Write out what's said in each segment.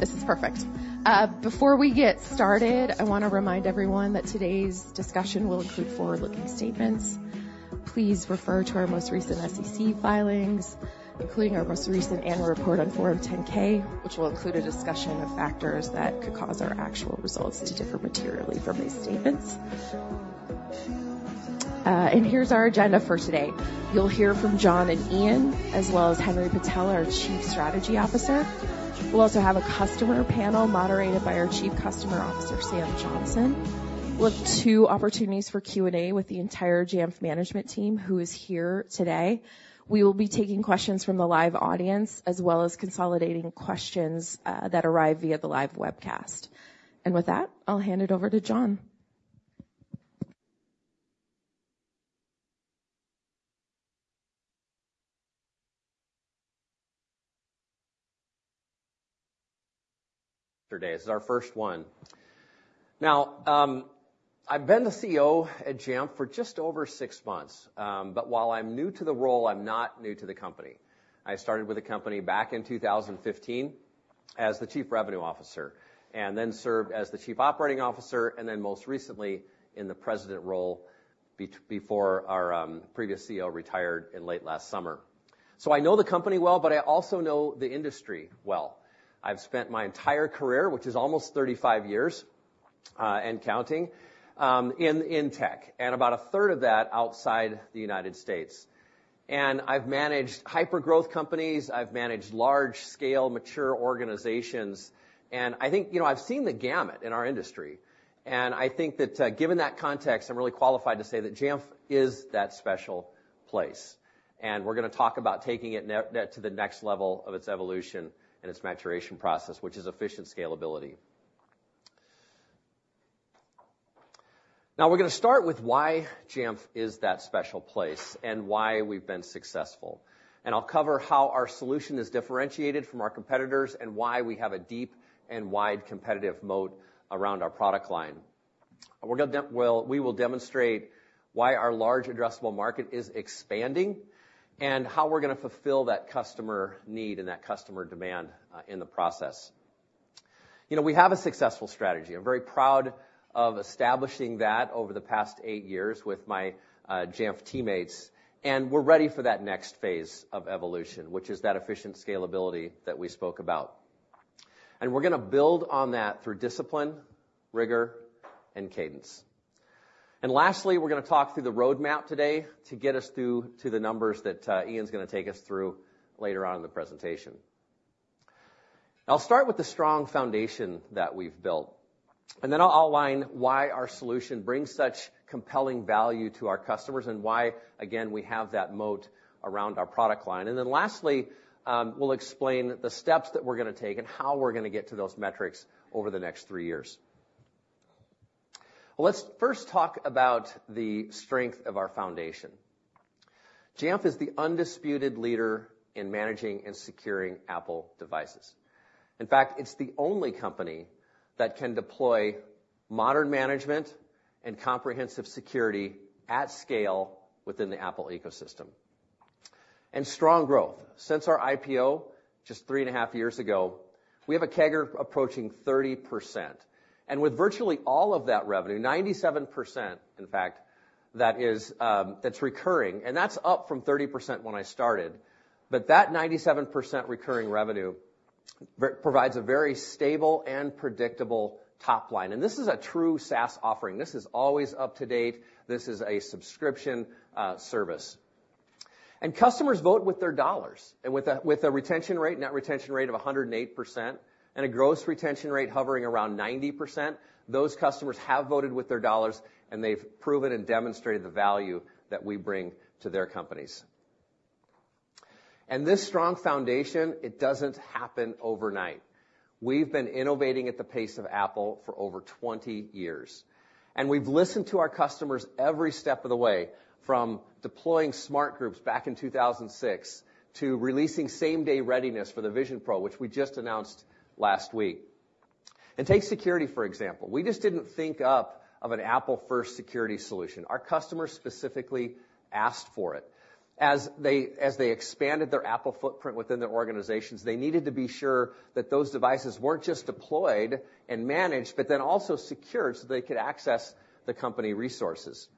This is perfect. Before we get started, I want to remind everyone that today's discussion will include forward-looking statements. Please refer to our most recent SEC filings, including our most recent annual report on Form 10-K, which will include a discussion of factors that could cause our actual results to differ materially from these statements. Here's our agenda for today. You'll hear from John and Ian, as well as Henry Patel, our Chief Strategy Officer. We'll also have a customer panel moderated by our Chief Customer Officer, Sam Johnson. We'll have two opportunities for Q&A with the entire Jamf management team who is here today. We will be taking questions from the live audience, as well as consolidating questions that arrive via the live webcast. With that, I'll hand it over to John. Yesterday. This is our first one. Now, I've been the CEO at Jamf for just over six months, but while I'm new to the role, I'm not new to the company. I started with the company back in 2015 as the Chief Revenue Officer, and then served as the Chief Operating Officer, and then most recently in the President role before our previous CEO retired in late last summer. So I know the company well, but I also know the industry well. I've spent my entire career, which is almost 35 years, and counting, in tech, and about a third of that outside the United States. And I've managed hyper-growth companies. I've managed large-scale, mature organizations. And I think, you know, I've seen the gamut in our industry. And I think that, given that context, I'm really qualified to say that Jamf is that special place. We're gonna talk about taking it to the next level of its evolution and its maturation process, which is efficient scalability. Now, we're gonna start with why Jamf is that special place and why we've been successful. I'll cover how our solution is differentiated from our competitors and why we have a deep and wide competitive moat around our product line. We will demonstrate why our large addressable market is expanding and how we're gonna fulfill that customer need and that customer demand, in the process. You know, we have a successful strategy. I'm very proud of establishing that over the past eight years with my Jamf teammates. We're ready for that next phase of evolution, which is that efficient scalability that we spoke about. We're gonna build on that through discipline, rigor, and cadence. And lastly, we're gonna talk through the roadmap today to get us through to the numbers that Ian's gonna take us through later on in the presentation. I'll start with the strong foundation that we've built, and then I'll outline why our solution brings such compelling value to our customers and why, again, we have that moat around our product line. And then lastly, we'll explain the steps that we're gonna take and how we're gonna get to those metrics over the next three years. Well, let's first talk about the strength of our foundation. Jamf is the undisputed leader in managing and securing Apple devices. In fact, it's the only company that can deploy modern management and comprehensive security at scale within the Apple ecosystem. And strong growth. Since our IPO just 3.5 years ago, we have a CAGR approaching 30%. With virtually all of that revenue, 97%, in fact, that is, that's recurring, and that's up from 30% when I started. But that 97% recurring revenue very provides a very stable and predictable top line. This is a true SaaS offering. This is always up to date. This is a subscription service. Customers vote with their dollars. With a retention rate, net retention rate of 108%, and a gross retention rate hovering around 90%, those customers have voted with their dollars, and they've proven and demonstrated the value that we bring to their companies. This strong foundation doesn't happen overnight. We've been innovating at the pace of Apple for over 20 years. We've listened to our customers every step of the way, from deploying Smart Groups back in 2006 to releasing same-day readiness for the Vision Pro, which we just announced last week. Take security, for example. We just didn't think up of an Apple-first security solution. Our customers specifically asked for it. As they expanded their Apple footprint within their organizations, they needed to be sure that those devices weren't just deployed and managed, but then also secured so they could access the company resources.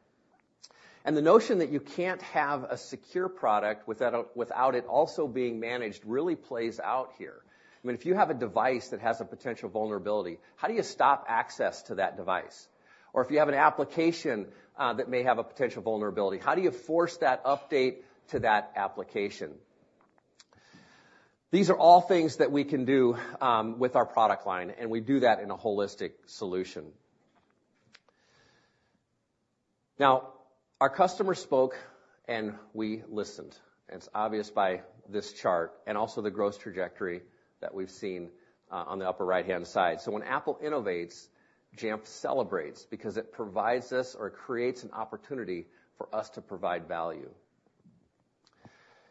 The notion that you can't have a secure product without it also being managed really plays out here. I mean, if you have a device that has a potential vulnerability, how do you stop access to that device? Or if you have an application that may have a potential vulnerability, how do you force that update to that application? These are all things that we can do, with our product line, and we do that in a holistic solution. Now, our customers spoke, and we listened. It's obvious by this chart and also the gross trajectory that we've seen, on the upper right-hand side. When Apple innovates, Jamf celebrates because it provides us or creates an opportunity for us to provide value.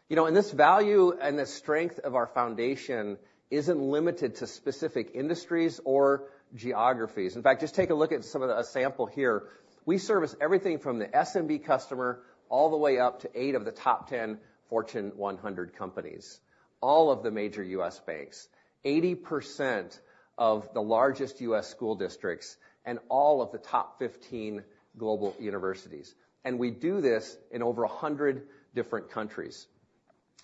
You know, and this value and this strength of our foundation isn't limited to specific industries or geographies. In fact, just take a look at a sample here. We service everything from the SMB customer all the way up to 8 of the top 10 Fortune 100 companies, all of the major U.S. banks, 80% of the largest U.S. school districts, and all of the top 15 global universities. We do this in over 100 different countries.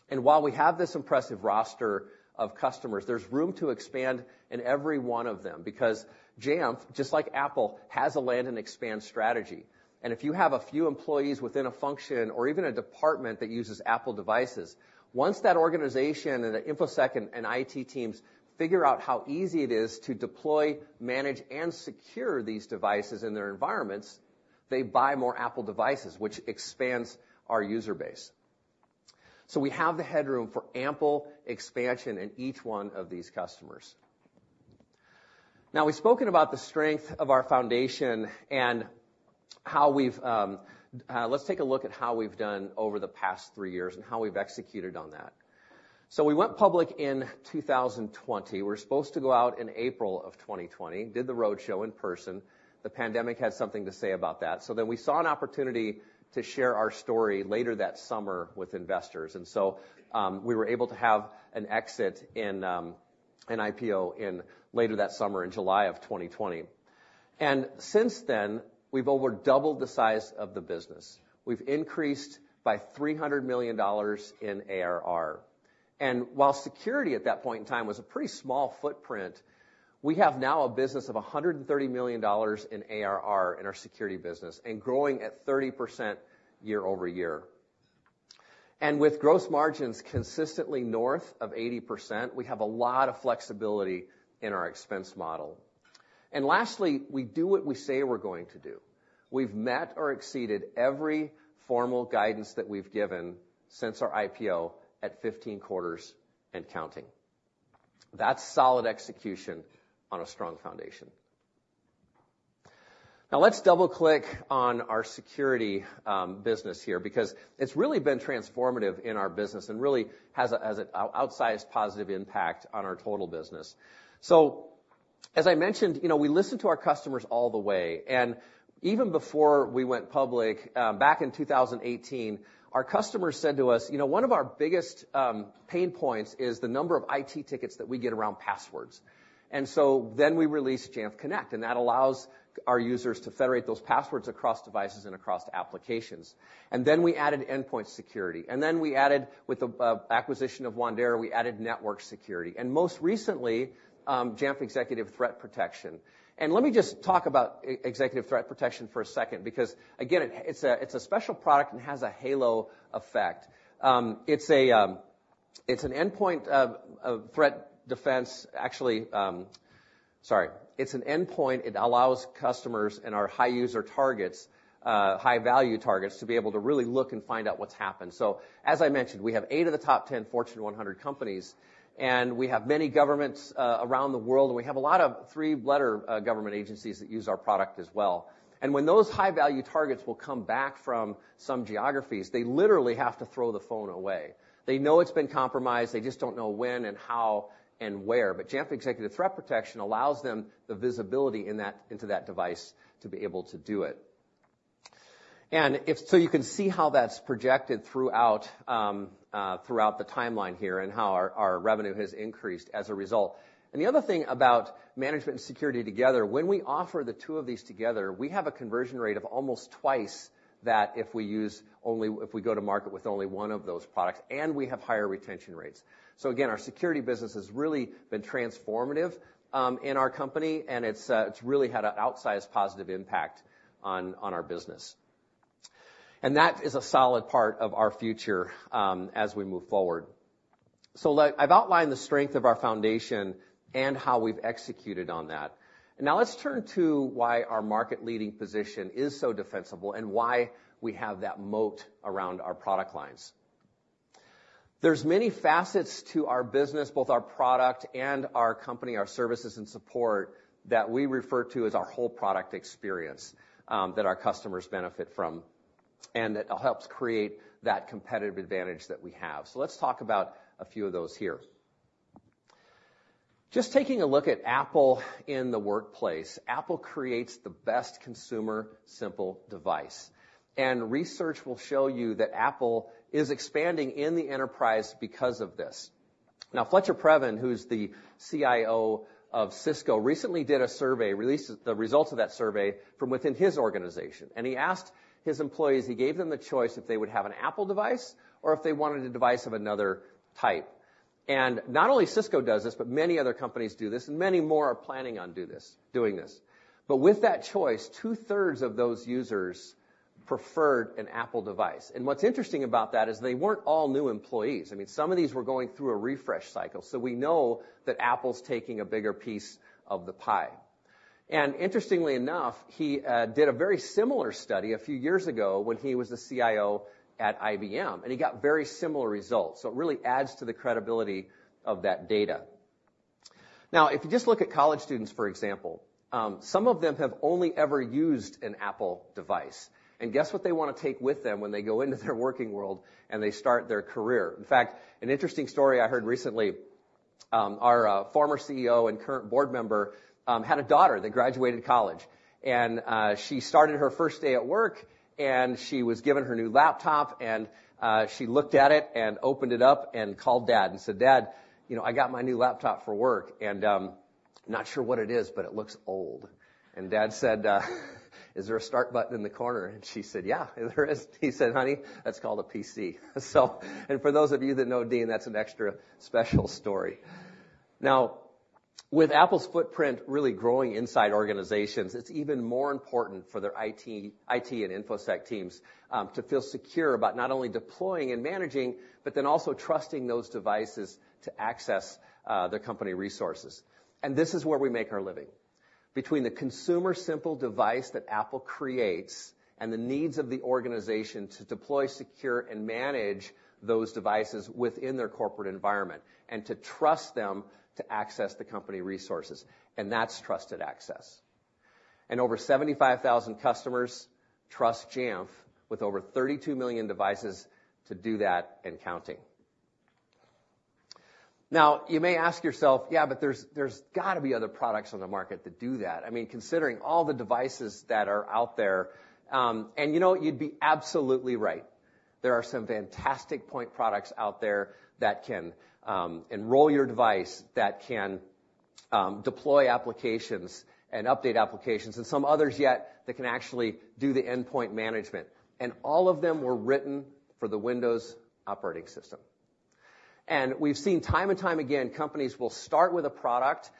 And while we have this impressive roster of customers, there's room to expand in every one of them because Jamf, just like Apple, has a land-and-expand strategy. And if you have a few employees within a function or even a department that uses Apple devices, once that organization and the InfoSec and IT teams figure out how easy it is to deploy, manage, and secure these devices in their environments, they buy more Apple devices, which expands our user base. So we have the headroom for ample expansion in each one of these customers. Now, we've spoken about the strength of our foundation and how we've, let's take a look at how we've done over the past three years and how we've executed on that. So we went public in 2020. We were supposed to go out in April of 2020, did the roadshow in person. The pandemic had something to say about that. So then we saw an opportunity to share our story later that summer with investors. And so, we were able to have an exit in, an IPO in later that summer, in July of 2020. And since then, we've overdoubled the size of the business. We've increased by $300 million in ARR. And while security at that point in time was a pretty small footprint, we have now a business of $130 million in ARR in our security business and growing at 30% year-over-year. And with gross margins consistently north of 80%, we have a lot of flexibility in our expense model. And lastly, we do what we say we're going to do. We've met or exceeded every formal guidance that we've given since our IPO at 15 quarters and counting. That's solid execution on a strong foundation. Now, let's double-click on our security business here because it's really been transformative in our business and really has an outsized positive impact on our total business. So as I mentioned, you know, we listen to our customers all the way. And even before we went public, back in 2018, our customers said to us, you know, one of our biggest pain points is the number of IT tickets that we get around passwords. And so then we released Jamf Connect. And that allows our users to federate those passwords across devices and across applications. And then we added endpoint security. And then we added, with the acquisition of Wandera, we added network security. And most recently, Jamf Executive Threat Protection. And let me just talk about executive threat protection for a second because, again, it's a special product and has a halo effect. It's an endpoint threat defense, actually. Sorry. It's an endpoint. It allows customers and our high-user targets, high-value targets, to be able to really look and find out what's happened. So as I mentioned, we have eight of the top 10 Fortune 100 companies. And we have many governments around the world. And we have a lot of three-letter government agencies that use our product as well. And when those high-value targets come back from some geographies, they literally have to throw the phone away. They know it's been compromised. They just don't know when and how and where. But Jamf Executive Threat Protection allows them the visibility into that device to be able to do it. And if so you can see how that's projected throughout the timeline here and how our revenue has increased as a result. And the other thing about management and security together, when we offer the two of these together, we have a conversion rate of almost twice that if we use only if we go to market with only one of those products. And we have higher retention rates. So again, our security business has really been transformative in our company. And it's, it's really had an outsized positive impact on, on our business. And that is a solid part of our future, as we move forward. So I've outlined the strength of our foundation and how we've executed on that. And now, let's turn to why our market-leading position is so defensible and why we have that moat around our product lines. There's many facets to our business, both our product and our company, our services, and support, that we refer to as our whole product experience, that our customers benefit from and that helps create that competitive advantage that we have. So let's talk about a few of those here. Just taking a look at Apple in the workplace, Apple creates the best consumer-simple device. Research will show you that Apple is expanding in the enterprise because of this. Now, Fletcher Previn, who's the CIO of Cisco, recently did a survey, released the results of that survey from within his organization. He asked his employees. He gave them the choice if they would have an Apple device or if they wanted a device of another type. Not only Cisco does this, but many other companies do this. Many more are planning on doing this. But with that choice, two-thirds of those users preferred an Apple device. And what's interesting about that is they weren't all new employees. I mean, some of these were going through a refresh cycle. So we know that Apple's taking a bigger piece of the pie. And interestingly enough, he did a very similar study a few years ago when he was the CIO at IBM. And he got very similar results. So it really adds to the credibility of that data. Now, if you just look at college students, for example, some of them have only ever used an Apple device. And guess what they wanna take with them when they go into their working world and they start their career? In fact, an interesting story I heard recently, our former CEO and current board member had a daughter that graduated college. She started her first day at work. She was given her new laptop. She looked at it and opened it up and called Dad and said, "Dad, you know, I got my new laptop for work. And, not sure what it is, but it looks old." And Dad said, "Is there a start button in the corner?" And she said, "Yeah, there is." He said, "Honey, that's called a PC." So and for those of you that know Dean, that's an extra special story. Now, with Apple's footprint really growing inside organizations, it's even more important for their IT, IT and InfoSec teams, to feel secure about not only deploying and managing but then also trusting those devices to access their company resources. This is where we make our living, between the consumer-simple device that Apple creates and the needs of the organization to deploy, secure, and manage those devices within their corporate environment and to trust them to access the company resources. That's Trusted Access. Over 75,000 customers trust Jamf with over 32 million devices to do that and counting. Now, you may ask yourself, "Yeah, but there's gotta be other products on the market that do that." I mean, considering all the devices that are out there, and you know what? You'd be absolutely right. There are some fantastic point products out there that can enroll your device, that can deploy applications and update applications, and some others yet that can actually do the endpoint management. All of them were written for the Windows operating system. We've seen time and time again, companies will start with a product,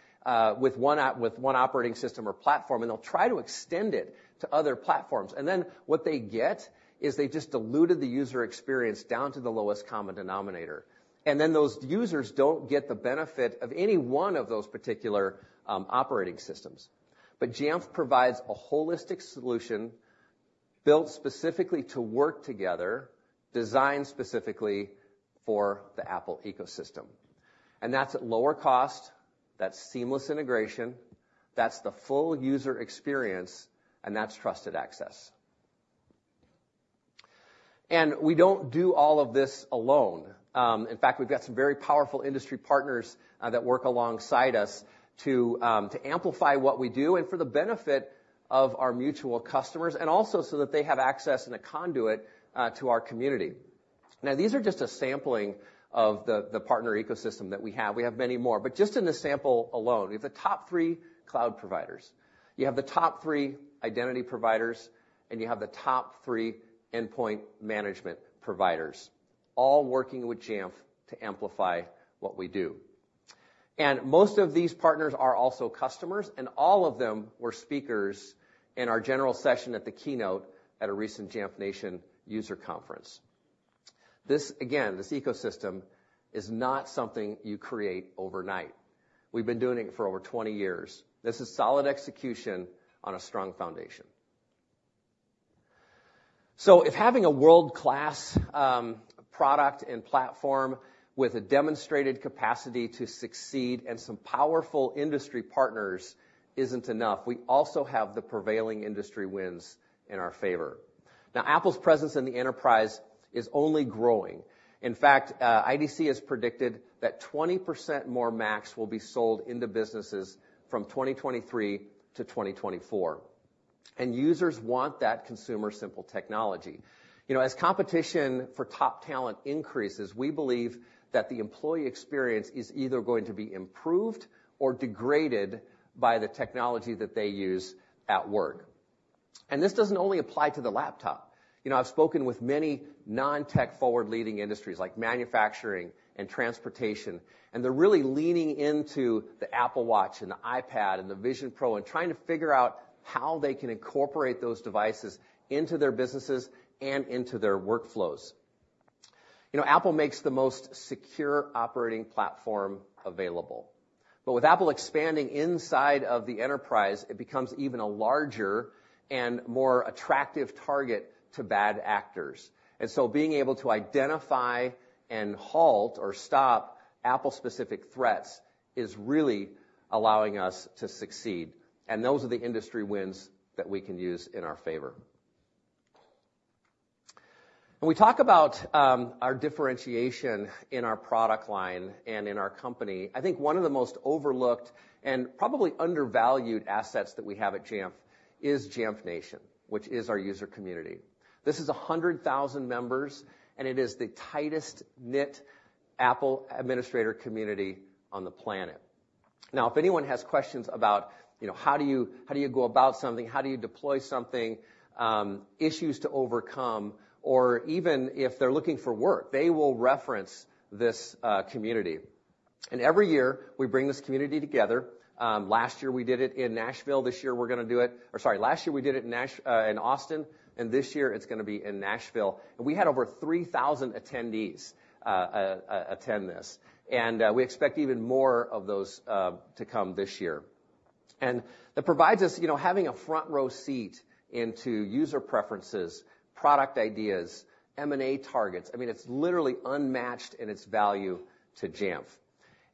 with one, with one operating system or platform, and they'll try to extend it to other platforms. Then what they get is they just diluted the user experience down to the lowest common denominator. Then those users don't get the benefit of any one of those particular operating systems. But Jamf provides a holistic solution built specifically to work together, designed specifically for the Apple ecosystem. And that's at lower cost. That's seamless integration. That's the full user experience. And that's Trusted Access. And we don't do all of this alone. In fact, we've got some very powerful industry partners that work alongside us to amplify what we do and for the benefit of our mutual customers and also so that they have access and a conduit to our community. Now, these are just a sampling of the partner ecosystem that we have. We have many more. But just in this sample alone, we have the top three cloud providers. You have the top three identity providers. And you have the top three endpoint management providers, all working with Jamf to amplify what we do. And most of these partners are also customers. And all of them were speakers in our general session at the keynote at a recent Jamf Nation User Conference. This again, this ecosystem is not something you create overnight. We've been doing it for over 20 years. This is solid execution on a strong foundation. So if having a world-class product and platform with a demonstrated capacity to succeed and some powerful industry partners isn't enough, we also have the prevailing industry wins in our favor. Now, Apple's presence in the enterprise is only growing. In fact, IDC has predicted that 20% more Macs will be sold into businesses from 2023 to 2024. Users want that consumer-simple technology. You know, as competition for top talent increases, we believe that the employee experience is either going to be improved or degraded by the technology that they use at work. This doesn't only apply to the laptop. You know, I've spoken with many non-tech-forward leading industries like manufacturing and transportation. They're really leaning into the Apple Watch and the iPad and the Vision Pro and trying to figure out how they can incorporate those devices into their businesses and into their workflows. You know, Apple makes the most secure operating platform available. With Apple expanding inside of the enterprise, it becomes even a larger and more attractive target to bad actors. And so being able to identify and halt or stop Apple-specific threats is really allowing us to succeed. And those are the industry wins that we can use in our favor. When we talk about our differentiation in our product line and in our company, I think one of the most overlooked and probably undervalued assets that we have at Jamf is Jamf Nation, which is our user community. This is 100,000 members. And it is the tightest-knit Apple administrator community on the planet. Now, if anyone has questions about, you know, how do you go about something? How do you deploy something? Issues to overcome? Or even if they're looking for work, they will reference this community. And every year, we bring this community together. Last year, we did it in Nashville. This year, we're gonna do it or sorry, last year, we did it in Austin. This year, it's gonna be in Nashville. And we had over 3,000 attendees attend this. We expect even more of those to come this year. And that provides us, you know, having a front-row seat into user preferences, product ideas, M&A targets. I mean, it's literally unmatched in its value to Jamf.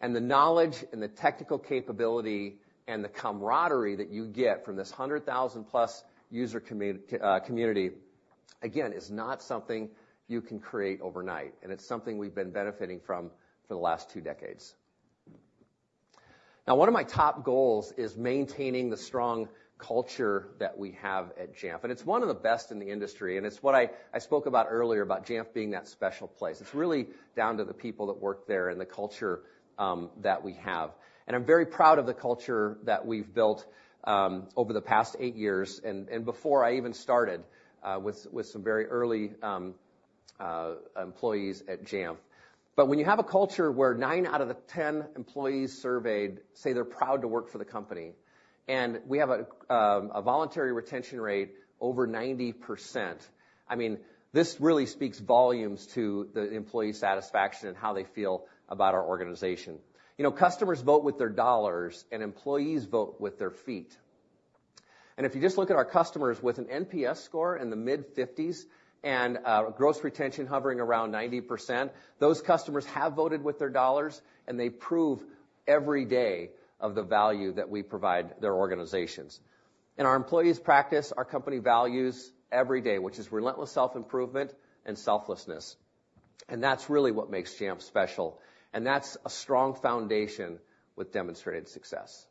The knowledge and the technical capability and the camaraderie that you get from this 100,000-plus user community, again, is not something you can create overnight. It's something we've been benefiting from for the last two decades. Now, one of my top goals is maintaining the strong culture that we have at Jamf. It's one of the best in the industry. It's what I spoke about earlier about Jamf being that special place. It's really down to the people that work there and the culture that we have. I'm very proud of the culture that we've built over the past eight years and before I even started, with some very early employees at Jamf. But when you have a culture where nine out of the 10 employees surveyed say they're proud to work for the company and we have a voluntary retention rate over 90%, I mean, this really speaks volumes to the employee satisfaction and how they feel about our organization. You know, customers vote with their dollars. Employees vote with their feet. And if you just look at our customers with an NPS score in the mid-50s and gross retention hovering around 90%, those customers have voted with their dollars. And they prove every day of the value that we provide their organizations. Our employees practice our company values every day, which is relentless self-improvement and selflessness. That's really what makes Jamf special. That's a strong foundation with demonstrated success.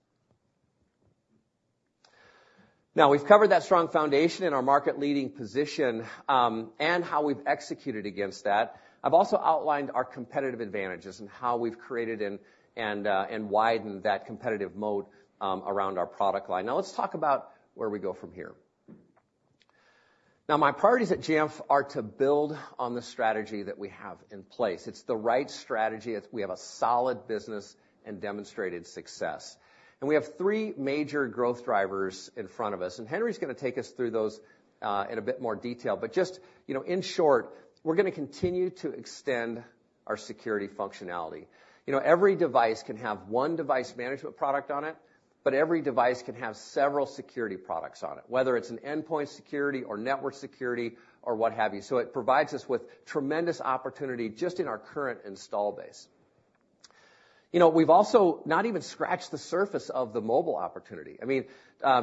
Now, we've covered that strong foundation and our market-leading position, and how we've executed against that. I've also outlined our competitive advantages and how we've created and widened that competitive moat around our product line. Now, let's talk about where we go from here. My priorities at Jamf are to build on the strategy that we have in place. It's the right strategy. We have a solid business and demonstrated success. We have three major growth drivers in front of us. Henry's gonna take us through those in a bit more detail. But just, you know, in short, we're gonna continue to extend our security functionality. You know, every device can have one device management product on it. But every device can have several security products on it, whether it's an endpoint security or network security or what have you. So it provides us with tremendous opportunity just in our current install base. You know, we've also not even scratched the surface of the mobile opportunity. I mean,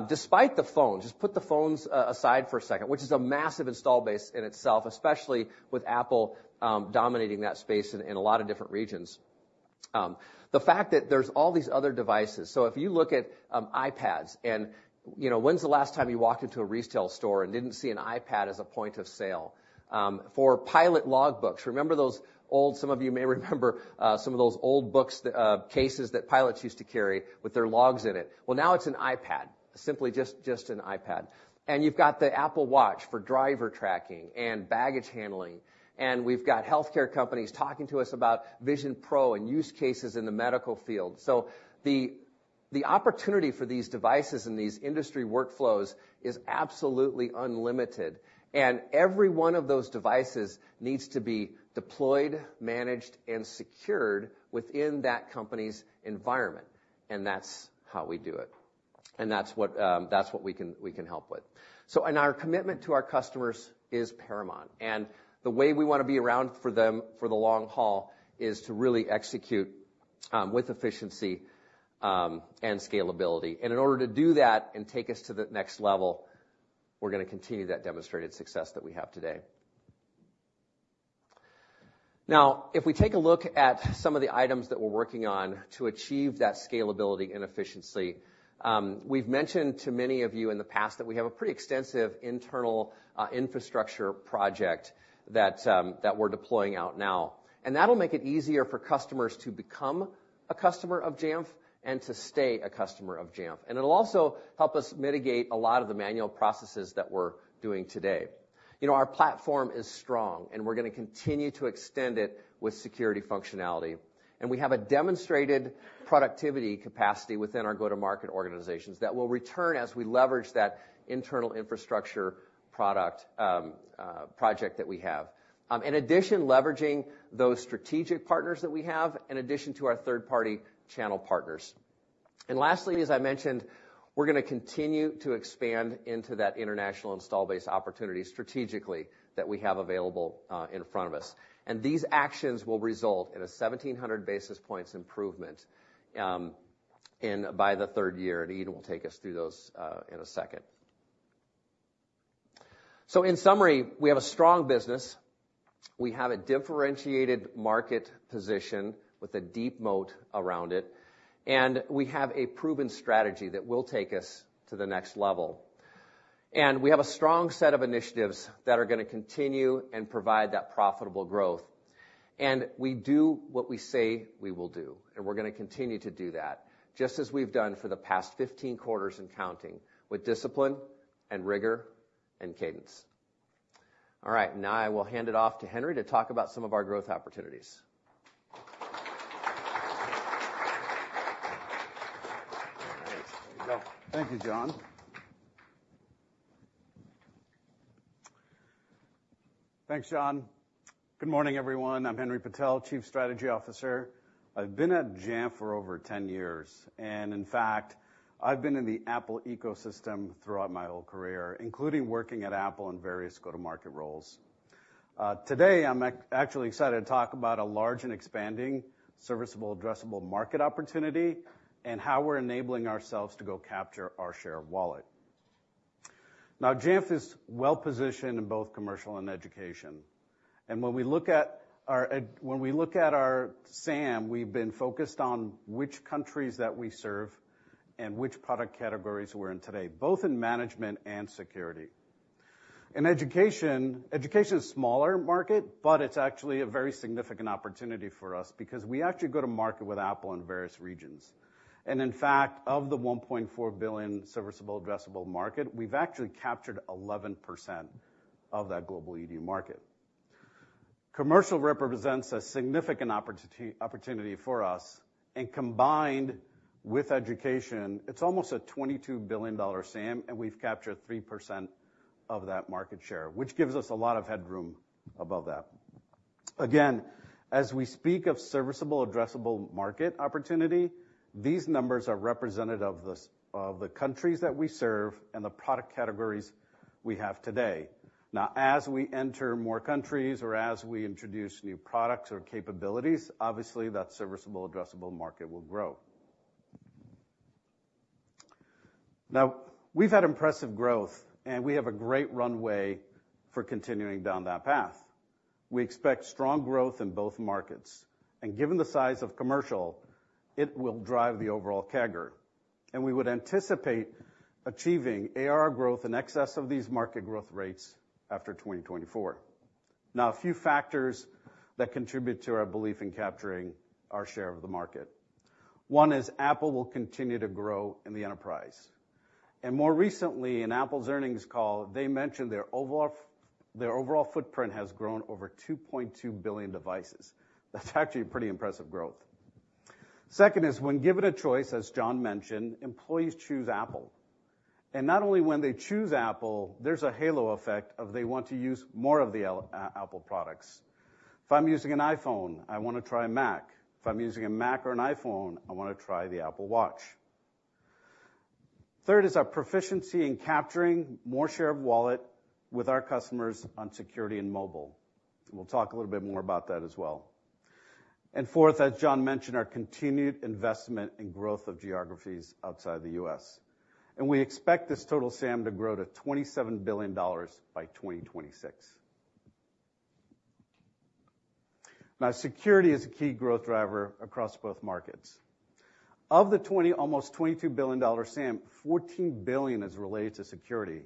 despite the phones just put the phones, aside for a second, which is a massive install base in itself, especially with Apple, dominating that space in, in a lot of different regions. The fact that there's all these other devices so if you look at, iPads and, you know, when's the last time you walked into a retail store and didn't see an iPad as a point of sale? For pilot logbooks, remember those old some of you may remember some of those old books, those cases that pilots used to carry with their logs in it. Well, now, it's an iPad, simply just, just an iPad. And you've got the Apple Watch for driver tracking and baggage handling. And we've got healthcare companies talking to us about Vision Pro and use cases in the medical field. So the, the opportunity for these devices and these industry workflows is absolutely unlimited. And every one of those devices needs to be deployed, managed, and secured within that company's environment. And that's how we do it. And that's what, that's what we can we can help with. So our commitment to our customers is paramount. And the way we wanna be around for them for the long haul is to really execute, with efficiency, and scalability. In order to do that and take us to the next level, we're gonna continue that demonstrated success that we have today. Now, if we take a look at some of the items that we're working on to achieve that scalability and efficiency, we've mentioned to many of you in the past that we have a pretty extensive internal infrastructure project that we're deploying out now. That'll make it easier for customers to become a customer of Jamf and to stay a customer of Jamf. It'll also help us mitigate a lot of the manual processes that we're doing today. You know, our platform is strong. We're gonna continue to extend it with security functionality. We have a demonstrated productivity capacity within our go-to-market organizations that will return as we leverage that internal infrastructure product, project that we have, in addition, leveraging those strategic partners that we have in addition to our third-party channel partners. Lastly, as I mentioned, we're gonna continue to expand into that international install base opportunity strategically that we have available, in front of us. These actions will result in a 1,700 basis points improvement, in by the third year. Ian will take us through those, in a second. In summary, we have a strong business. We have a differentiated market position with a deep moat around it. We have a proven strategy that will take us to the next level. We have a strong set of initiatives that are gonna continue and provide that profitable growth. And we do what we say we will do. And we're gonna continue to do that just as we've done for the past 15 quarters and counting with discipline and rigor and cadence. All right. Now, I will hand it off to Henry to talk about some of our growth opportunities. All right. There you go. Thank you, John. Thanks, John. Good morning, everyone. I'm Henry Patel, Chief Strategy Officer. I've been at Jamf for over 10 years. And in fact, I've been in the Apple ecosystem throughout my whole career, including working at Apple in various go-to-market roles. Today, I'm actually excited to talk about a large and expanding serviceable, addressable market opportunity and how we're enabling ourselves to go capture our share of wallet. Now, Jamf is well-positioned in both commercial and education. And when we look at our SAM, we've been focused on which countries that we serve and which product categories we're in today, both in management and security. In education, education is a smaller market. But it's actually a very significant opportunity for us because we actually go to market with Apple in various regions. And in fact, of the $1.4 billion serviceable addressable market, we've actually captured 11% of that global Ed market. Commercial represents a significant opportunity for us. And combined with education, it's almost a $22 billion SAM. And we've captured 3% of that market share, which gives us a lot of headroom above that. Again, as we speak of serviceable addressable market opportunity, these numbers are representative of the size of the countries that we serve and the product categories we have today. Now, as we enter more countries or as we introduce new products or capabilities, obviously, that serviceable, addressable market will grow. Now, we've had impressive growth. And we have a great runway for continuing down that path. We expect strong growth in both markets. And given the size of commercial, it will drive the overall CAGR. And we would anticipate achieving AR growth in excess of these market growth rates after 2024. Now, a few factors that contribute to our belief in capturing our share of the market. One is Apple will continue to grow in the enterprise. And more recently, in Apple's earnings call, they mentioned their overall footprint has grown over 2.2 billion devices. That's actually pretty impressive growth. Second is when given a choice, as John mentioned, employees choose Apple. And not only when they choose Apple, there's a halo effect of they want to use more of the Apple products. If I'm using an iPhone, I wanna try a Mac. If I'm using a Mac or an iPhone, I wanna try the Apple Watch. Third is our proficiency in capturing more share of wallet with our customers on security and mobile. And we'll talk a little bit more about that as well. And fourth, as John mentioned, our continued investment and growth of geographies outside the U.S. And we expect this total SAM to grow to $27 billion by 2026. Now, security is a key growth driver across both markets. Of the almost $22 billion SAM, $14 billion is related to security.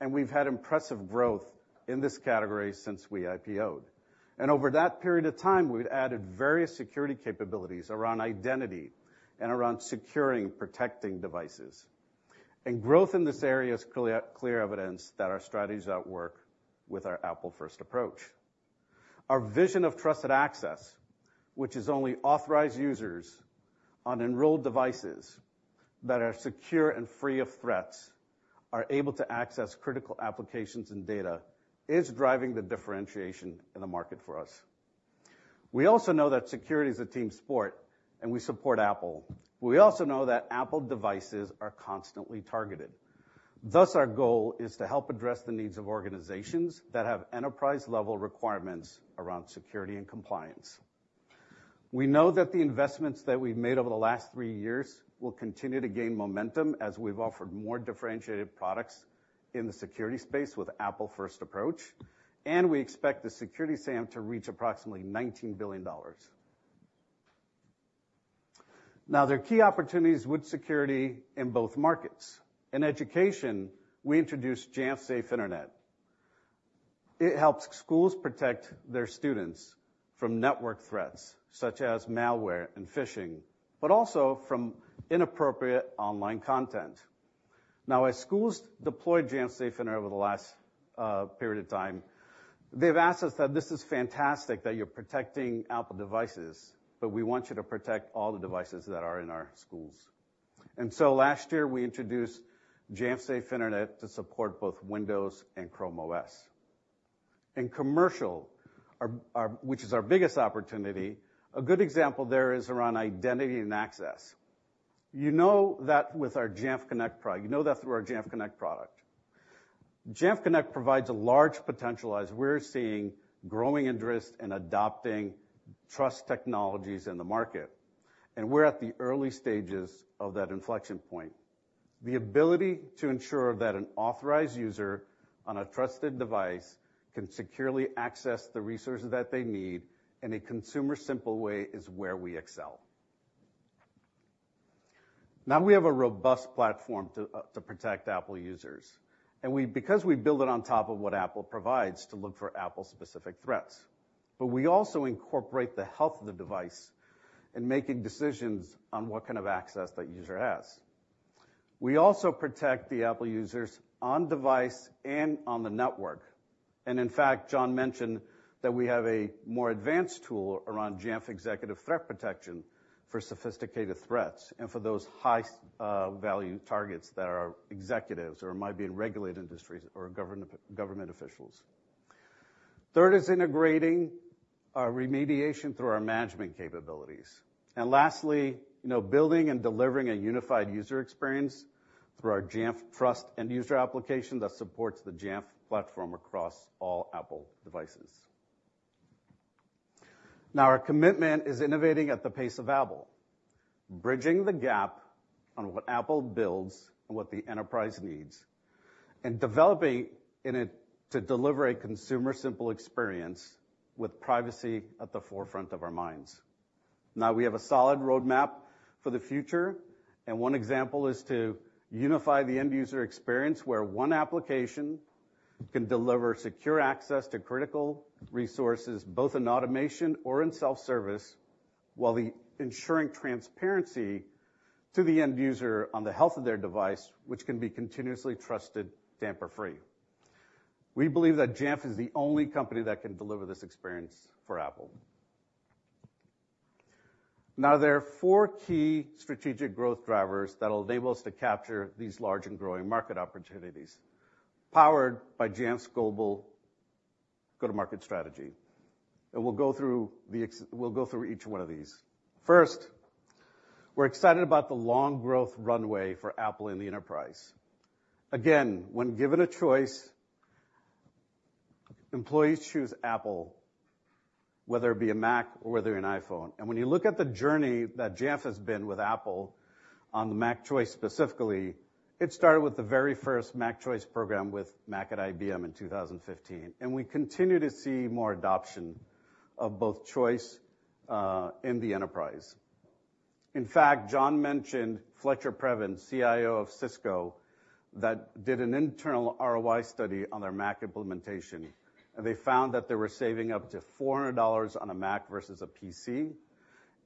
And we've had impressive growth in this category since we IPOed. Over that period of time, we've added various security capabilities around identity and around securing and protecting devices. Growth in this area is clear evidence that our strategy's at work with our Apple-first approach. Our vision of Trusted Access, which is only authorized users on enrolled devices that are secure and free of threats are able to access critical applications and data, is driving the differentiation in the market for us. We also know that security is a team sport. We support Apple. But we also know that Apple devices are constantly targeted. Thus, our goal is to help address the needs of organizations that have enterprise-level requirements around security and compliance. We know that the investments that we've made over the last three years will continue to gain momentum as we've offered more differentiated products in the security space with Apple-first approach. We expect the security SAM to reach approximately $19 billion. Now, there are key opportunities with security in both markets. In education, we introduced Jamf Safe Internet. It helps schools protect their students from network threats such as malware and phishing but also from inappropriate online content. Now, as schools deploy Jamf Safe Internet over the last period of time, they've asked us that this is fantastic that you're protecting Apple devices. But we want you to protect all the devices that are in our schools. And so last year, we introduced Jamf Safe Internet to support both Windows and Chrome OS. In commercial, which is our biggest opportunity, a good example there is around identity and access. You know that with our Jamf Connect you know that through our Jamf Connect product. Jamf Connect provides a large potential as we're seeing growing interest in adopting trust technologies in the market. We're at the early stages of that inflection point. The ability to ensure that an authorized user on a trusted device can securely access the resources that they need in a consumer-simple way is where we excel. Now, we have a robust platform to protect Apple users. And we, because we build it on top of what Apple provides to look for Apple-specific threats. But we also incorporate the health of the device in making decisions on what kind of access that user has. We also protect the Apple users on device and on the network. In fact, John mentioned that we have a more advanced tool around Jamf Executive Threat Protection for sophisticated threats and for those high-value targets that are executives or might be in regulated industries or government officials. Third is integrating remediation through our management capabilities. And lastly, you know, building and delivering a unified user experience through our Jamf Trust end-user application that supports the Jamf platform across all Apple devices. Now, our commitment is innovating at the pace of Apple, bridging the gap on what Apple builds and what the enterprise needs, and developing it to deliver a consumer-simple experience with privacy at the forefront of our minds. Now, we have a solid roadmap for the future. One example is to unify the end user experience where one application can deliver secure access to critical resources, both in automation or in self-service, while ensuring transparency to the end user on the health of their device, which can be continuously trusted, tamper-free. We believe that Jamf is the only company that can deliver this experience for Apple. Now, there are four key strategic growth drivers that'll enable us to capture these large and growing market opportunities powered by Jamf's global go-to-market strategy. And we'll go through each one of these. First, we're excited about the long growth runway for Apple in the enterprise. Again, when given a choice, employees choose Apple, whether it be a Mac or whether it be an iPhone. When you look at the journey that Jamf has been with Apple on the Mac Choice specifically, it started with the very first Mac Choice program with Mac at IBM in 2015. We continue to see more adoption of both Choice, in the enterprise. In fact, John mentioned Fletcher Previn, CIO of Cisco, that did an internal ROI study on their Mac implementation. They found that they were saving up to $400 on a Mac versus a PC.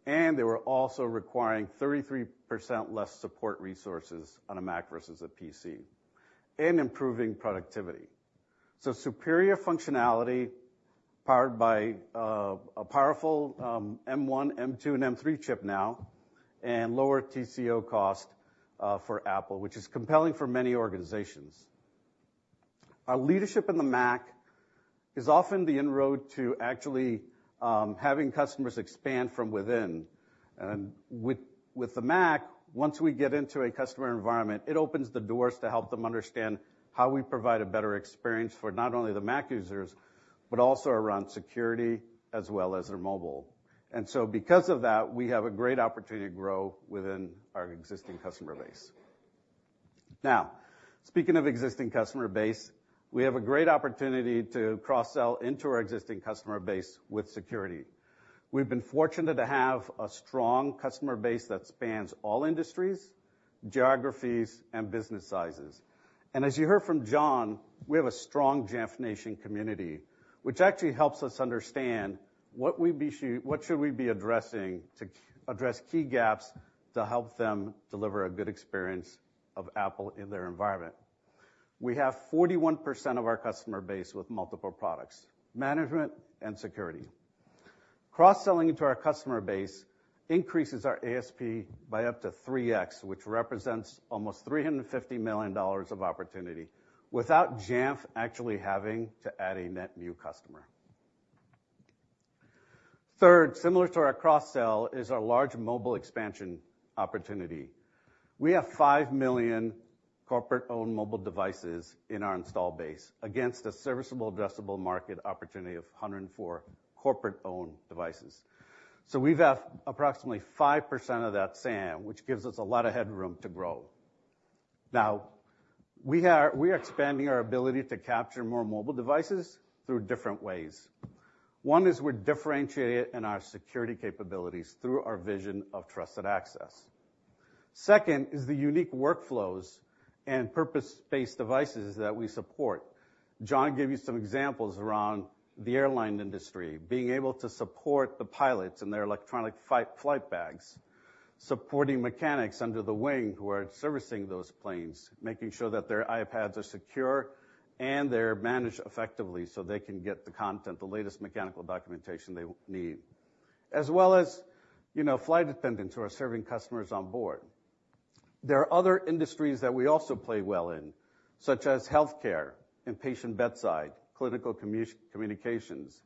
They were also requiring 33% less support resources on a Mac versus a PC and improving productivity. Superior functionality powered by, a powerful, M1, M2, and M3 chip now and lower TCO cost, for Apple, which is compelling for many organizations. Our leadership in the Mac is often the inroad to actually, having customers expand from within. And with the Mac, once we get into a customer environment, it opens the doors to help them understand how we provide a better experience for not only the Mac users but also around security as well as their mobile. And so because of that, we have a great opportunity to grow within our existing customer base. Now, speaking of existing customer base, we have a great opportunity to cross-sell into our existing customer base with security. We've been fortunate to have a strong customer base that spans all industries, geographies, and business sizes. And as you heard from John, we have a strong Jamf Nation community, which actually helps us understand what we should be addressing to address key gaps to help them deliver a good experience of Apple in their environment. We have 41% of our customer base with multiple products, management and security. Cross-selling into our customer base increases our ASP by up to 3x, which represents almost $350 million of opportunity without Jamf actually having to add a net new customer. Third, similar to our cross-sell, is our large mobile expansion opportunity. We have 5 million corporate-owned mobile devices in our install base against a serviceable, addressable market opportunity of 104 corporate-owned devices. So we've approximately 5% of that SAM, which gives us a lot of headroom to grow. Now, we are expanding our ability to capture more mobile devices through different ways. One is we're differentiating in our security capabilities through our vision of Trusted Access. Second is the unique workflows and purpose-based devices that we support. John gave you some examples around the airline industry, being able to support the pilots in their electronic flight bags, supporting mechanics under the wing who are servicing those planes, making sure that their iPads are secure and they're managed effectively so they can get the content, the latest mechanical documentation they need, as well as, you know, flight attendants who are serving customers on board. There are other industries that we also play well in, such as healthcare, inpatient bedside, clinical communications,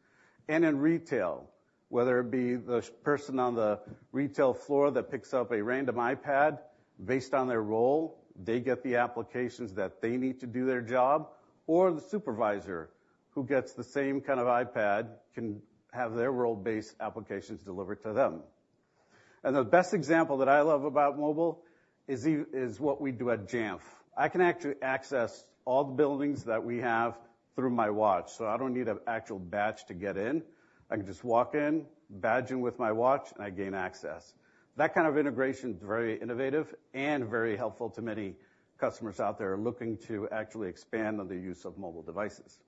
and in retail, whether it be the shop person on the retail floor that picks up a random iPad based on their role, they get the applications that they need to do their job, or the supervisor who gets the same kind of iPad can have their role-based applications delivered to them. The best example that I love about mobile is what we do at Jamf. I can actually access all the buildings that we have through my watch. So I don't need an actual badge to get in. I can just walk in, badge in with my watch, and I gain access. That kind of integration is very innovative and very helpful to many customers out there looking to actually expand on the use of mobile devices.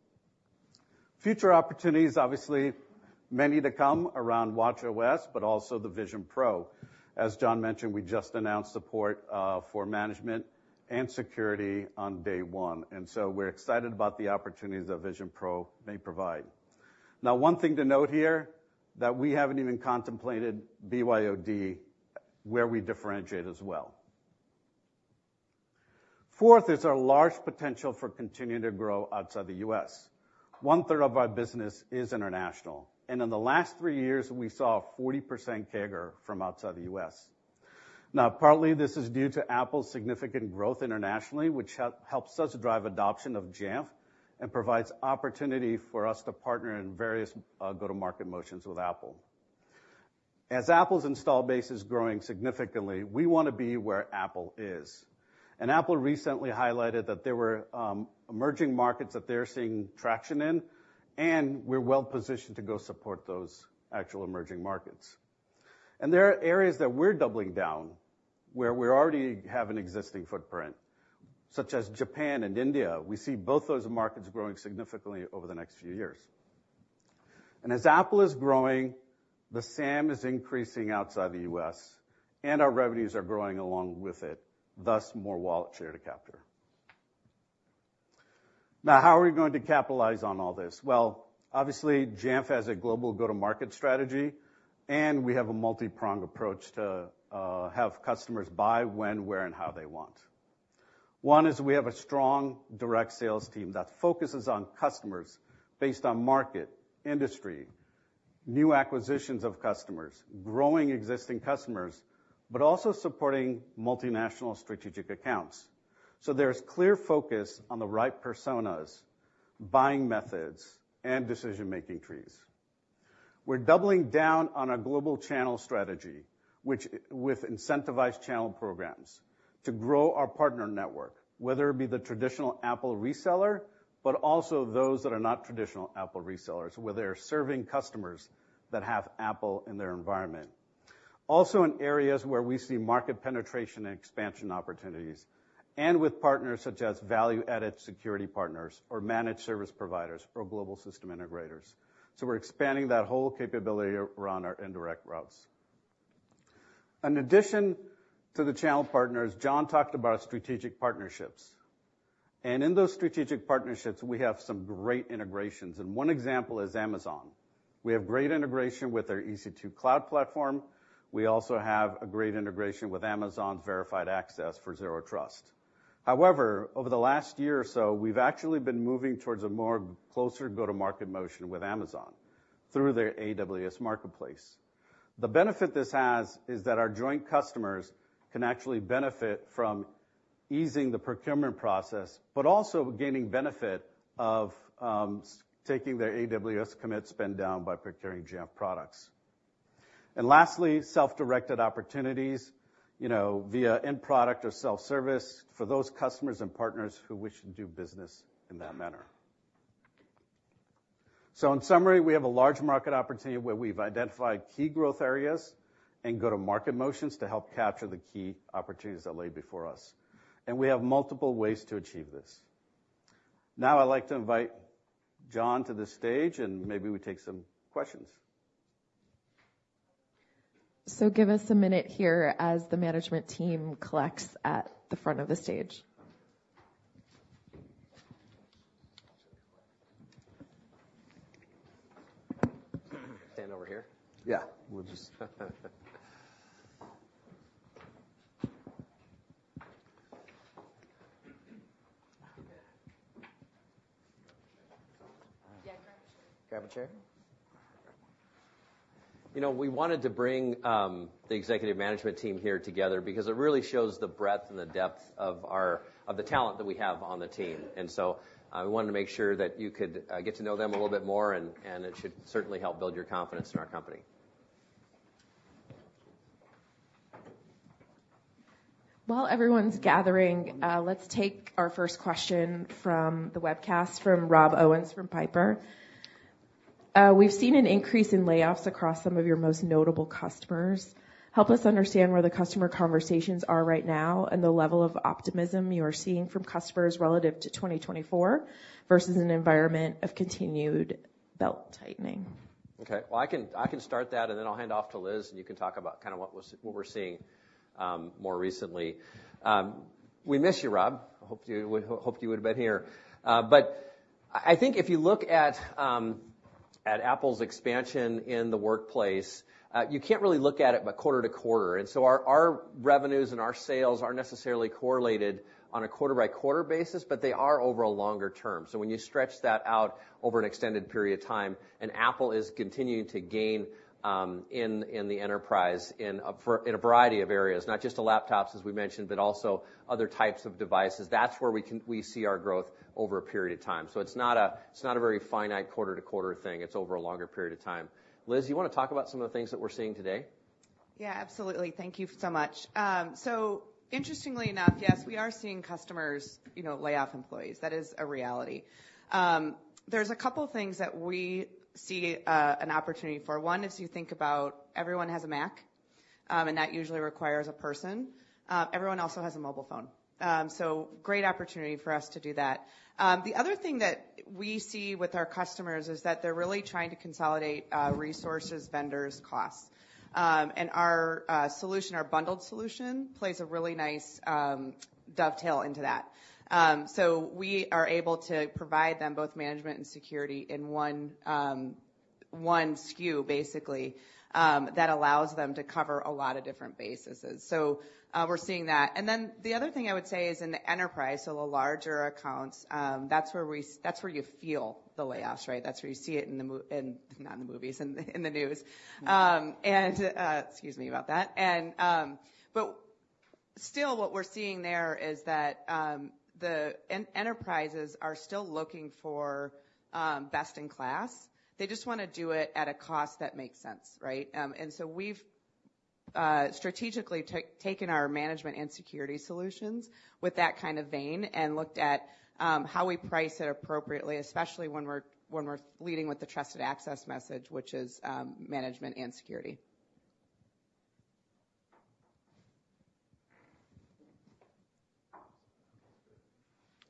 Future opportunities, obviously, many to come around watchOS but also the Vision Pro. As John mentioned, we just announced support for management and security on day one. And so we're excited about the opportunities that Vision Pro may provide. Now, one thing to note here that we haven't even contemplated BYOD, where we differentiate as well. Fourth is our large potential for continuing to grow outside the U.S. One-third of our business is international. In the last three years, we saw 40% CAGR from outside the U.S. Now, partly, this is due to Apple's significant growth internationally, which helps us drive adoption of Jamf and provides opportunity for us to partner in various, go-to-market motions with Apple. As Apple's install base is growing significantly, we wanna be where Apple is. Apple recently highlighted that there were, emerging markets that they're seeing traction in. We're well-positioned to go support those actual emerging markets. There are areas that we're doubling down where we already have an existing footprint, such as Japan and India. We see both those markets growing significantly over the next few years. As Apple is growing, the SAM is increasing outside the U.S. And our revenues are growing along with it, thus more wallet share to capture. Now, how are we going to capitalize on all this? Well, obviously, Jamf has a global go-to-market strategy. We have a multi-pronged approach to have customers buy when, where, and how they want. One is we have a strong direct sales team that focuses on customers based on market, industry, new acquisitions of customers, growing existing customers, but also supporting multinational strategic accounts. So there's clear focus on the right personas, buying methods, and decision-making trees. We're doubling down on a global channel strategy, which is with incentivized channel programs to grow our partner network, whether it be the traditional Apple reseller but also those that are not traditional Apple resellers, where they're serving customers that have Apple in their environment, also in areas where we see market penetration and expansion opportunities and with partners such as value-added security partners or managed service providers or global system integrators. So we're expanding that whole capability around our indirect routes. In addition to the channel partners, John talked about strategic partnerships. In those strategic partnerships, we have some great integrations. One example is Amazon. We have great integration with their EC2 cloud platform. We also have a great integration with Amazon's Verified Access for Zero Trust. However, over the last year or so, we've actually been moving towards a more closer go-to-market motion with Amazon through their AWS Marketplace. The benefit this has is that our joint customers can actually benefit from easing the procurement process but also gaining benefit of taking their AWS commit spend down by procuring Jamf products. Lastly, self-directed opportunities, you know, via end product or self-service for those customers and partners who wish to do business in that manner. In summary, we have a large market opportunity where we've identified key growth areas and go-to-market motions to help capture the key opportunities that lay before us. We have multiple ways to achieve this. Now, I'd like to invite John to the stage. Maybe we take some questions. Give us a minute here as the management team collects at the front of the stage. Stand over here. Yeah. We'll just. Grab a chair. Grab a chair? Grab one. You know, we wanted to bring the executive management team here together because it really shows the breadth and the depth of our talent that we have on the team. And so, we wanted to make sure that you could get to know them a little bit more. And it should certainly help build your confidence in our company. While everyone's gathering, let's take our first question from the webcast from Rob Owens from Piper. We've seen an increase in layoffs across some of your most notable customers. Help us understand where the customer conversations are right now and the level of optimism you are seeing from customers relative to 2024 versus an environment of continued belt-tightening. Okay. Well, I can start that. And then I'll hand off to Liz. And you can talk about kinda what we're seeing, more recently. We miss you, Rob. Hope you would have been here. But I think if you look at Apple's expansion in the workplace, you can't really look at it quarter to quarter. And so our revenues and our sales aren't necessarily correlated on a quarter-by-quarter basis. But they are over a longer term. So when you stretch that out over an extended period of time, and Apple is continuing to gain in the enterprise in a variety of areas, not just the laptops, as we mentioned, but also other types of devices, that's where we see our growth over a period of time. So it's not a very finite quarter-to-quarter thing. It's over a longer period of time. Liz, you wanna talk about some of the things that we're seeing today? Yeah. Absolutely. Thank you so much. So interestingly enough, yes, we are seeing customers, you know, lay off employees. That is a reality. There's a couple things that we see, an opportunity for. One is you think about everyone has a Mac. And that usually requires a person. Everyone also has a mobile phone. So great opportunity for us to do that. The other thing that we see with our customers is that they're really trying to consolidate resources, vendors, costs. And our solution, our bundled solution, plays a really nice dovetail into that. So we are able to provide them both management and security in one SKU, basically, that allows them to cover a lot of different bases. And so, we're seeing that. And then the other thing I would say is in the enterprise, so the larger accounts, that's where we see that's where you feel the layoffs, right? That's where you see it in the more, not in the movies and the news. Excuse me about that. But still, what we're seeing there is that, the enterprises are still looking for best-in-class. They just wanna do it at a cost that makes sense, right? So we've strategically taken our management and security solutions with that kind of vein and looked at how we price it appropriately, especially when we're leading with the Trusted Access message, which is management and security.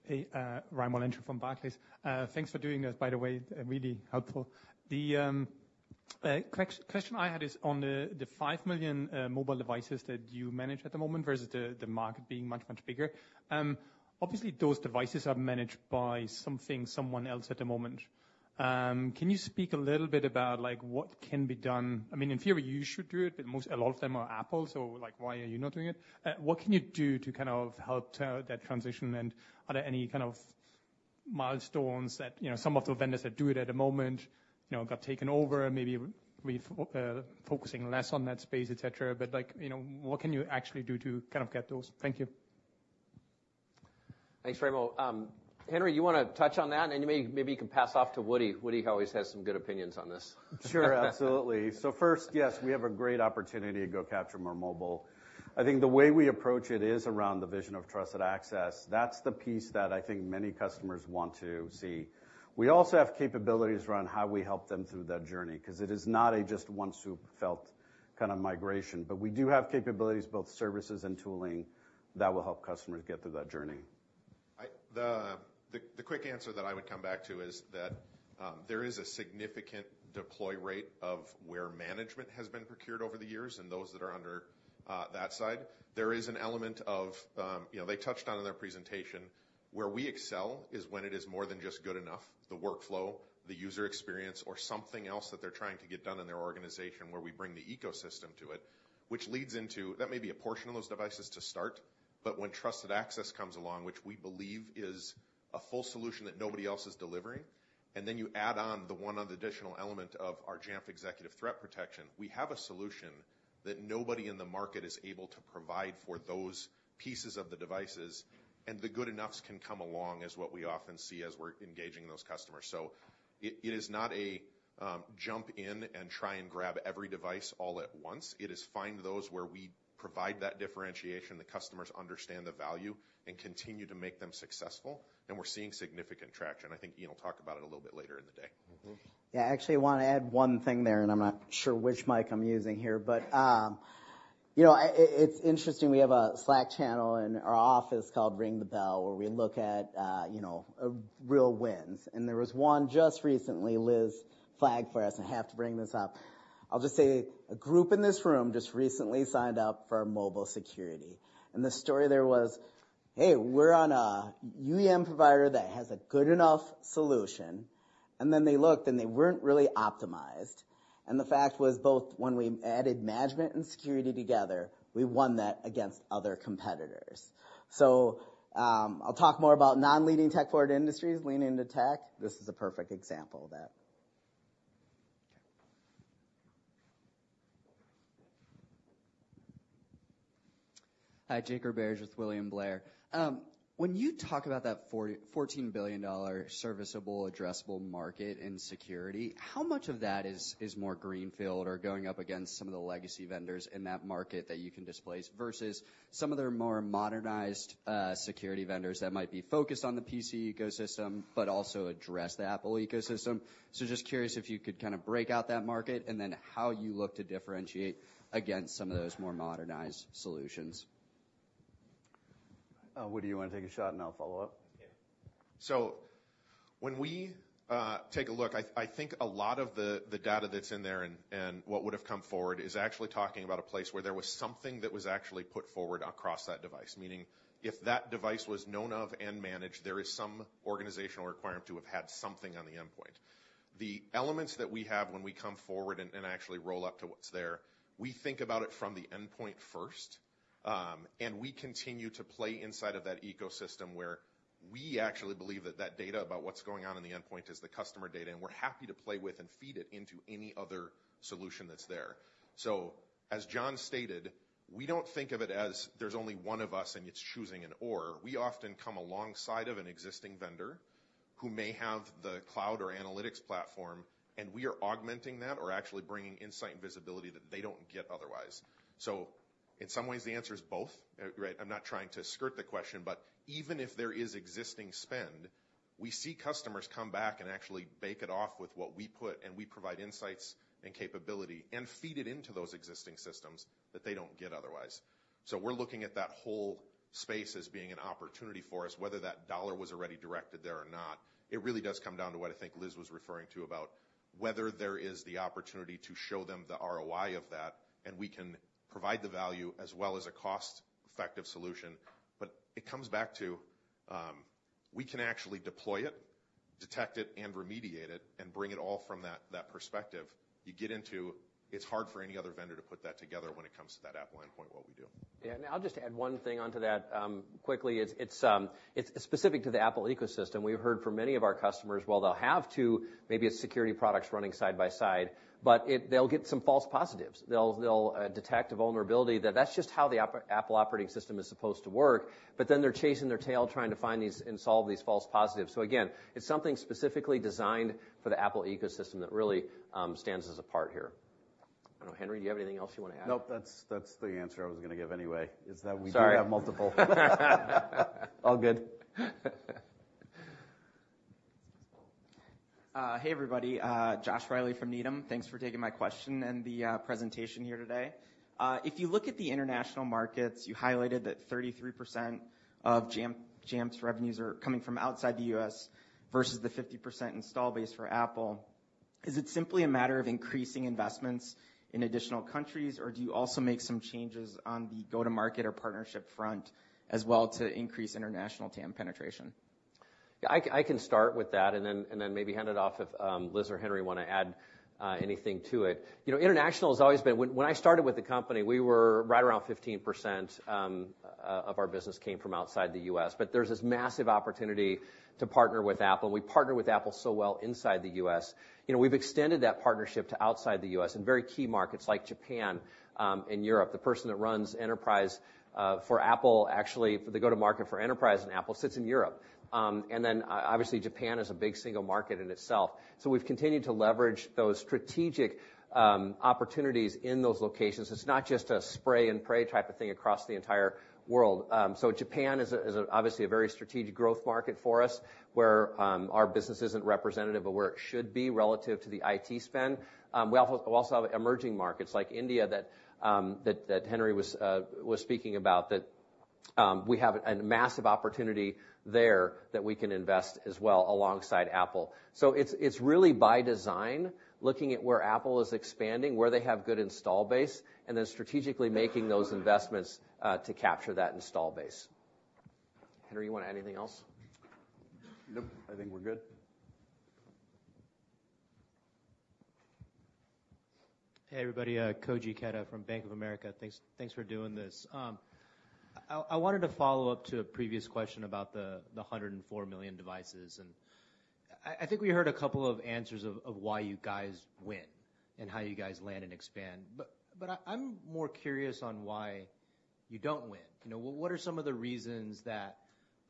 Hey, Raimo Lenschow from Barclays. Thanks for doing this, by the way. Really helpful. The question I had is on the five million mobile devices that you manage at the moment versus the market being much, much bigger. Obviously, those devices are managed by something someone else at the moment. Can you speak a little bit about, like, what can be done? I mean, in theory, you should do it. But most a lot of them are Apple. So, like, why are you not doing it? What can you do to kind of help tell that transition? And are there any kind of milestones that, you know, some of the vendors that do it at the moment, you know, got taken over? Maybe focusing less on that space, etc. But, like, you know, what can you actually do to kind of get those? Thank you. Thanks, Raimo. Henry, you wanna touch on that? And then maybe you can pass off to Wudi. Wudi always has some good opinions on this. Sure. Absolutely. So first, yes, we have a great opportunity to go capture more mobile. I think the way we approach it is around the vision of Trusted Access. That's the piece that I think many customers want to see. We also have capabilities around how we help them through that journey 'cause it is not a just-one-fell-swoop kinda migration. But we do have capabilities, both services and tooling, that will help customers get through that journey. The quick answer that I would come back to is that there is a significant deploy rate of where management has been procured over the years and those that are under that side. There is an element of, you know, they touched on in their presentation. Where we excel is when it is more than just good enough, the workflow, the user experience, or something else that they're trying to get done in their organization where we bring the ecosystem to it, which leads into that may be a portion of those devices to start. But when Trusted Access comes along, which we believe is a full solution that nobody else is delivering, and then you add on the one additional element of our Jamf Executive Threat Protection, we have a solution that nobody in the market is able to provide for those pieces of the devices. And the good enoughs can come along as what we often see as we're engaging those customers. So it is not a jump in and try and grab every device all at once. It is find those where we provide that differentiation, the customers understand the value, and continue to make them successful. And we're seeing significant traction. I think, you know, talk about it a little bit later in the day. Mm-hmm. Yeah. Actually, I wanna add one thing there. And I'm not sure which mic I'm using here. But, you know, it's interesting. We have a Slack channel in our office called Ring the Bell where we look at, you know, real wins. And there was one just recently Liz flagged for us. I have to bring this up. I'll just say a group in this room just recently signed up for mobile security. And the story there was, "Hey, we're on a UEM provider that has a good enough solution." And then they looked. And they weren't really optimized. And the fact was both when we added management and security together, we won that against other competitors. So, I'll talk more about non-leading tech-forward industries leaning into tech. This is a perfect example of that. Okay. Hi. Jake Roberge with William Blair. When you talk about that $40 billion serviceable addressable market in security, how much of that is more greenfield or going up against some of the legacy vendors in that market that you can displace versus some of their more modernized security vendors that might be focused on the PC ecosystem but also address the Apple ecosystem? So just curious if you could kinda break out that market and then how you look to differentiate against some of those more modernized solutions. Wudi, you wanna take a shot. I'll follow up. Yeah. So when we take a look, I think a lot of the data that's in there and what would have come forward is actually talking about a place where there was something that was actually put forward across that device, meaning if that device was known of and managed, there is some organizational requirement to have had something on the endpoint. The elements that we have when we come forward and actually roll up to what's there, we think about it from the endpoint first. And we continue to play inside of that ecosystem where we actually believe that that data about what's going on in the endpoint is the customer data. And we're happy to play with and feed it into any other solution that's there. So as John stated, we don't think of it as there's only one of us. It's choosing an or. We often come alongside of an existing vendor who may have the cloud or analytics platform. We are augmenting that or actually bringing insight and visibility that they don't get otherwise. So in some ways, the answer is both, right? I'm not trying to skirt the question. Even if there is existing spend, we see customers come back and actually bake it off with what we put. We provide insights and capability and feed it into those existing systems that they don't get otherwise. We're looking at that whole space as being an opportunity for us, whether that dollar was already directed there or not. It really does come down to what I think Liz was referring to about whether there is the opportunity to show them the ROI of that. We can provide the value as well as a cost-effective solution. It comes back to, we can actually deploy it, detect it, and remediate it and bring it all from that, that perspective. You get into, it's hard for any other vendor to put that together when it comes to that Apple endpoint, what we do. Yeah. And I'll just add one thing onto that, quickly. It's specific to the Apple ecosystem. We've heard from many of our customers, while they'll have two, maybe it's security products running side by side, but they'll get some false positives. They'll detect a vulnerability that's just how the Apple operating system is supposed to work. But then they're chasing their tail trying to find these and solve these false positives. So again, it's something specifically designed for the Apple ecosystem that really stands as a part here. I don't know. Henry, do you have anything else you wanna add? Nope. That's, that's the answer I was gonna give anyway, is that we do have multiple. Sorry. All good. Hey, everybody. Josh Reilly from Needham. Thanks for taking my question and the presentation here today. If you look at the international markets, you highlighted that 33% of Jamf's revenues are coming from outside the U.S. versus the 50% install base for Apple. Is it simply a matter of increasing investments in additional countries? Or do you also make some changes on the go-to-market or partnership front as well to increase international TAM penetration? Yeah. I can start with that. And then maybe hand it off if Liz or Henry wanna add anything to it. You know, international has always been when, when I started with the company, we were right around 15% of our business came from outside the U.S. But there's this massive opportunity to partner with Apple. And we partner with Apple so well inside the U.S. You know, we've extended that partnership to outside the U.S. in very key markets like Japan and Europe. The person that runs enterprise for Apple actually for the go-to-market for enterprise in Apple sits in Europe. And then obviously, Japan is a big single market in itself. So we've continued to leverage those strategic opportunities in those locations. It's not just a spray-and-pray type of thing across the entire world. Japan is obviously a very strategic growth market for us where our business isn't representative of where it should be relative to the IT spend. We also have emerging markets like India that Henry was speaking about that we have a massive opportunity there that we can invest as well alongside Apple. So it's really by design, looking at where Apple is expanding, where they have good install base, and then strategically making those investments to capture that install base. Henry, you wanna add anything else? Nope. I think we're good. Hey, everybody. Koji Koji Ikeda from Bank of America. Thanks, thanks for doing this. I wanted to follow up to a previous question about the 104 million devices. And I think we heard a couple of answers of why you guys win and how you guys land and expand. But I'm more curious on why you don't win. You know, what are some of the reasons that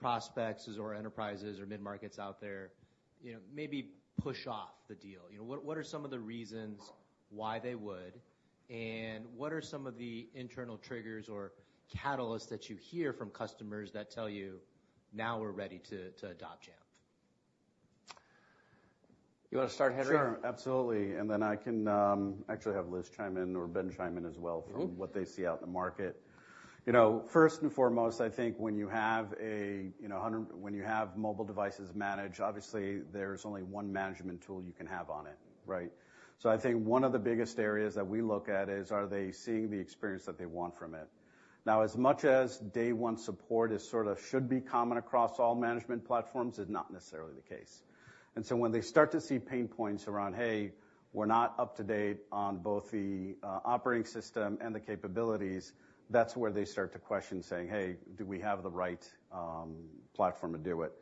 prospects or enterprises or mid-markets out there, you know, maybe push off the deal? You know, what are some of the reasons why they would? And what are some of the internal triggers or catalysts that you hear from customers that tell you, "Now we're ready to adopt Jamf"? You wanna start, Henry? Sure. Absolutely. And then I can, actually, have Liz chime in or Ben chime in as well from what they see out in the market. You know, first and foremost, I think when you have, you know, 100 mobile devices managed, obviously, there's only one management tool you can have on it, right? So I think one of the biggest areas that we look at is, are they seeing the experience that they want from it? Now, as much as day-one support is sort of should be common across all management platforms, it's not necessarily the case. And so when they start to see pain points around, "Hey, we're not up to date on both the, operating system and the capabilities," that's where they start to question, saying, "Hey, do we have the right, platform to do it?"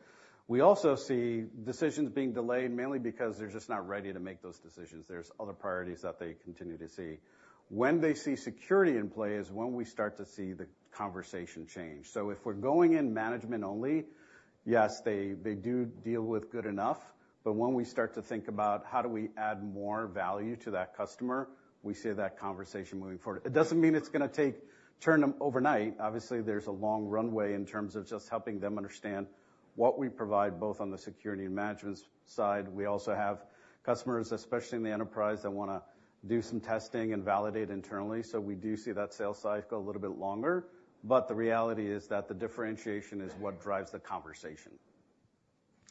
We also see decisions being delayed, mainly because they're just not ready to make those decisions. There's other priorities that they continue to see. When they see security in play is when we start to see the conversation change. So if we're going in management-only, yes, they do deal with good enough. But when we start to think about, "How do we add more value to that customer?" we see that conversation moving forward. It doesn't mean it's gonna take turn them overnight. Obviously, there's a long runway in terms of just helping them understand what we provide, both on the security and management side. We also have customers, especially in the enterprise, that wanna do some testing and validate internally. So we do see that sales cycle a little bit longer. But the reality is that the differentiation is what drives the conversation.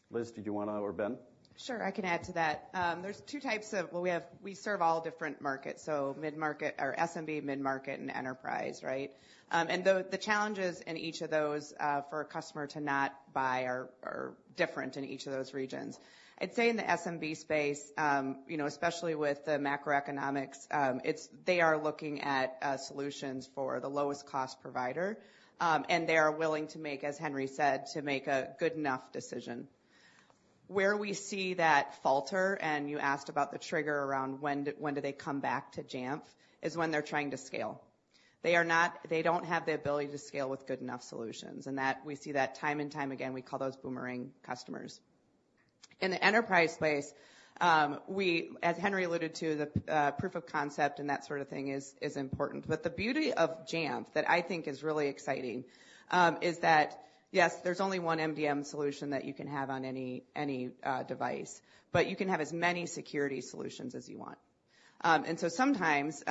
Liz, did you wanna or Ben? Sure. I can add to that. There are two types. Well, we serve all different markets, so mid-market or SMB, mid-market, and enterprise, right? And the challenges in each of those for a customer to not buy are different in each of those regions. I'd say in the SMB space, you know, especially with the macroeconomics, they are looking at solutions for the lowest-cost provider. And they are willing to make, as Henry said, a good enough decision. Where we see that falter and you asked about the trigger around when they come back to Jamf is when they're trying to scale. They don't have the ability to scale with good enough solutions. And we see that time and time again. We call those boomerang customers. In the enterprise space, we as Henry alluded to, the proof of concept and that sort of thing is important. But the beauty of Jamf that I think is really exciting is that, yes, there's only one MDM solution that you can have on any device. But you can have as many security solutions as you want. And so sometimes,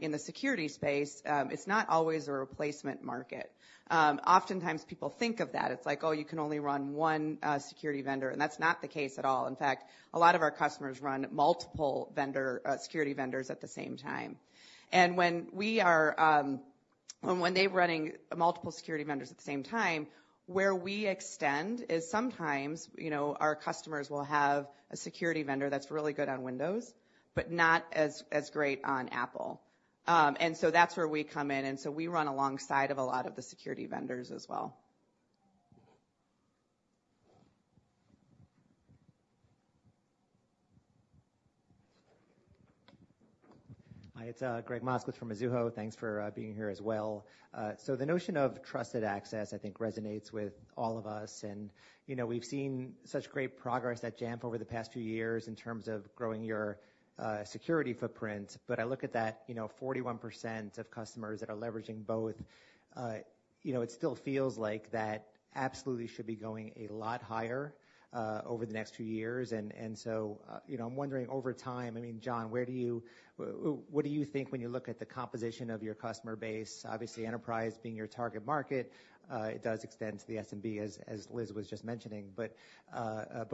in the security space, it's not always a replacement market. Oftentimes, people think of that. It's like, "Oh, you can only run one security vendor." And that's not the case at all. In fact, a lot of our customers run multiple vendor security vendors at the same time. When we are, and when they're running multiple security vendors at the same time, where we extend is sometimes, you know, our customers will have a security vendor that's really good on Windows but not as, as great on Apple. And so that's where we come in. And so we run alongside of a lot of the security vendors as well. Hi. It's Gregg Moskowitz from Mizuho. Thanks for being here as well. So the notion of Trusted Access, I think, resonates with all of us. And, you know, we've seen such great progress at Jamf over the past few years in terms of growing your security footprint. But I look at that, you know, 41% of customers that are leveraging both, you know, it still feels like that absolutely should be going a lot higher, over the next few years. And so, you know, I'm wondering, over time I mean, John, where do you what do you think when you look at the composition of your customer base, obviously, enterprise being your target market? It does extend to the SMB, as Liz was just mentioning. But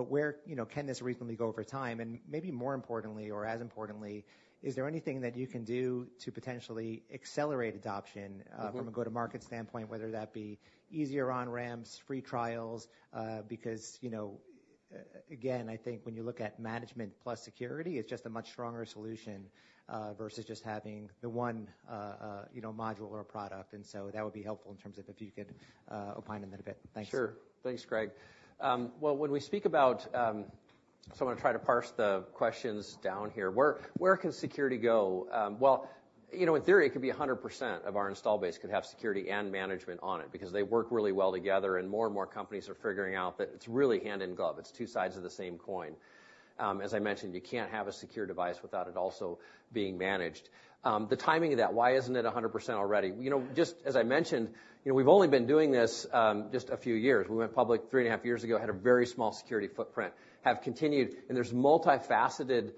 where, you know, can this reasonably go over time? Maybe more importantly or as importantly, is there anything that you can do to potentially accelerate adoption, from a go-to-market standpoint, whether that be easier on-ramps, free trials, because, you know, again, I think when you look at management plus security, it's just a much stronger solution, versus just having the one, you know, module or product? So that would be helpful in terms of if you could opine on that a bit. Thanks. Sure. Thanks, Greg. Well, when we speak about, so I'm gonna try to parse the questions down here. Where, where can security go? Well, you know, in theory, it could be 100% of our install base could have security and management on it because they work really well together. And more and more companies are figuring out that it's really hand-in-glove. It's two sides of the same coin. As I mentioned, you can't have a secure device without it also being managed. The timing of that, why isn't it 100% already? You know, just as I mentioned, you know, we've only been doing this, just a few years. We went public 3.5 years ago, had a very small security footprint, have continued. And there's multifaceted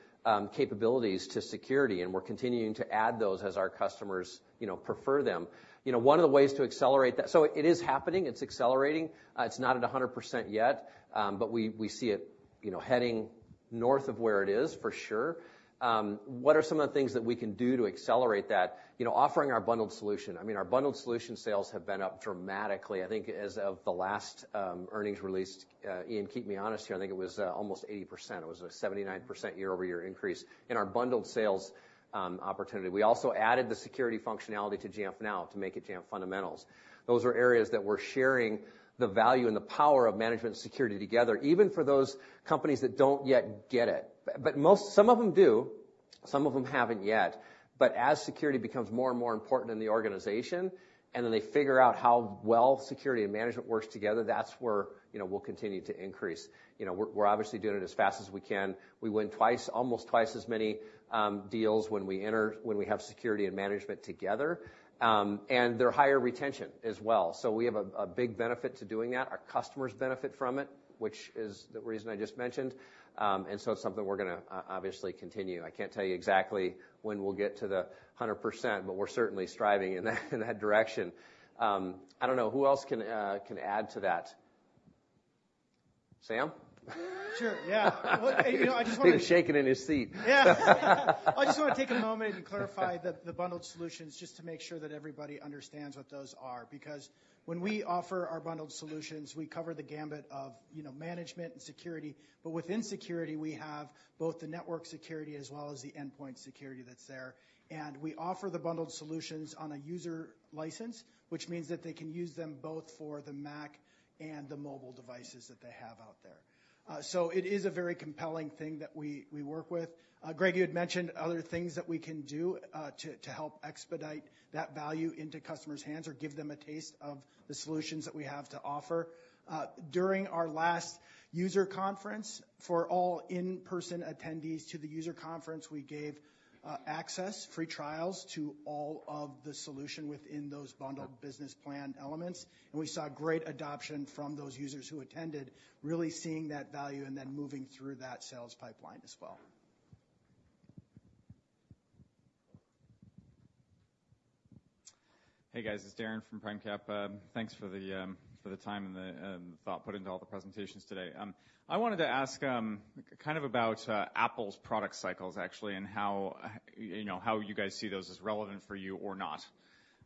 capabilities to security. And we're continuing to add those as our customers, you know, prefer them. You know, one of the ways to accelerate that so it is happening. It's accelerating. It's not at 100% yet, but we see it, you know, heading north of where it is for sure. What are some of the things that we can do to accelerate that? You know, offering our bundled solution. I mean, our bundled solution sales have been up dramatically, I think, as of the last earnings release. Ian, keep me honest here. I think it was almost 80%. It was a 79% year-over-year increase in our bundled sales opportunity. We also added the security functionality to Jamf Now to make it Jamf Fundamentals. Those are areas that we're sharing the value and the power of management security together, even for those companies that don't yet get it. But most of them do. Some of them haven't yet. But as security becomes more and more important in the organization and then they figure out how well security and management works together, that's where, you know, we'll continue to increase. You know, we're obviously doing it as fast as we can. We win twice, almost twice as many deals when we enter when we have security and management together. And they're higher retention as well. So we have a big benefit to doing that. Our customers benefit from it, which is the reason I just mentioned. And so it's something we're gonna obviously continue. I can't tell you exactly when we'll get to the 100%. But we're certainly striving in that direction. I don't know. Who else can add to that? Sam? Sure. Yeah. Well, hey, you know, I just wanna. He's shaking in his seat. Yeah. I just wanna take a moment and clarify the, the bundled solutions just to make sure that everybody understands what those are. Because when we offer our bundled solutions, we cover the gamut of, you know, management and security. But within security, we have both the network security as well as the endpoint security that's there. And we offer the bundled solutions on a user license, which means that they can use them both for the Mac and the mobile devices that they have out there. So it is a very compelling thing that we, we work with. Greg, you had mentioned other things that we can do, to, to help expedite that value into customers' hands or give them a taste of the solutions that we have to offer. During our last user conference, for all in-person attendees to the user conference, we gave access free trials to all of the solution within those bundled Business Plan elements. We saw great adoption from those users who attended, really seeing that value and then moving through that sales pipeline as well. Hey, guys. It's Darren from PrimeCap. Thanks for the, for the time and the, and the thought put into all the presentations today. I wanted to ask, kind of about, Apple's product cycles, actually, and how, you know, how you guys see those as relevant for you or not.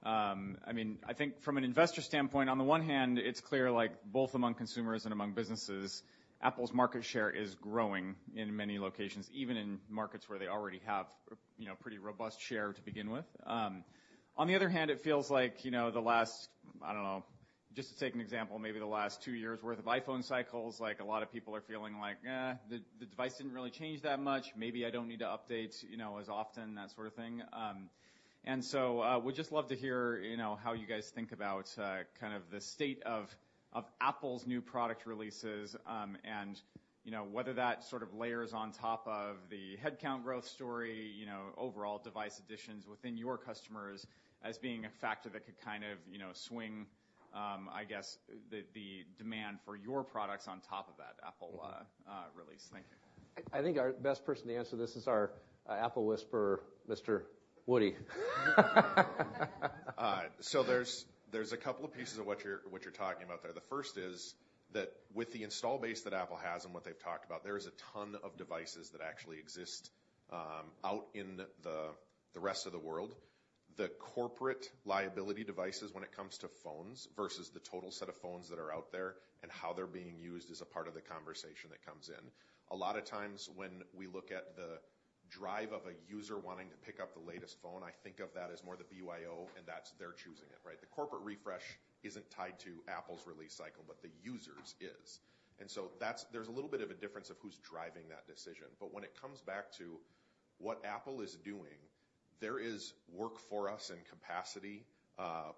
I mean, I think from an investor standpoint, on the one hand, it's clear, like, both among consumers and among businesses, Apple's market share is growing in many locations, even in markets where they already have, you know, a pretty robust share to begin with. On the other hand, it feels like, you know, the last I don't know. Just to take an example, maybe the last two years' worth of iPhone cycles, like, a lot of people are feeling like, the, the device didn't really change that much. Maybe I don't need to update, you know, as often," that sort of thing. And so, we'd just love to hear, you know, how you guys think about, kind of the state of Apple's new product releases, and, you know, whether that sort of layers on top of the headcount growth story, you know, overall device additions within your customers as being a factor that could kind of, you know, swing, I guess, the demand for your products on top of that Apple release. Thank you. I think our best person to answer this is our Apple Whisperer, Mr. Wudi. So there's a couple of pieces of what you're talking about there. The first is that with the install base that Apple has and what they've talked about, there is a ton of devices that actually exist out in the rest of the world. The corporate liability devices when it comes to phones versus the total set of phones that are out there and how they're being used is a part of the conversation that comes in. A lot of times, when we look at the drive of a user wanting to pick up the latest phone, I think of that as more the BYOD, and that's they're choosing it, right? The corporate refresh isn't tied to Apple's release cycle, but the users is. And so that's a little bit of a difference of who's driving that decision. But when it comes back to what Apple is doing, there is work for us and capacity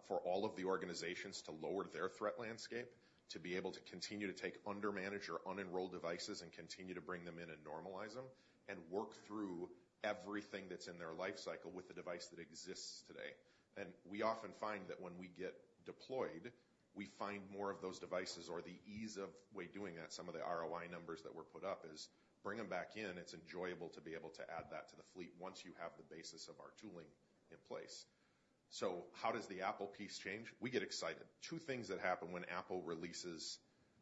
for all of the organizations to lower their threat landscape, to be able to continue to take under-managed or unenrolled devices and continue to bring them in and normalize them, and work through everything that's in their life cycle with the device that exists today. And we often find that when we get deployed, we find more of those devices or the ease of way doing that. Some of the ROI numbers that were put up is bring them back in. It's enjoyable to be able to add that to the fleet once you have the basis of our tooling in place. So how does the Apple piece change? We get excited. Two things that happen when Apple releases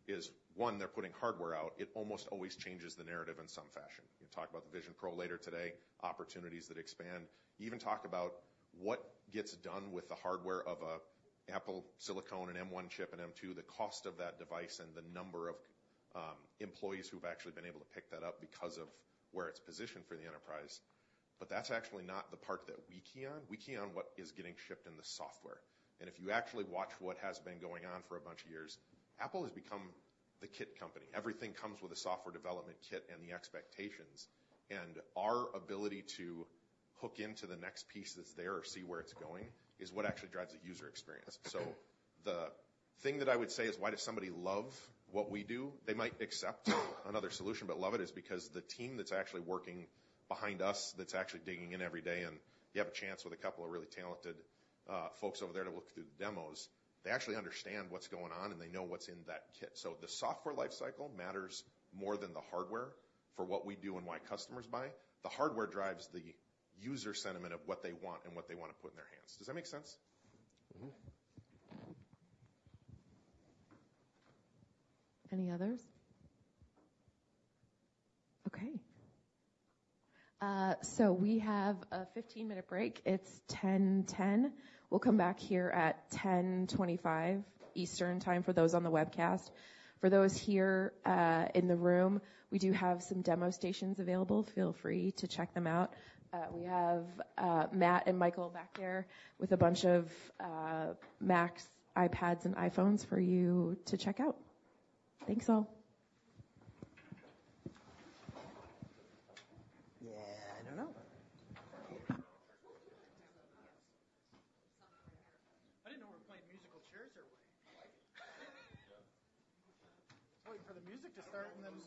is, one, they're putting hardware out. It almost always changes the narrative in some fashion. You'll talk about the Vision Pro later today, opportunities that expand. Even talk about what gets done with the hardware of an Apple Silicon and M1 chip and M2, the cost of that device, and the number of employees who've actually been able to pick that up because of where it's positioned for the enterprise. But that's actually not the part that we key on. We key on what is getting shipped in the software. If you actually watch what has been going on for a bunch of years, Apple has become the kit company. Everything comes with a software development kit and the expectations. And our ability to hook into the next piece that's there or see where it's going is what actually drives the user experience. So the thing that I would say is, why does somebody love what we do? They might accept another solution but love it is because the team that's actually working behind us, that's actually digging in every day and you have a chance with a couple of really talented, folks over there to look through the demos, they actually understand what's going on, and they know what's in that kit. So the software life cycle matters more than the hardware for what we do and why customers buy. The hardware drives the user sentiment of what they want and what they wanna put in their hands. Does that make sense? Mm-hmm. Any others? Okay. So we have a 15-minute break. It's 10:10. We'll come back here at 10:25 Eastern Time for those on the webcast. For those here, in the room, we do have some demo stations available. Feel free to check them out. We have Matt and Michael back there with a bunch of Macs, iPads, and iPhones for you to check out. Thanks, all. Yeah. I don't know. I didn't know we were playing musical chairs or what. Waiting for the music to start and then.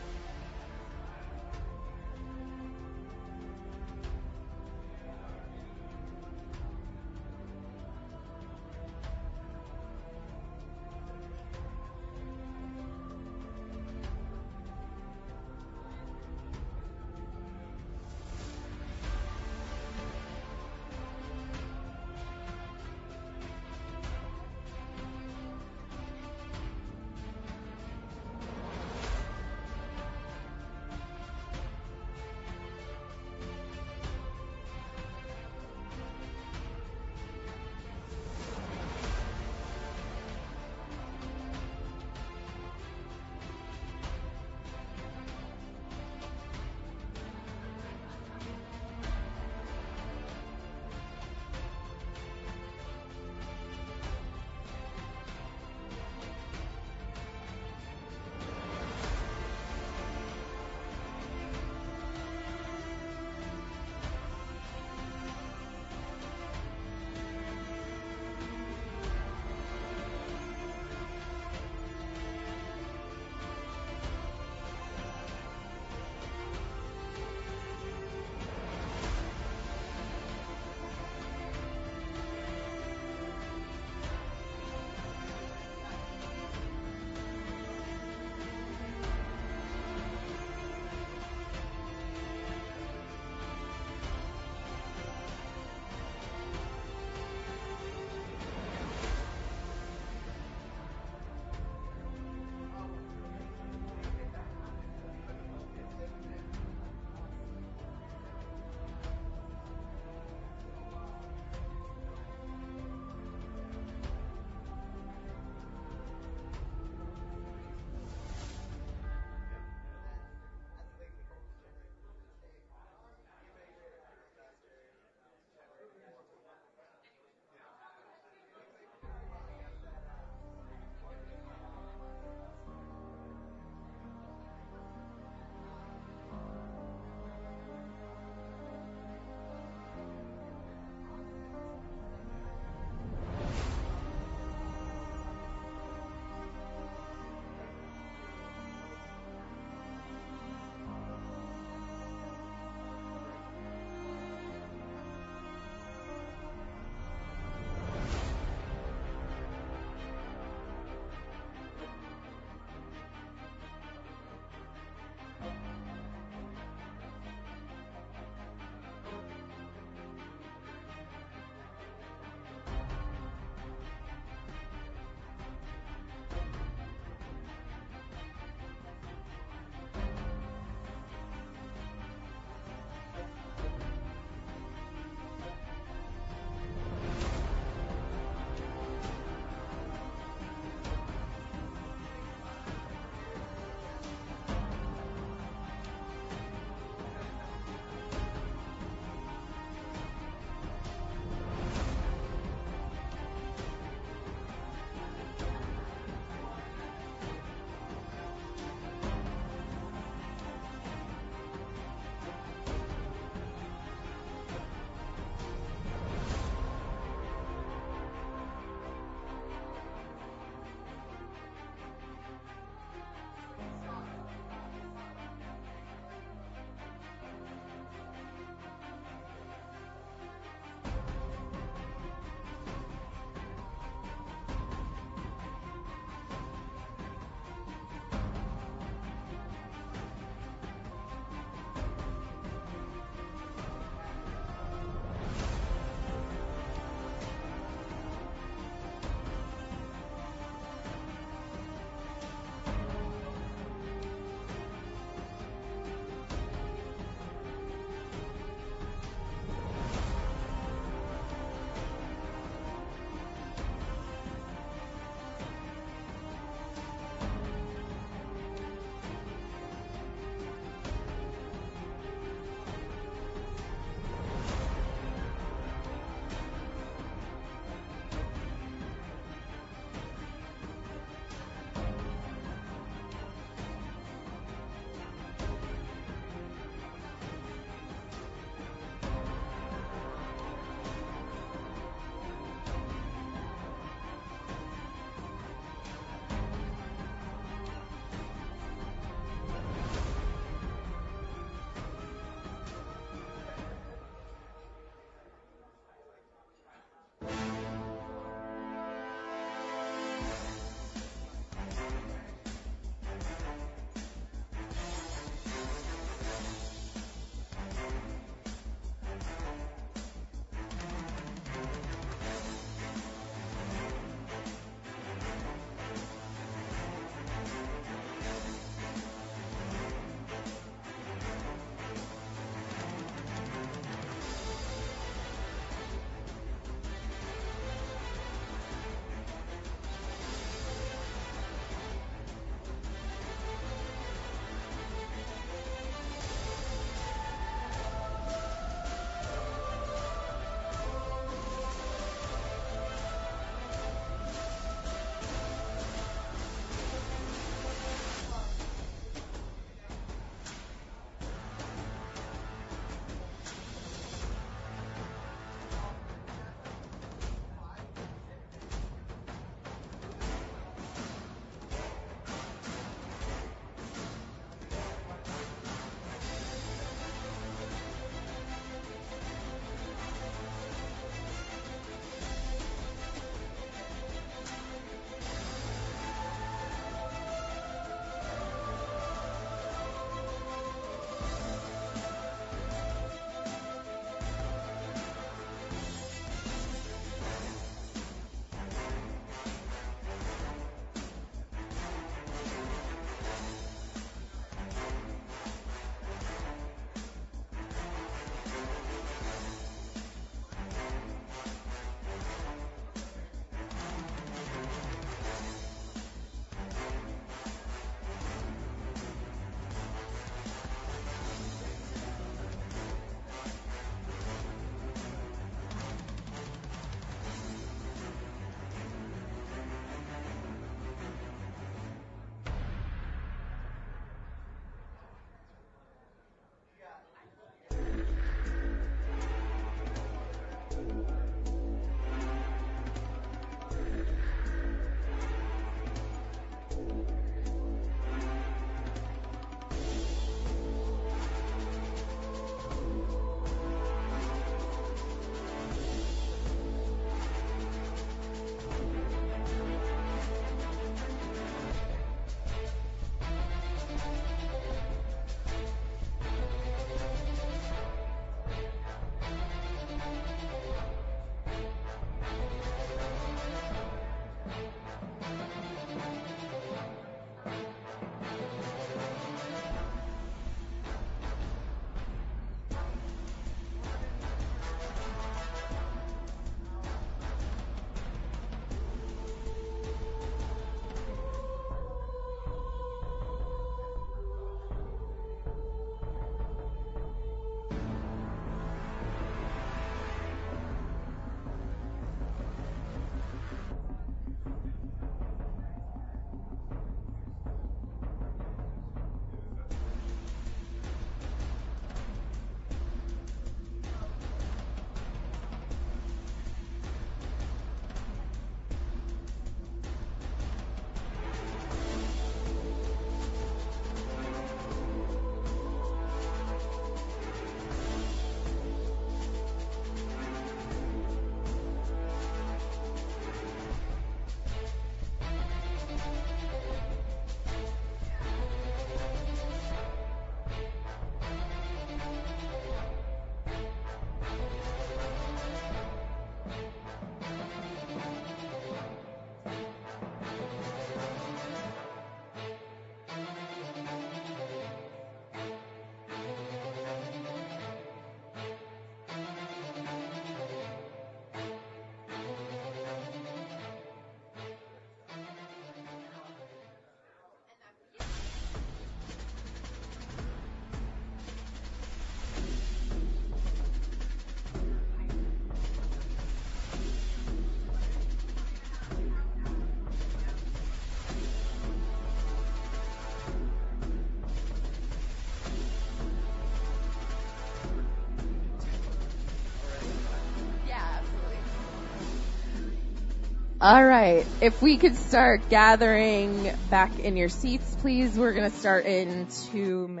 Oh, was it? Yeah, absolutely. All right. If we could start gathering back in your seats, please. We're going to start in two minutes.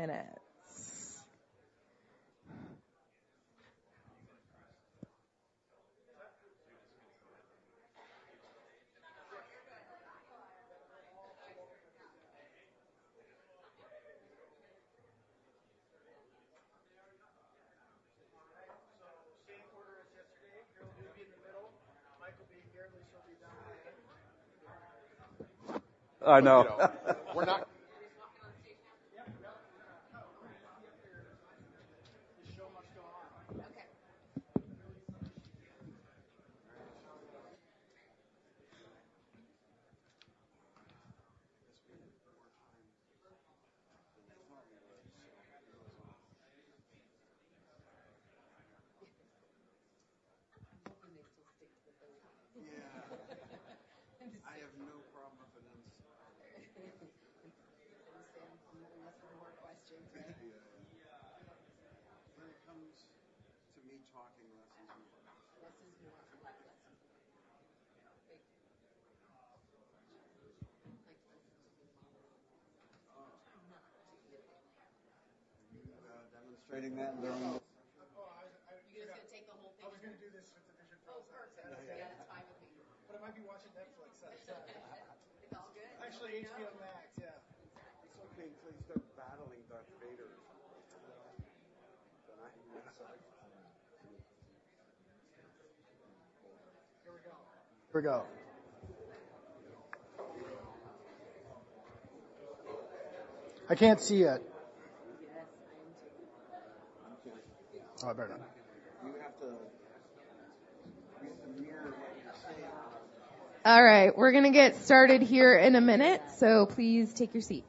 All right. We're going to get started here in a minute, so please take your seats.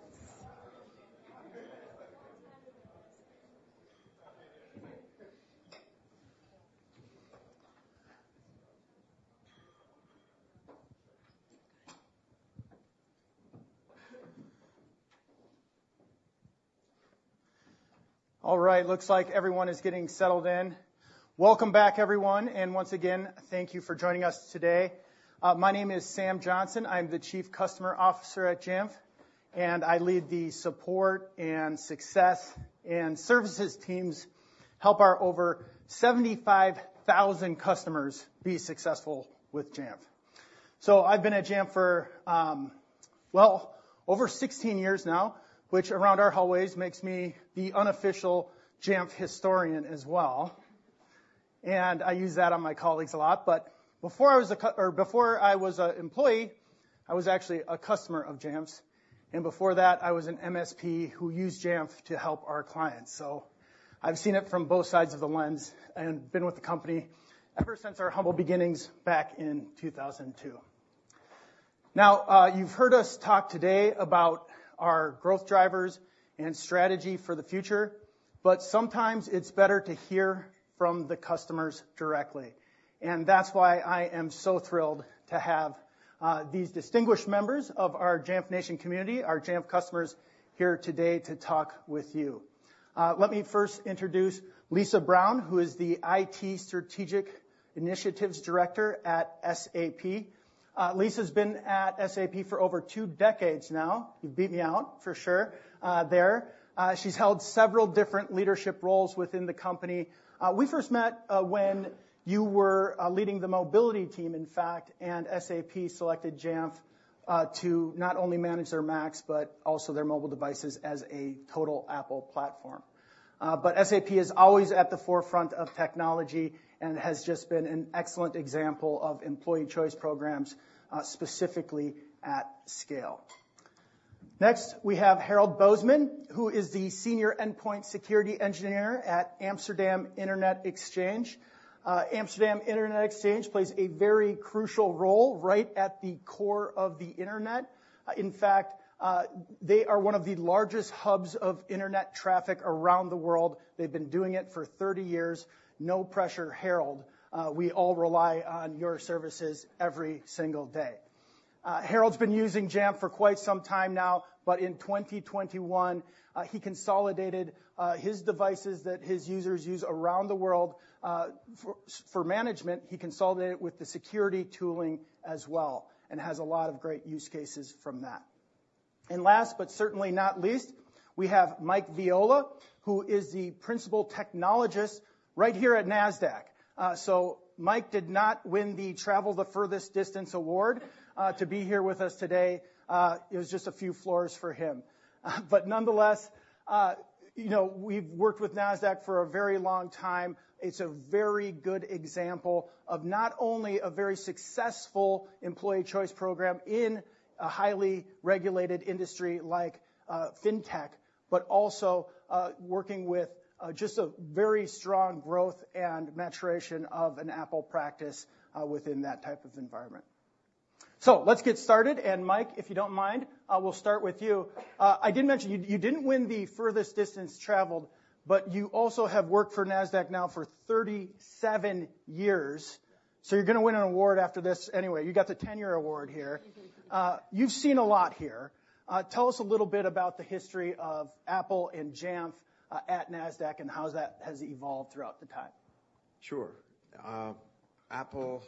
All right. Looks like everyone is getting settled in. Welcome back, everyone. And once again, thank you for joining us today. My name is Sam Johnson. I'm the Chief Customer Officer at Jamf, and I lead the support and success and services teams help our over 75,000 customers be successful with Jamf. So I've been at Jamf for, well, over 16 years now, which around our hallways makes me the unofficial Jamf historian as well. And I use that on my colleagues a lot. But before I was an employee, I was actually a customer of Jamf. And before that, I was an MSP who used Jamf to help our clients. So I've seen it from both sides of the lens and been with the company ever since our humble beginnings back in 2002. Now, you've heard us talk today about our growth drivers and strategy for the future, but sometimes it's better to hear from the customers directly. That's why I am so thrilled to have these distinguished members of our Jamf Nation community, our Jamf customers, here today to talk with you. Let me first introduce Lisa Brown, who is the IT Strategic Initiatives Director at SAP. Lisa's been at SAP for over two decades now. You've beat me out, for sure, there. She's held several different leadership roles within the company. We first met when you were leading the mobility team, in fact, and SAP selected Jamf to not only manage their Macs but also their mobile devices as a total Apple platform. SAP is always at the forefront of technology and has just been an excellent example of Employee Choice programs, specifically at scale. Next, we have Harold Boesman, who is the Senior Endpoint Security Engineer at Amsterdam Internet Exchange. Amsterdam Internet Exchange plays a very crucial role right at the core of the internet. In fact, they are one of the largest hubs of internet traffic around the world. They've been doing it for 30 years. No pressure, Harold. We all rely on your services every single day. Harold's been using Jamf for quite some time now, but in 2021, he consolidated his devices that his users use around the world for management. He consolidated it with the security tooling as well and has a lot of great use cases from that. And last but certainly not least, we have Mike Viola, who is the Principal Technologist right here at NASDAQ. So Mike did not win the Travel the Furthest Distance Award to be here with us today. It was just a few floors for him. But nonetheless, we've worked with NASDAQ for a very long time. It's a very good example of not only a very successful employee choice program in a highly regulated industry like fintech, but also working with just a very strong growth and maturation of an Apple practice within that type of environment. Let's get started. Mike, if you don't mind, we'll start with you. I didn't mention you didn't win the Furthest Distance Traveled, but you also have worked for NASDAQ now for 37 years. You're going to win an award after this anyway. You got the tenure award here. You've seen a lot here. Tell us a little bit about the history of Apple and Jamf at NASDAQ and how that has evolved throughout the time. Sure. Apple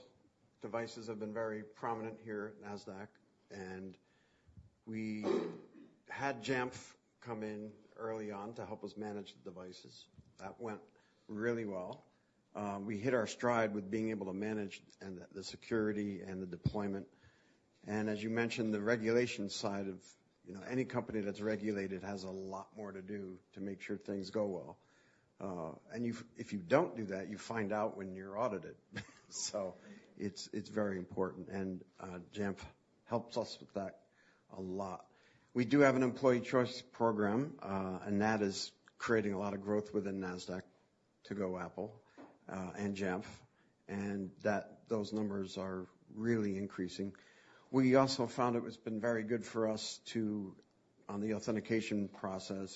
devices have been very prominent here at NASDAQ. We had Jamf come in early on to help us manage the devices. That went really well. We hit our stride with being able to manage the security and the deployment. As you mentioned, the regulation side of any company that's regulated has a lot more to do to make sure things go well. And if you don't do that, you find out when you're audited. So it's very important. Jamf helps us with that a lot. We do have an employee choice program, and that is creating a lot of growth within NASDAQ to go Apple and Jamf. Those numbers are really increasing. We also found it has been very good for us on the authentication process.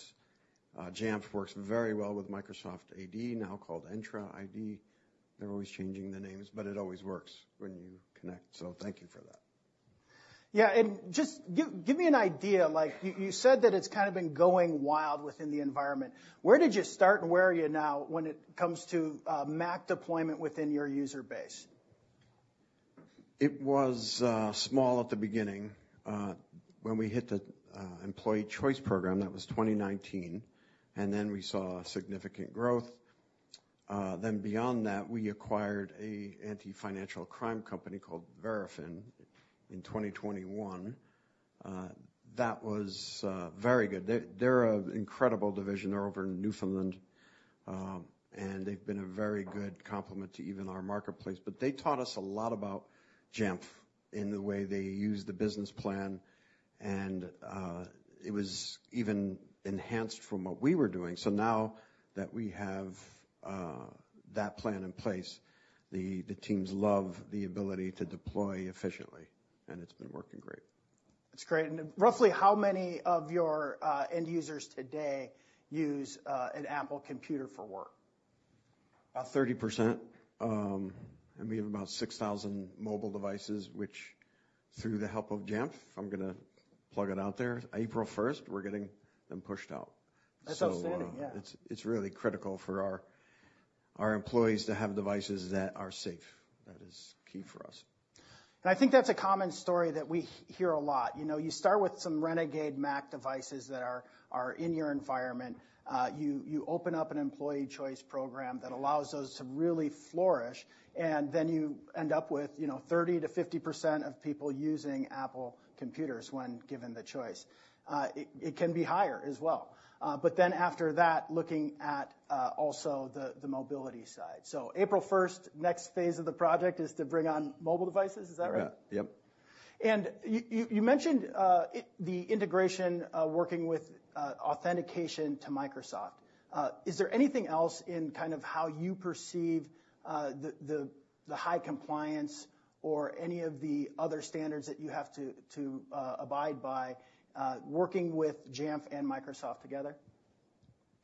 Jamf works very well with Microsoft AD, now called Entra ID. They're always changing the names, but it always works when you connect. So thank you for that. Yeah. And just give me an idea. You said that it's kind of been going wild within the environment. Where did you start, and where are you now when it comes to Mac deployment within your user base? It was small at the beginning. When we hit the Employee Choice Program, that was 2019. Then we saw significant growth. Then beyond that, we acquired an anti-financial crime company called Verafin in 2021. That was very good. They're an incredible division. They're over in Newfoundland. And they've been a very good complement to even our marketplace. But they taught us a lot about Jamf in the way they use the business plan. And it was even enhanced from what we were doing. So now that we have that plan in place, the teams love the ability to deploy efficiently. And it's been working great. That's great. And roughly, how many of your end users today use an Apple computer for work? About 30%. We have about 6,000 mobile devices, which through the help of Jamf, I'm going to plug it out there, April 1st, we're getting them pushed out. That's outstanding. Yeah. It's really critical for our employees to have devices that are safe. That is key for us. I think that's a common story that we hear a lot. You start with some renegade Mac devices that are in your environment. You open up an employee choice program that allows those to really flourish. And then you end up with 30%-50% of people using Apple computers when given the choice. It can be higher as well. But then after that, looking at also the mobility side. So April 1st, next phase of the project is to bring on mobile devices. Is that right? Right. Yep. You mentioned the integration, working with authentication to Microsoft. Is there anything else in kind of how you perceive the high compliance or any of the other standards that you have to abide by working with Jamf and Microsoft together?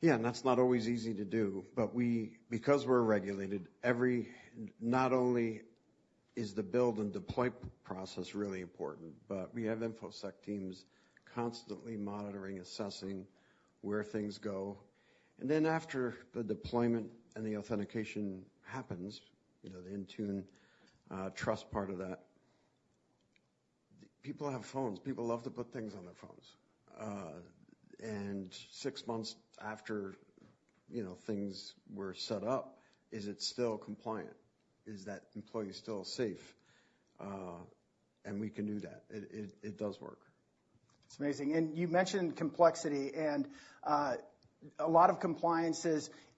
Yeah. That's not always easy to do. But because we're regulated, not only is the build and deploy process really important, but we have InfoSec teams constantly monitoring, assessing where things go. Then after the deployment and the authentication happens, the Jamf Trust part of that, people have phones. People love to put things on their phones. Six months after things were set up, is it still compliant? Is that employee still safe? We can do that. It does work. It's amazing. You mentioned complexity. A lot of compliance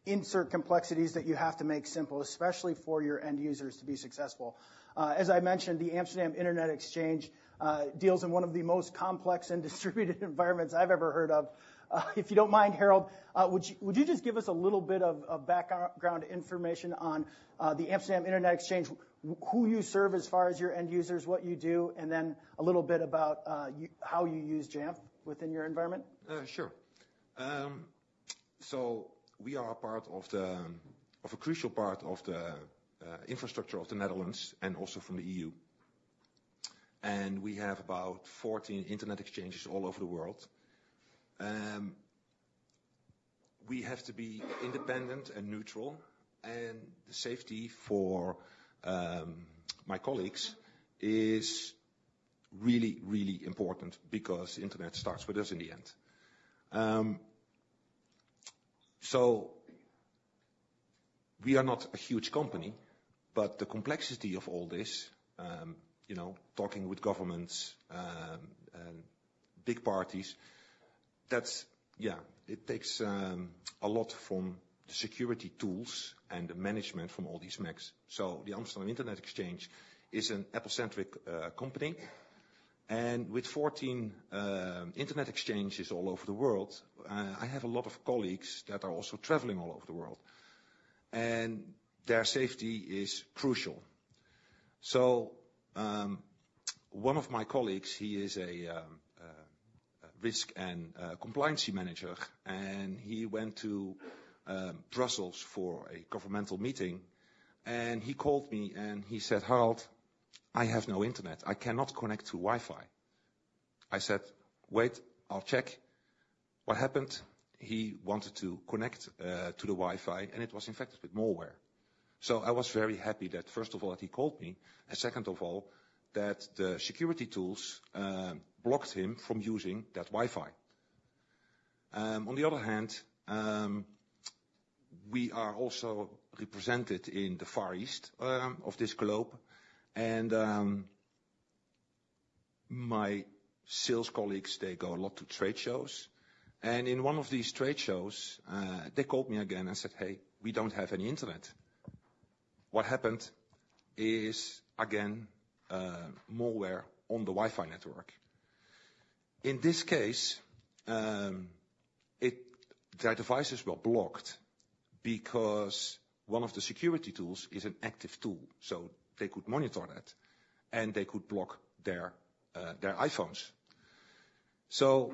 inserts complexities that you have to make simple, especially for your end users to be successful. As I mentioned, the Amsterdam Internet Exchange deals in one of the most complex and distributed environments I've ever heard of. If you don't mind, Harold, would you just give us a little bit of background information on the Amsterdam Internet Exchange, who you serve as far as your end users, what you do, and then a little bit about how you use Jamf within your environment? Sure. So we are a part of a crucial part of the infrastructure of the Netherlands and also from the EU. And we have about 14 internet exchanges all over the world. We have to be independent and neutral. And the safety for my colleagues is really, really important because the internet starts with us in the end. So we are not a huge company, but the complexity of all this, talking with governments and big parties, yeah, it takes a lot from the security tools and the management from all these Macs. So the Amsterdam Internet Exchange is an Apple-centric company. And with 14 internet exchanges all over the world, I have a lot of colleagues that are also traveling all over the world. And their safety is crucial. So one of my colleagues, he is a risk and compliance manager. He went to Brussels for a governmental meeting. He called me, and he said, "Harold, I have no internet. I cannot connect to Wi-Fi." I said, "Wait. I'll check what happened." He wanted to connect to the Wi-Fi, and it was infected with malware. I was very happy that, first of all, that he called me. And second of all, that the security tools blocked him from using that Wi-Fi. On the other hand, we are also represented in the Far East of this globe. My sales colleagues, they go a lot to trade shows. In one of these trade shows, they called me again and said, "Hey, we don't have any internet." What happened is, again, malware on the Wi-Fi network. In this case, their devices were blocked because one of the security tools is an active tool. So they could monitor that, and they could block their iPhones. So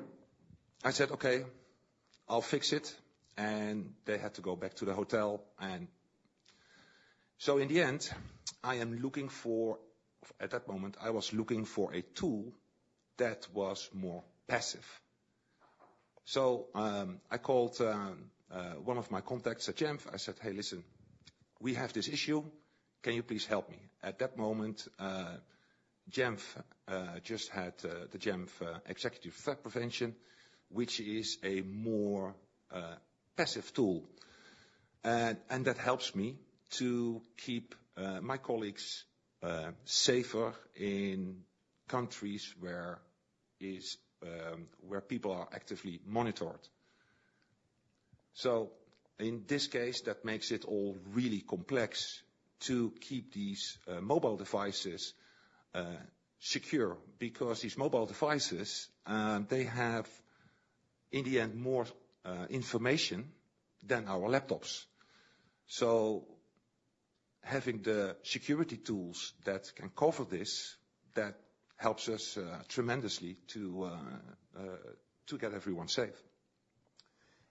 I said, "Okay. I'll fix it." And they had to go back to the hotel. And so in the end, I am looking for at that moment, I was looking for a tool that was more passive. So I called one of my contacts at Jamf. I said, "Hey, listen. We have this issue. Can you please help me?" At that moment, the Jamf Executive Threat Protection, which is a more passive tool. And that helps me to keep my colleagues safer in countries where people are actively monitored. So in this case, that makes it all really complex to keep these mobile devices secure because these mobile devices, they have, in the end, more information than our laptops. So having the security tools that can cover this, that helps us tremendously to get everyone safe.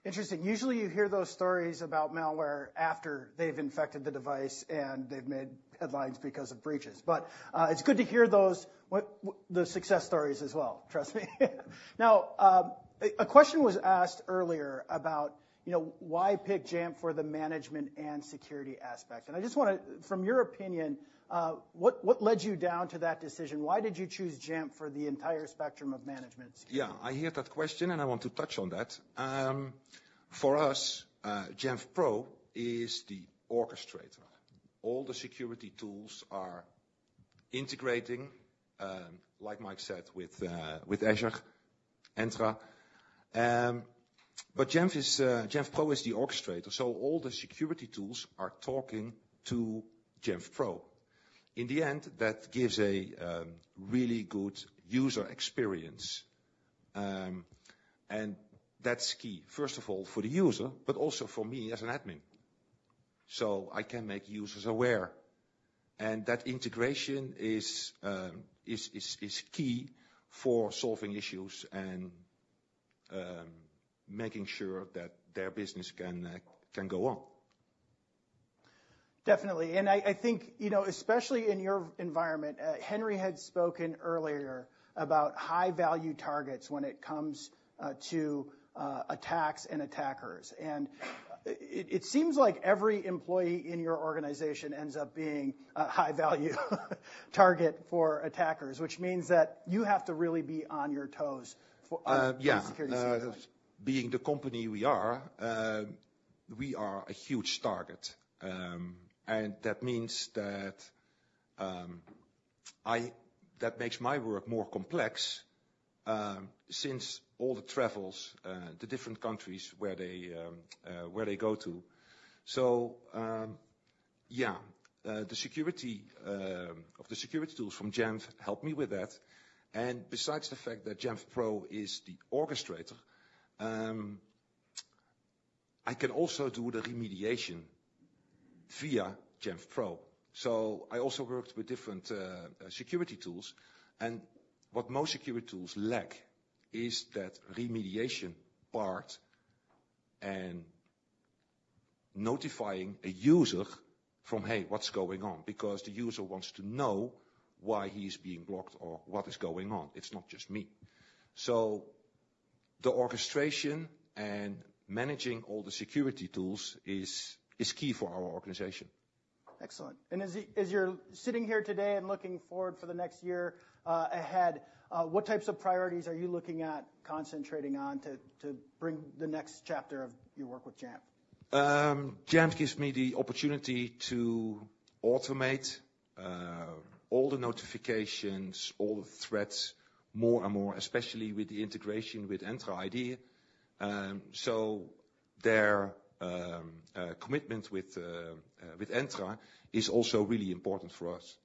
Interesting. Usually, you hear those stories about malware after they've infected the device, and they've made headlines because of breaches. But it's good to hear the success stories as well. Trust me. Now, a question was asked earlier about why pick Jamf for the management and security aspect. And I just want to, from your opinion, what led you down to that decision? Why did you choose Jamf for the entire spectrum of management and security? Yeah. I hear that question, and I want to touch on that. For us, Jamf Pro is the orchestrator. All the security tools are integrating, like Mike said, with Azure, Entra. But Jamf Pro is the orchestrator. So all the security tools are talking to Jamf Pro. In the end, that gives a really good user experience. And that's key, first of all, for the user, but also for me as an admin. So I can make users aware. And that integration is key for solving issues and making sure that their business can go on. Definitely. I think, especially in your environment, Henry had spoken earlier about high-value targets when it comes to attacks and attackers. It seems like every employee in your organization ends up being a high-value target for attackers, which means that you have to really be on your toes for security services. Yeah. Being the company we are, we are a huge target. And that means that makes my work more complex since all the travels, the different countries where they go to. So yeah, the security of the security tools from Jamf helped me with that. And besides the fact that Jamf Pro is the orchestrator, I can also do the remediation via Jamf Pro. So I also worked with different security tools. And what most security tools lack is that remediation part and notifying a user from, "Hey, what's going on?" Because the user wants to know why he is being blocked or what is going on. It's not just me. So the orchestration and managing all the security tools is key for our organization. Excellent. As you're sitting here today and looking forward for the next year ahead, what types of priorities are you looking at concentrating on to bring the next chapter of your work with Jamf? Jamf gives me the opportunity to automate all the notifications, all the threats more and more, especially with the integration with Entra ID. So their commitment with Entra is also really important for us.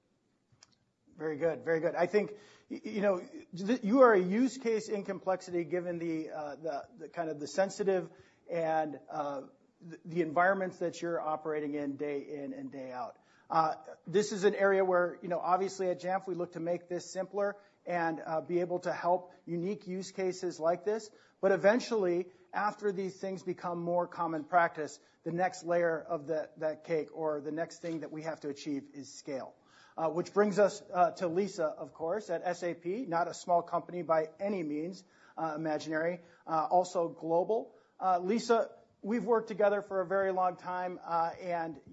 Very good. Very good. I think you are a use case in complexity given kind of the sensitive and the environments that you're operating in day in and day out. This is an area where, obviously, at Jamf, we look to make this simpler and be able to help unique use cases like this. But eventually, after these things become more common practice, the next layer of that cake or the next thing that we have to achieve is scale, which brings us to Lisa, of course, at SAP, not a small company by any means, a major, also global. Lisa, we've worked together for a very long time.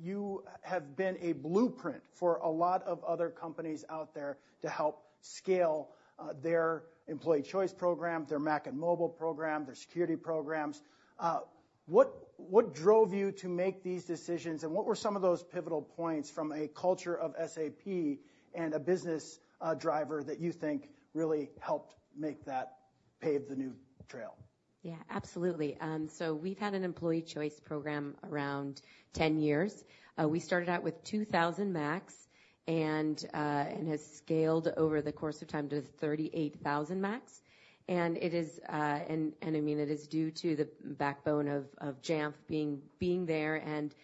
You have been a blueprint for a lot of other companies out there to help scale their employee choice program, their Mac and mobile program, their security programs. What drove you to make these decisions? What were some of those pivotal points from a culture of SAP and a business driver that you think really helped make that pave the new trail? Yeah. Absolutely. So we've had an employee choice program around 10 years. We started out with 2,000 Macs and have scaled over the course of time to 38,000 Macs. And I mean, it is due to the backbone of Jamf being there and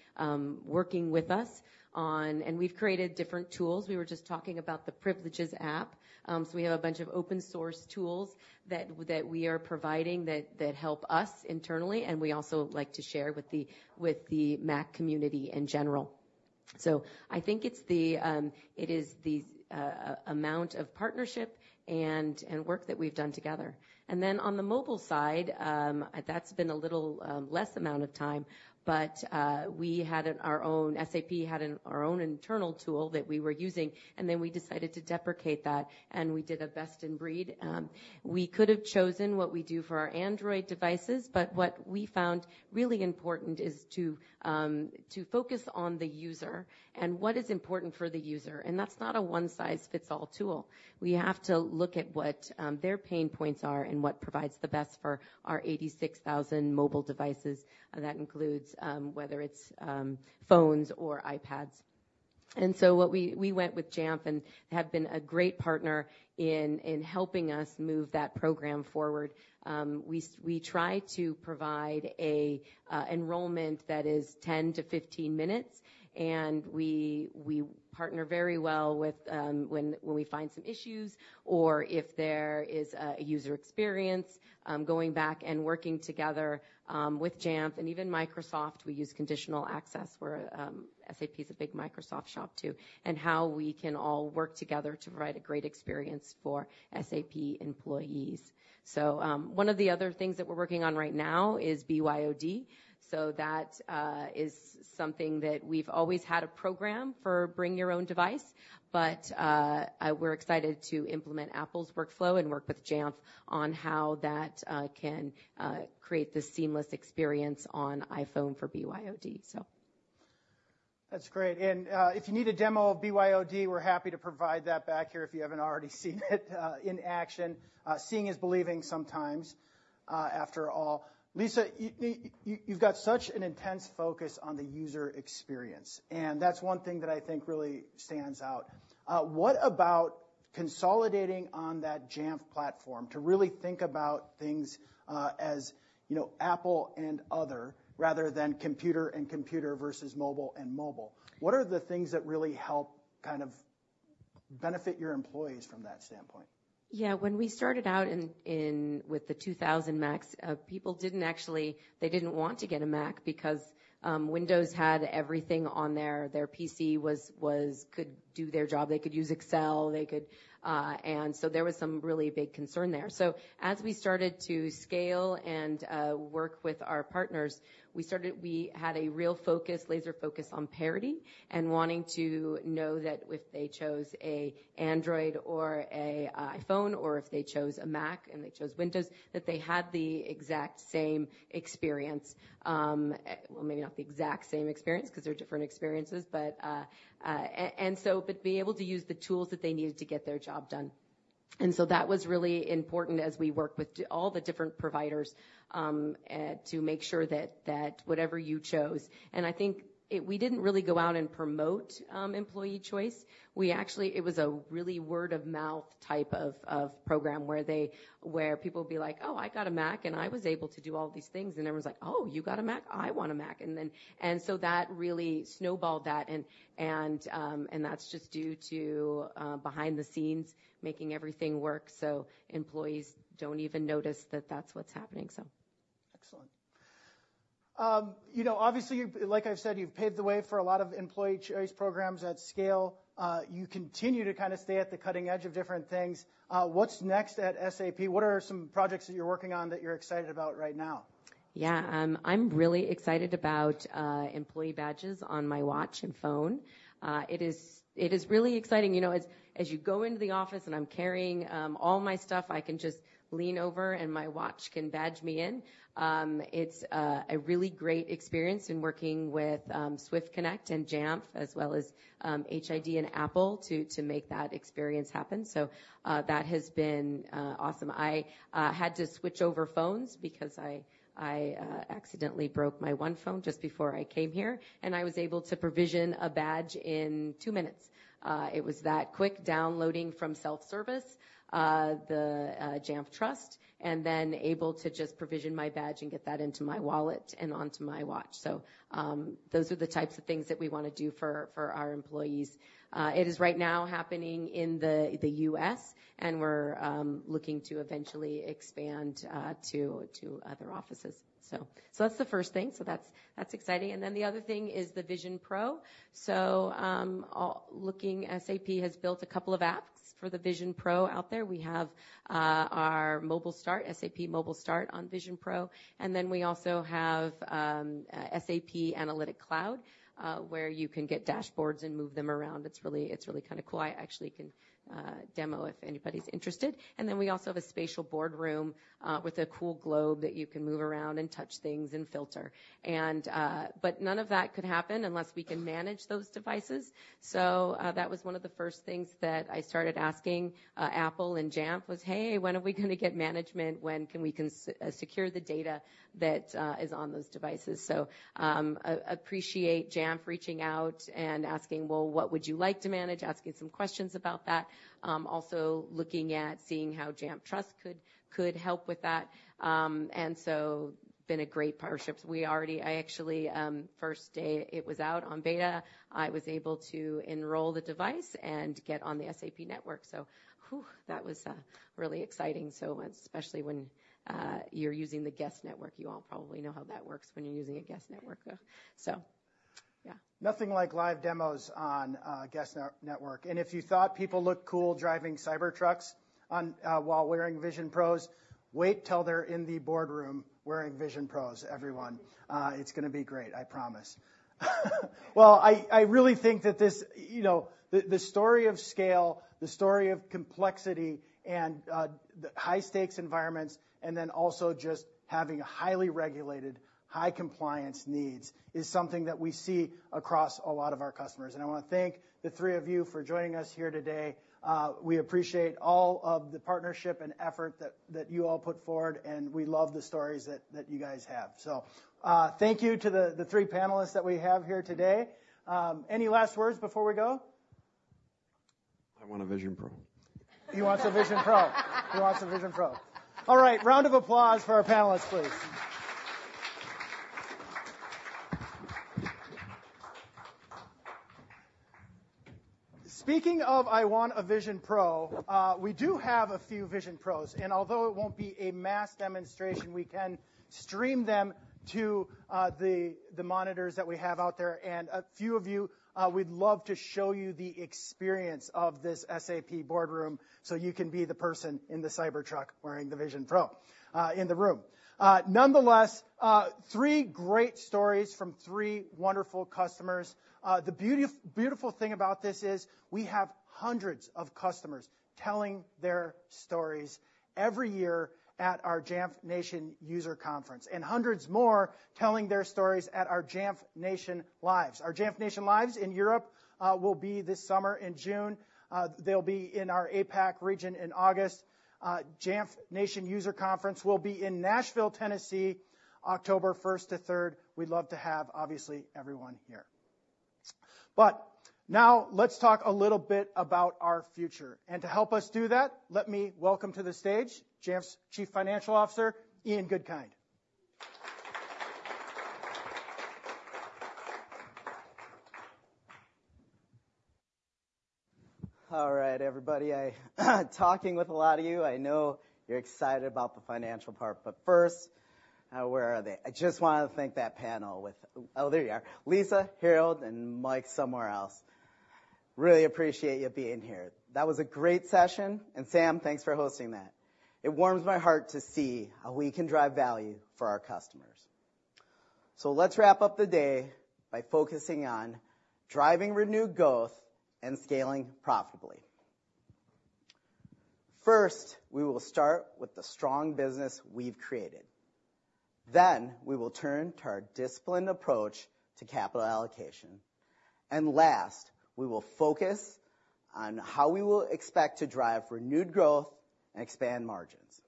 working with us on and we've created different tools. We were just talking about the Privileges app. So we have a bunch of open-source tools that we are providing that help us internally, and we also like to share with the Mac community in general. So I think it is the amount of partnership and work that we've done together. And then on the mobile side, that's been a little less amount of time. But we had our own SAP had our own internal tool that we were using. And then we decided to deprecate that, and we did a best-in-breed. We could have chosen what we do for our Android devices. But what we found really important is to focus on the user and what is important for the user. And that's not a one-size-fits-all tool. We have to look at what their pain points are and what provides the best for our 86,000 mobile devices. That includes whether it's phones or iPads. And so we went with Jamf and have been a great partner in helping us move that program forward. We try to provide an enrollment that is 10-15 minutes. And we partner very well when we find some issues or if there is a user experience going back and working together with Jamf. And even Microsoft, we use conditional access where SAP is a big Microsoft shop too, and how we can all work together to provide a great experience for SAP employees. So one of the other things that we're working on right now is BYOD. So that is something that we've always had a program for bring your own device. But we're excited to implement Apple's workflow and work with Jamf on how that can create the seamless experience on iPhone for BYOD, so. That's great. And if you need a demo of BYOD, we're happy to provide that back here if you haven't already seen it in action. Seeing is believing sometimes, after all. Lisa, you've got such an intense focus on the user experience. And that's one thing that I think really stands out. What about consolidating on that Jamf platform to really think about things as Apple and other rather than computer and computer versus mobile and mobile? What are the things that really help kind of benefit your employees from that standpoint? Yeah. When we started out with the 2,000 Macs, people didn't actually they didn't want to get a Mac because Windows had everything on there. Their PC could do their job. They could use Excel. And so there was some really big concern there. So as we started to scale and work with our partners, we had a real focus, laser focus, on parity and wanting to know that if they chose an Android or an iPhone or if they chose a Mac and they chose Windows, that they had the exact same experience, well, maybe not the exact same experience because they're different experiences, but be able to use the tools that they needed to get their job done. So that was really important as we worked with all the different providers to make sure that whatever you chose, and I think we didn't really go out and promote employee choice. It was a really word-of-mouth type of program where people would be like, "Oh, I got a Mac, and I was able to do all these things." And everyone's like, "Oh, you got a Mac? I want a Mac." And so that really snowballed that. And that's just due to behind-the-scenes making everything work so employees don't even notice that that's what's happening, so. Excellent. Obviously, like I've said, you've paved the way for a lot of employee choice programs at scale. You continue to kind of stay at the cutting edge of different things. What's next at SAP? What are some projects that you're working on that you're excited about right now? Yeah. I'm really excited about employee badges on my watch and phone. It is really exciting. As you go into the office, and I'm carrying all my stuff, I can just lean over, and my watch can badge me in. It's a really great experience in working with SwiftConnect and Jamf as well as HID and Apple to make that experience happen. So that has been awesome. I had to switch over phones because I accidentally broke my iPhone just before I came here. And I was able to provision a badge in two minutes. It was that quick downloading from Self Service, the Jamf Trust, and then able to just provision my badge and get that into my wallet and onto my watch. So those are the types of things that we want to do for our employees. It is right now happening in the U.S. We're looking to eventually expand to other offices, so. So that's the first thing. So that's exciting. And then the other thing is the Vision Pro. So looking, SAP has built a couple of apps for the Vision Pro out there. We have our SAP Mobile Start on Vision Pro. And then we also have SAP Analytic Cloud where you can get dashboards and move them around. It's really kind of cool. I actually can demo if anybody's interested. And then we also have a spatial boardroom with a cool globe that you can move around and touch things and filter. But none of that could happen unless we can manage those devices. So that was one of the first things that I started asking Apple and Jamf was, "Hey, when are we going to get management? When can we secure the data that is on those devices?" So appreciate Jamf reaching out and asking, "Well, what would you like to manage?" Asking some questions about that. Also looking at seeing how Jamf Trust could help with that. And so been a great partnership. I actually, first day, it was out on beta. I was able to enroll the device and get on the SAP network. So that was really exciting. So especially when you're using the guest network, you all probably know how that works when you're using a guest network, so. Yeah. Nothing like live demos on a guest network. And if you thought people looked cool driving Cybertrucks while wearing Vision Pros, wait till they're in the boardroom wearing Vision Pros, everyone. It's going to be great, I promise. Well, I really think that this the story of scale, the story of complexity, and high-stakes environments, and then also just having highly regulated, high-compliance needs is something that we see across a lot of our customers. And I want to thank the three of you for joining us here today. We appreciate all of the partnership and effort that you all put forward. And we love the stories that you guys have. So thank you to the three panelists that we have here today. Any last words before we go? I want a Vision Pro. You want some Vision Pro. You want some Vision Pro. All right. Round of applause for our panelists, please. Speaking of, I want a Vision Pro. We do have a few Vision Pros. And although it won't be a mass demonstration, we can stream them to the monitors that we have out there. And a few of you, we'd love to show you the experience of this SAP boardroom so you can be the person in the Cybertruck wearing the Vision Pro in the room. Nonetheless, three great stories from three wonderful customers. The beautiful thing about this is we have hundreds of customers telling their stories every year at our Jamf Nation User Conference and hundreds more telling their stories at our Jamf Nation Lives. Our Jamf Nation Lives in Europe will be this summer in June. They'll be in our APAC region in August. Jamf Nation User Conference will be in Nashville, Tennessee, October 1st to 3rd. We'd love to have, obviously, everyone here. But now let's talk a little bit about our future. To help us do that, let me welcome to the stage Jamf's Chief Financial Officer, Ian Goodkind. All right, everybody. Talking with a lot of you, I know you're excited about the financial part. But first, where are they? I just want to thank that panel with oh, there you are, Lisa, Harold, and Mike somewhere else. Really appreciate you being here. That was a great session. And Sam, thanks for hosting that. It warms my heart to see how we can drive value for our customers. So let's wrap up the day by focusing on driving renewed growth and scaling profitably. First, we will start with the strong business we've created. Then we will turn to our disciplined approach to capital allocation. And last, we will focus on how we will expect to drive renewed growth and expand margins.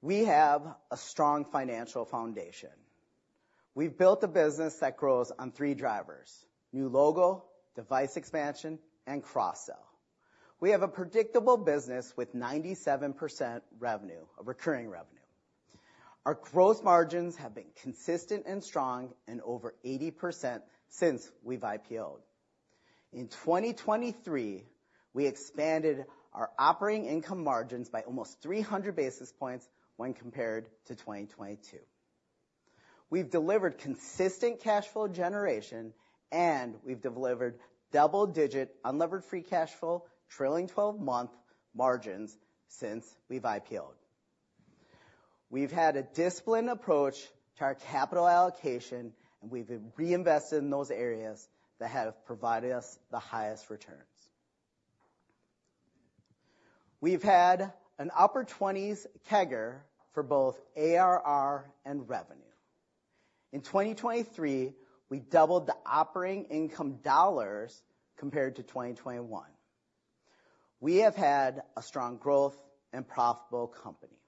We have a strong financial foundation. We've built a business that grows on three drivers: new logo, device expansion, and cross-sell. We have a predictable business with 97% revenue, a recurring revenue. Our gross margins have been consistent and strong in over 80% since we've IPOed. In 2023, we expanded our operating income margins by almost 300 basis points when compared to 2022. We've delivered consistent cash flow generation, and we've delivered double-digit unlevered free cash flow, trailing 12-month margins since we've IPOed. We've had a disciplined approach to our capital allocation, and we've reinvested in those areas that have provided us the highest returns. We've had an upper-20s CAGR for both ARR and revenue. In 2023, we doubled the operating income dollars compared to 2021. We have had a strong growth and profitable company.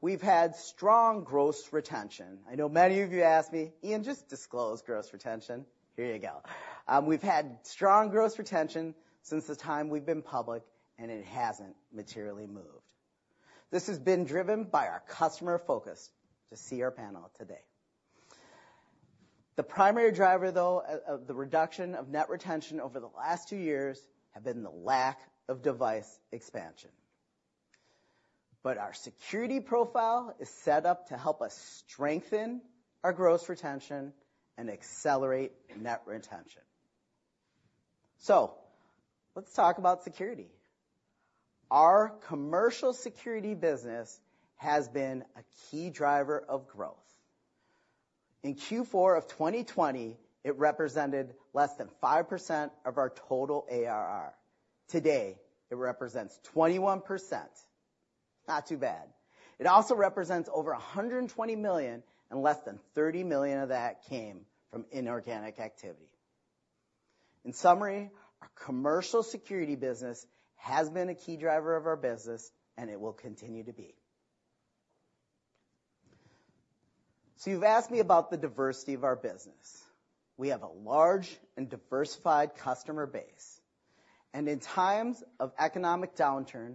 We've had strong gross retention. I know many of you ask me, "Ian, just disclose gross retention." Here you go. We've had strong gross retention since the time we've been public, and it hasn't materially moved. This has been driven by our customer focus to see our panel today. The primary driver, though, of the reduction of net retention over the last two years has been the lack of device expansion. But our security profile is set up to help us strengthen our gross retention and accelerate net retention. So let's talk about security. Our commercial security business has been a key driver of growth. In Q4 of 2020, it represented less than 5% of our total ARR. Today, it represents 21%. Not too bad. It also represents over $120 million, and less than $30 million of that came from inorganic activity. In summary, our commercial security business has been a key driver of our business, and it will continue to be. So you've asked me about the diversity of our business. We have a large and diversified customer base. In times of economic downturn,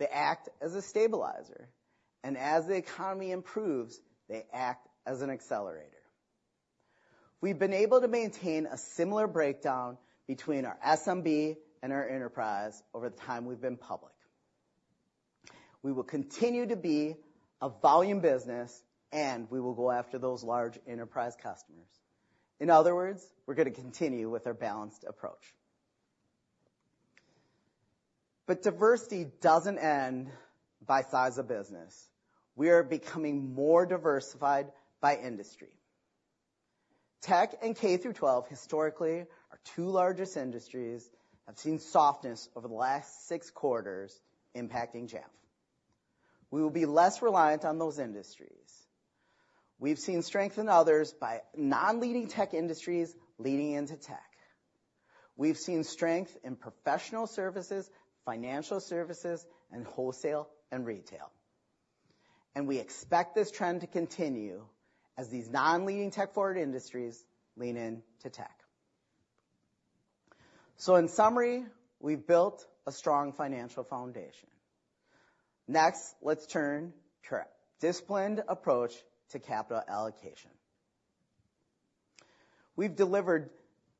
they act as a stabilizer. As the economy improves, they act as an accelerator. We've been able to maintain a similar breakdown between our SMB and our enterprise over the time we've been public. We will continue to be a volume business, and we will go after those large enterprise customers. In other words, we're going to continue with our balanced approach. But diversity doesn't end by size of business. We are becoming more diversified by industry. Tech and K-12, historically, are two largest industries, have seen softness over the last six quarters impacting Jamf. We will be less reliant on those industries. We've seen strength in others by non-leading tech industries leading into tech. We've seen strength in professional services, financial services, and wholesale and retail. We expect this trend to continue as these non-leading tech-forward industries lean into tech. So in summary, we've built a strong financial foundation. Next, let's turn to our disciplined approach to capital allocation. We've delivered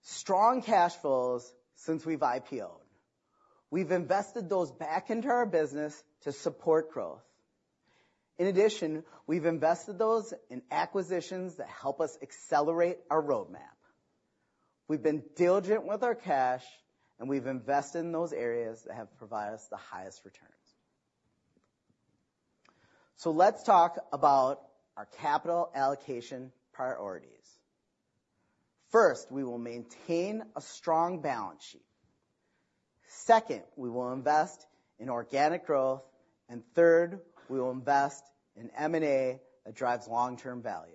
strong cash flows since we've IPOed. We've invested those back into our business to support growth. In addition, we've invested those in acquisitions that help us accelerate our roadmap. We've been diligent with our cash, and we've invested in those areas that have provided us the highest returns. So let's talk about our capital allocation priorities. First, we will maintain a strong balance sheet. Second, we will invest in organic growth. And third, we will invest in M&A that drives long-term value.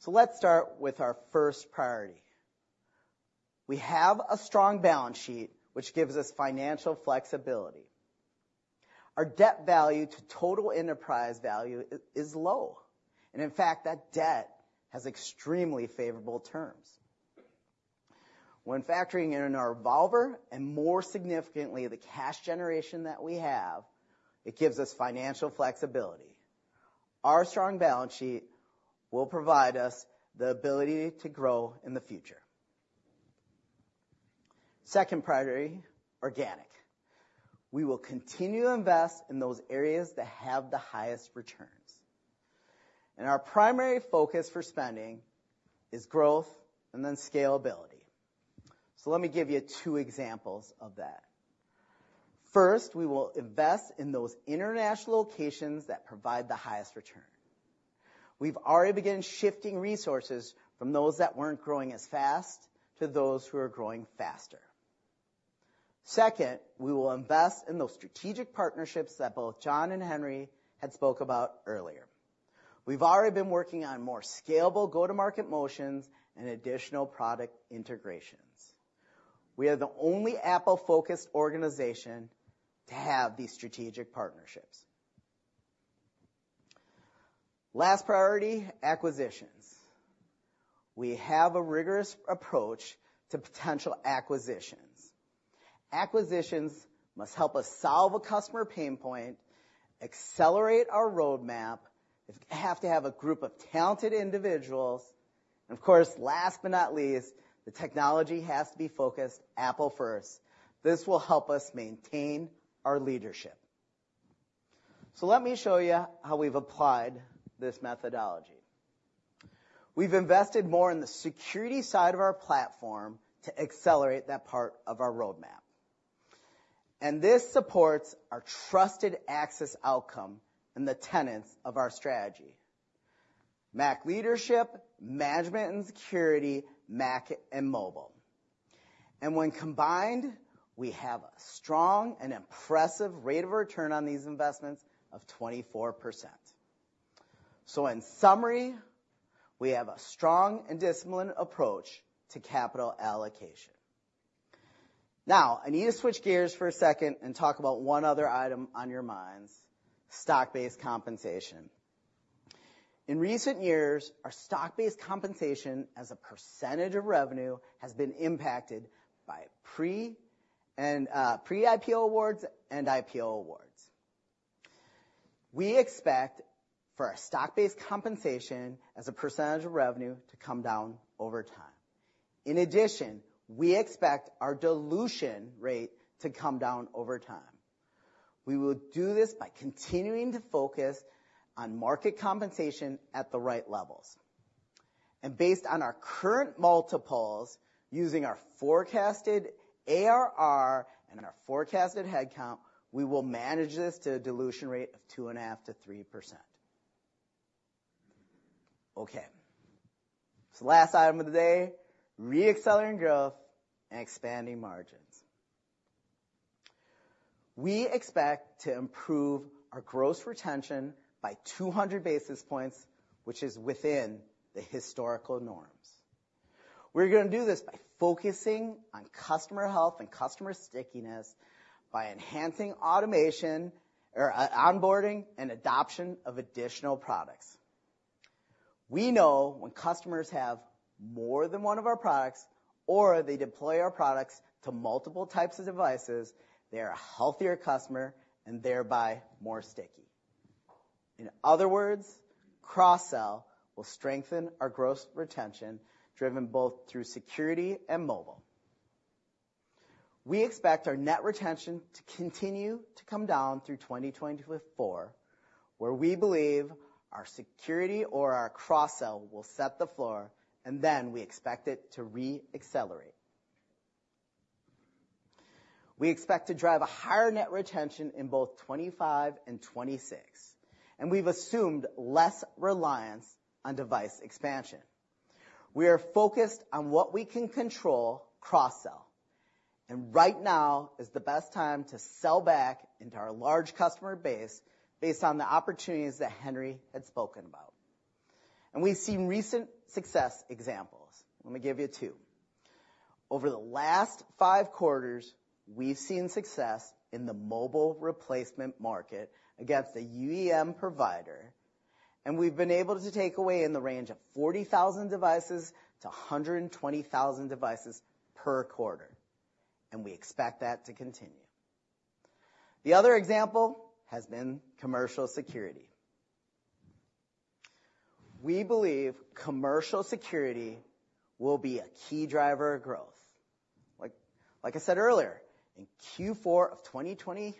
So let's start with our first priority. We have a strong balance sheet, which gives us financial flexibility. Our debt value to total enterprise value is low. And in fact, that debt has extremely favorable terms. When factoring in our revolver and, more significantly, the cash generation that we have, it gives us financial flexibility. Our strong balance sheet will provide us the ability to grow in the future. Second priority, organic. We will continue to invest in those areas that have the highest returns. Our primary focus for spending is growth and then scalability. Let me give you two examples of that. First, we will invest in those international locations that provide the highest return. We've already begun shifting resources from those that weren't growing as fast to those who are growing faster. Second, we will invest in those strategic partnerships that both John and Henry had spoken about earlier. We've already been working on more scalable go-to-market motions and additional product integrations. We are the only Apple-focused organization to have these strategic partnerships. Last priority, acquisitions. We have a rigorous approach to potential acquisitions. Acquisitions must help us solve a customer pain point, accelerate our roadmap, have to have a group of talented individuals. Of course, last but not least, the technology has to be focused Apple first. This will help us maintain our leadership. Let me show you how we've applied this methodology. We've invested more in the security side of our platform to accelerate that part of our roadmap. This supports our Trusted Access outcome and the tenets of our strategy: Mac leadership, management and security, Mac and mobile. When combined, we have a strong and impressive rate of return on these investments of 24%. In summary, we have a strong and disciplined approach to capital allocation. Now, I need to switch gears for a second and talk about one other item on your minds: stock-based compensation. In recent years, our stock-based compensation as a percentage of revenue has been impacted by pre-IPO awards and IPO awards. We expect for our stock-based compensation as a percentage of revenue to come down over time. In addition, we expect our dilution rate to come down over time. We will do this by continuing to focus on market compensation at the right levels. And based on our current multiples using our forecasted ARR and our forecasted headcount, we will manage this to a dilution rate of 2.5%-3%. Okay. So last item of the day, re-accelerating growth and expanding margins. We expect to improve our gross retention by 200 basis points, which is within the historical norms. We're going to do this by focusing on customer health and customer stickiness, by enhancing automation or onboarding and adoption of additional products. We know when customers have more than one of our products or they deploy our products to multiple types of devices, they are a healthier customer and thereby more sticky. In other words, cross-sell will strengthen our gross retention driven both through security and mobile. We expect our net retention to continue to come down through 2024, where we believe our security or our cross-sell will set the floor, and then we expect it to re-accelerate. We expect to drive a higher net retention in both 2025 and 2026. We've assumed less reliance on device expansion. We are focused on what we can control cross-sell. Right now is the best time to sell back into our large customer base based on the opportunities that Henry had spoken about. We've seen recent success examples. Let me give you two. Over the last five quarters, we've seen success in the mobile replacement market against a UEM provider. We've been able to take away in the range of 40,000-120,000 devices per quarter. We expect that to continue. The other example has been commercial security. We believe commercial security will be a key driver of growth. Like I said earlier, in Q4 of 2020,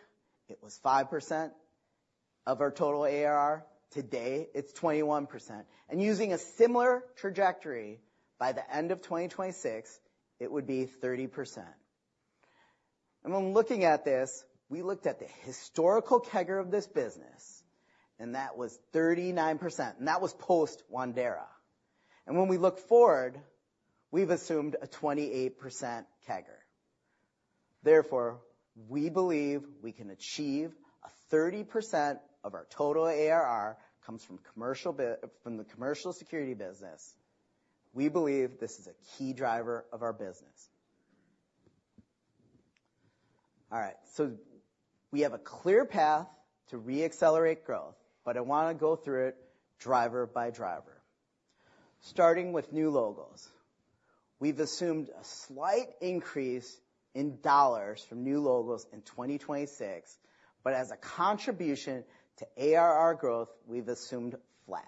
it was 5% of our total ARR. Today, it's 21%. Using a similar trajectory, by the end of 2026, it would be 30%. When looking at this, we looked at the historical CAGR of this business, and that was 39%. That was post-Wandera. When we look forward, we've assumed a 28% CAGR. Therefore, we believe we can achieve a 30% of our total ARR comes from the commercial security business. We believe this is a key driver of our business. All right. So we have a clear path to re-accelerate growth, but I want to go through it driver by driver. Starting with new logos, we've assumed a slight increase in dollars from new logos in 2026, but as a contribution to ARR growth, we've assumed flat.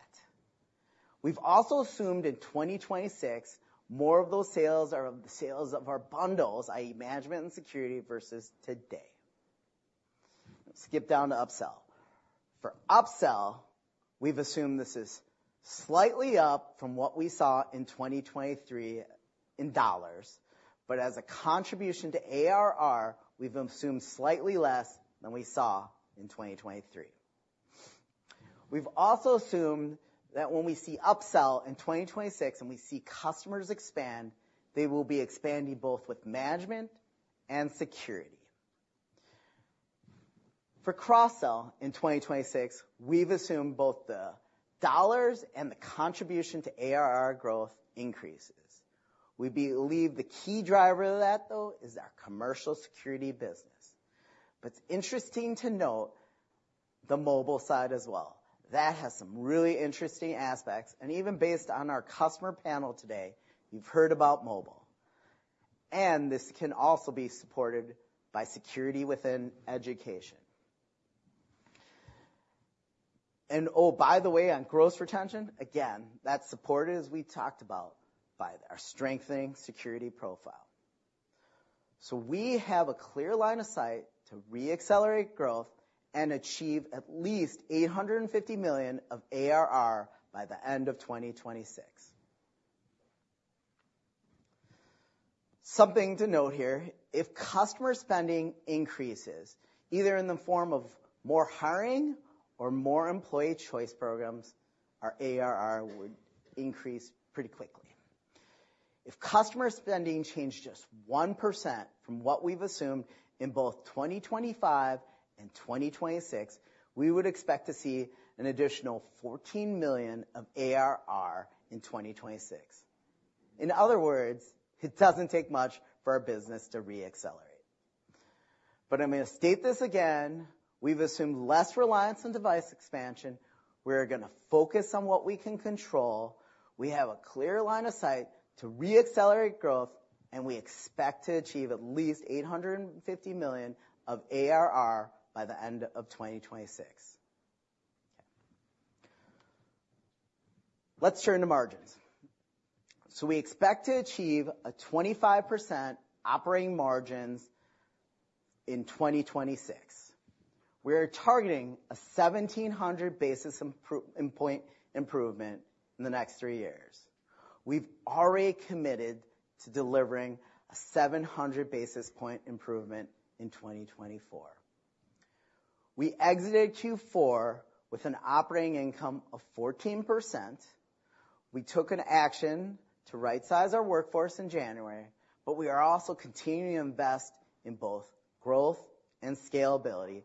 We've also assumed in 2026, more of those sales are of the sales of our bundles, i.e., management and security versus today. Skip down to upsell. For upsell, we've assumed this is slightly up from what we saw in 2023 in dollars. But as a contribution to ARR, we've assumed slightly less than we saw in 2023. We've also assumed that when we see upsell in 2026 and we see customers expand, they will be expanding both with management and security. For cross-sell in 2026, we've assumed both the dollars and the contribution to ARR growth increases. We believe the key driver of that, though, is our commercial security business. But it's interesting to note the mobile side as well. That has some really interesting aspects. And even based on our customer panel today, you've heard about mobile. And this can also be supported by security within education. And oh, by the way, on gross retention, again, that's supported, as we talked about, by our strengthening security profile. So we have a clear line of sight to re-accelerate growth and achieve at least $850 million of ARR by the end of 2026. Something to note here, if customer spending increases, either in the form of more hiring or more employee choice programs, our ARR would increase pretty quickly. If customer spending changed just 1% from what we've assumed in both 2025 and 2026, we would expect to see an additional $14 million of ARR in 2026. In other words, it doesn't take much for our business to re-accelerate. But I'm going to state this again. We've assumed less reliance on device expansion. We are going to focus on what we can control. We have a clear line of sight to re-accelerate growth, and we expect to achieve at least $850 million of ARR by the end of 2026. Okay. Let's turn to margins. So we expect to achieve a 25% operating margins in 2026. We are targeting a 1,700 basis point improvement in the next three years. We've already committed to delivering a 700 basis point improvement in 2024. We exited Q4 with an operating income of 14%. We took an action to right-size our workforce in January, but we are also continuing to invest in both growth and scalability.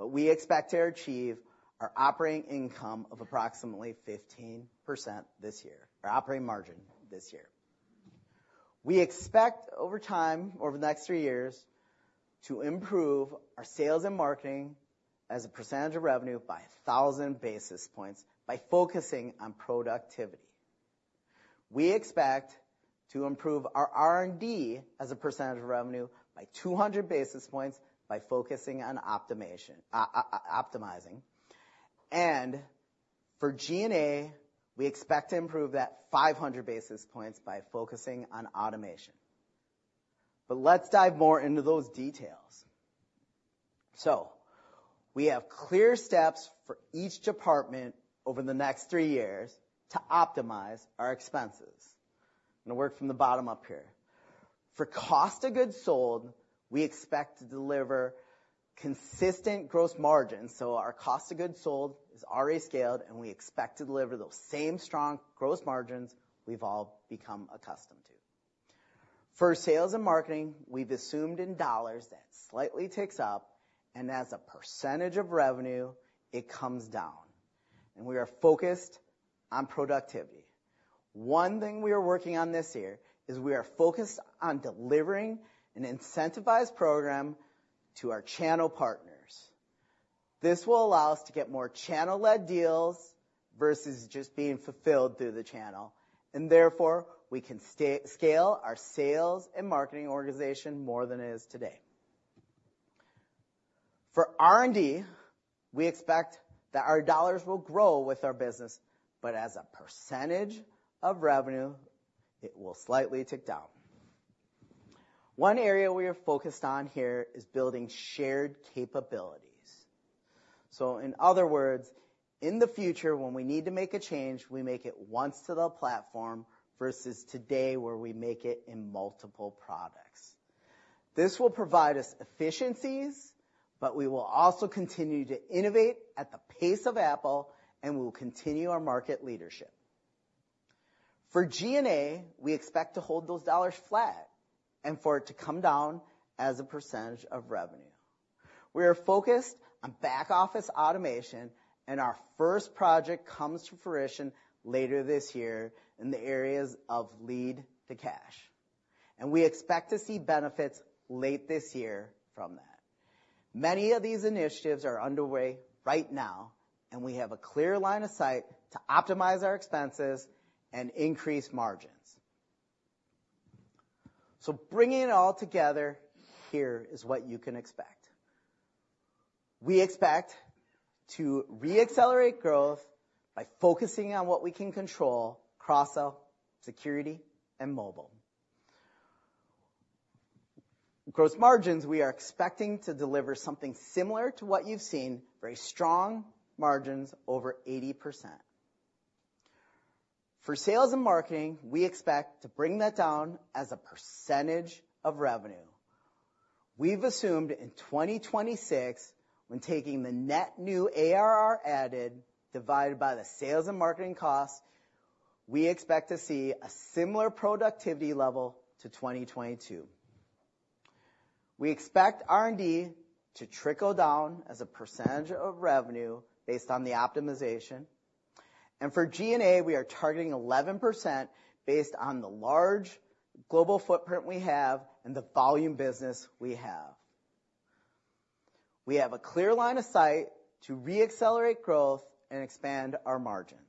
We expect to achieve our operating income of approximately 15% this year, our operating margin this year. We expect, over time, over the next three years, to improve our sales and marketing as a percentage of revenue by 1,000 basis points by focusing on productivity. We expect to improve our R&D as a percentage of revenue by 200 basis points by focusing on optimizing. For G&A, we expect to improve that 500 basis points by focusing on automation. Let's dive more into those details. We have clear steps for each department over the next three years to optimize our expenses. I'm going to work from the bottom up here. For cost of goods sold, we expect to deliver consistent gross margins. So our cost of goods sold is already scaled, and we expect to deliver those same strong gross margins we've all become accustomed to. For sales and marketing, we've assumed in dollars that it slightly ticks up. As a percentage of revenue, it comes down. We are focused on productivity. One thing we are working on this year is we are focused on delivering an incentivized program to our channel partners. This will allow us to get more channel-led deals versus just being fulfilled through the channel. Therefore, we can scale our sales and marketing organization more than it is today. For R&D, we expect that our dollars will grow with our business, but as a percentage of revenue, it will slightly tick down. One area we are focused on here is building shared capabilities. So in other words, in the future, when we need to make a change, we make it once to the platform versus today where we make it in multiple products. This will provide us efficiencies, but we will also continue to innovate at the pace of Apple, and we will continue our market leadership. For G&A, we expect to hold those dollars flat and for it to come down as a percentage of revenue. We are focused on back-office automation, and our first project comes to fruition later this year in the areas of Lead-to-Cash. And we expect to see benefits late this year from that. Many of these initiatives are underway right now, and we have a clear line of sight to optimize our expenses and increase margins. So bringing it all together, here is what you can expect. We expect to re-accelerate growth by focusing on what we can control: cross-sell, security, and mobile. Gross margins, we are expecting to deliver something similar to what you've seen: very strong margins over 80%. For sales and marketing, we expect to bring that down as a percentage of revenue. We've assumed in 2026, when taking the net new ARR added divided by the sales and marketing costs, we expect to see a similar productivity level to 2022. We expect R&D to trickle down as a percentage of revenue based on the optimization. And for G&A, we are targeting 11% based on the large global footprint we have and the volume business we have. We have a clear line of sight to re-accelerate growth and expand our margins.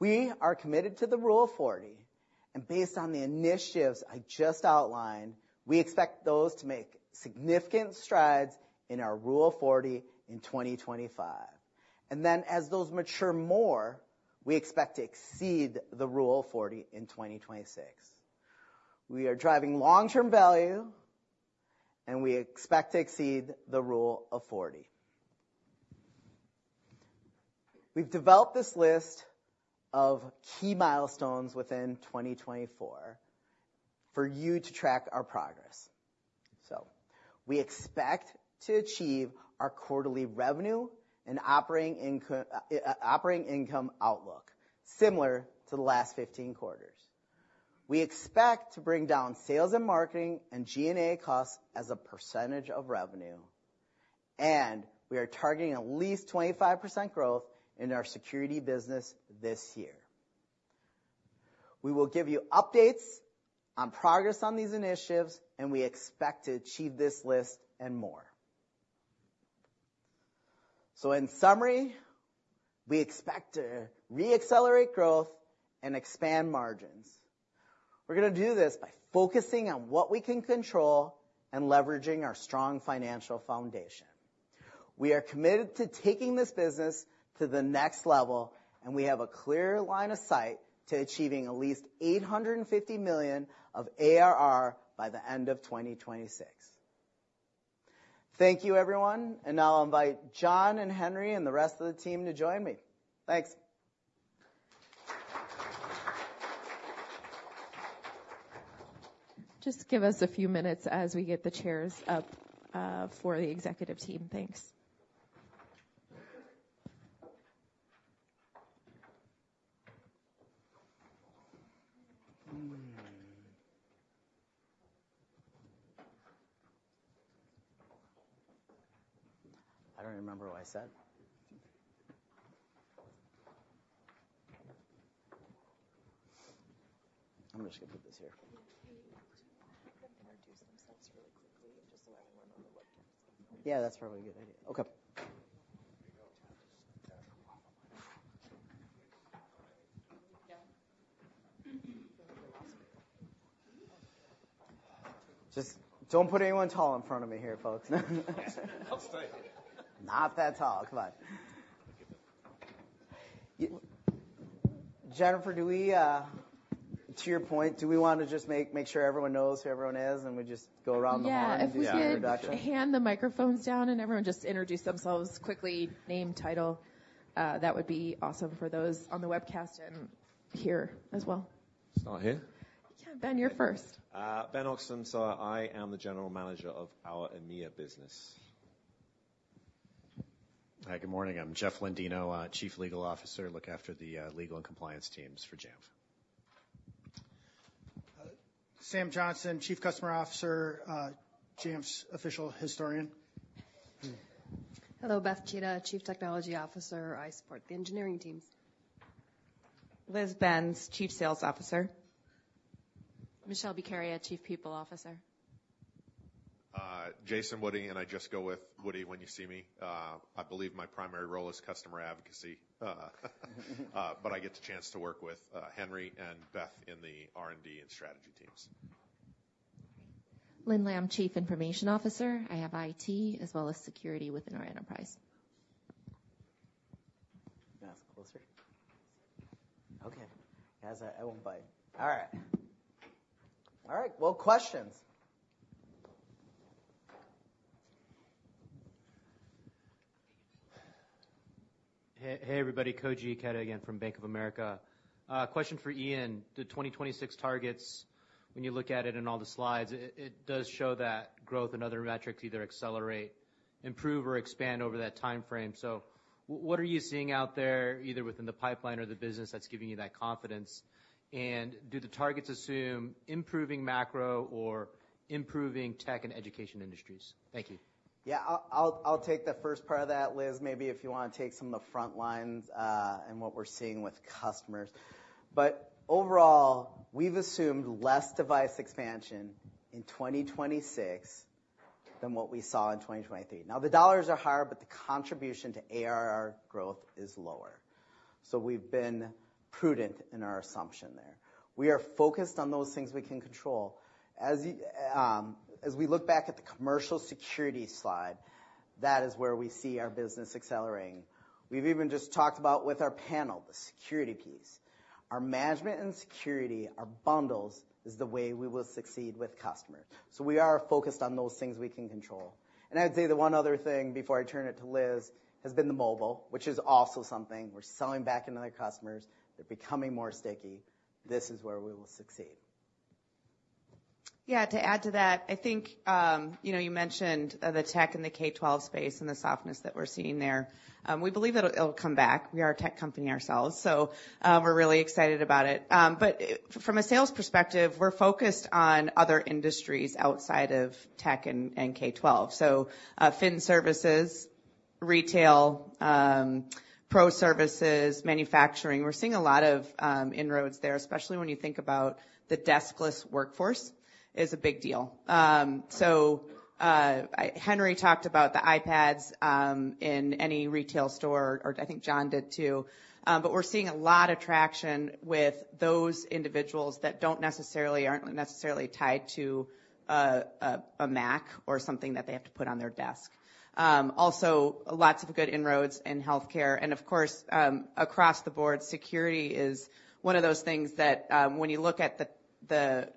We are committed to the Rule of 40. Based on the initiatives I just outlined, we expect those to make significant strides in our Rule of 40 in 2025. As those mature more, we expect to exceed the Rule of 40 in 2026. We are driving long-term value, and we expect to exceed the Rule of 40. We've developed this list of key milestones within 2024 for you to track our progress. We expect to achieve our quarterly revenue and operating income outlook similar to the last 15 quarters. We expect to bring down sales and marketing and G&A costs as a percentage of revenue. We are targeting at least 25% growth in our security business this year. We will give you updates on progress on these initiatives, and we expect to achieve this list and more. In summary, we expect to re-accelerate growth and expand margins. We're going to do this by focusing on what we can control and leveraging our strong financial foundation. We are committed to taking this business to the next level, and we have a clear line of sight to achieving at least $850 million of ARR by the end of 2026. Thank you, everyone. And now I'll invite John and Henry and the rest of the team to join me. Thanks. Just give us a few minutes as we get the chairs up for the executive team. Thanks. I don't remember what I said. I'm just going to put this here. Do you want them to introduce themselves really quickly, just so everyone on the webcam is on the right? Yeah, that's probably a good idea. Okay. Just don't put anyone tall in front of me here, folks. I'll stay here. Not that tall. Come on. Jennifer, to your point, do we want to just make sure everyone knows who everyone is, and we just go around the marketing production? Yeah. If we could hand the microphones down and everyone just introduce themselves quickly, name, title, that would be awesome for those on the webcast and here as well. It's not here? Yeah. Ben, you're first. I am the General Manager of our EMEA business. Hi. Good morning. I'm Jeff Lendino, Chief Legal Officer. I look after the legal and compliance teams for Jamf. Sam Johnson, Chief Customer Officer, Jamf's official historian. Hello. Beth Tschida, Chief Technology Officer. I support the engineering teams. Liz Benz, Chief Sales Officer. Michelle Bucaria, Chief People Officer. Jason Wudi, and I just go with Woody when you see me. I believe my primary role is customer advocacy, but I get the chance to work with Henry and Beth in the R&D and strategy teams. Linh Lam, Chief Information Officer. I have IT as well as security within our enterprise. Beth, closer? Okay. Guys, I won't bite. All right. All right. Well, questions? Hey, everybody. Koji Ikeda again from Bank of America. Question for Ian. The 2026 targets, when you look at it in all the slides, it does show that growth and other metrics either accelerate, improve, or expand over that time frame. So what are you seeing out there, either within the pipeline or the business, that's giving you that confidence? And do the targets assume improving macro or improving tech and education industries? Thank you. Yeah. I'll take the first part of that, Liz. Maybe if you want to take some of the front lines and what we're seeing with customers. But overall, we've assumed less device expansion in 2026 than what we saw in 2023. Now, the dollars are higher, but the contribution to ARR growth is lower. So we've been prudent in our assumption there. We are focused on those things we can control. As we look back at the commercial security slide, that is where we see our business accelerating. We've even just talked about with our panel, the security piece. Our management and security, our bundles, is the way we will succeed with customers. So we are focused on those things we can control. And I would say the one other thing before I turn it to Liz has been the mobile, which is also something. We're selling back into their customers. They're becoming more sticky. This is where we will succeed. Yeah. To add to that, I think you mentioned the tech and the K-12 space and the softness that we're seeing there. We believe that it'll come back. We are a tech company ourselves, so we're really excited about it. But from a sales perspective, we're focused on other industries outside of tech and K-12. So fin services, retail, pro services, manufacturing. We're seeing a lot of inroads there, especially when you think about the deskless workforce is a big deal. So Henry talked about the iPads in any retail store, or I think John did too. But we're seeing a lot of traction with those individuals that aren't necessarily tied to a Mac or something that they have to put on their desk. Also, lots of good inroads in healthcare. Of course, across the board, security is one of those things that when you look at the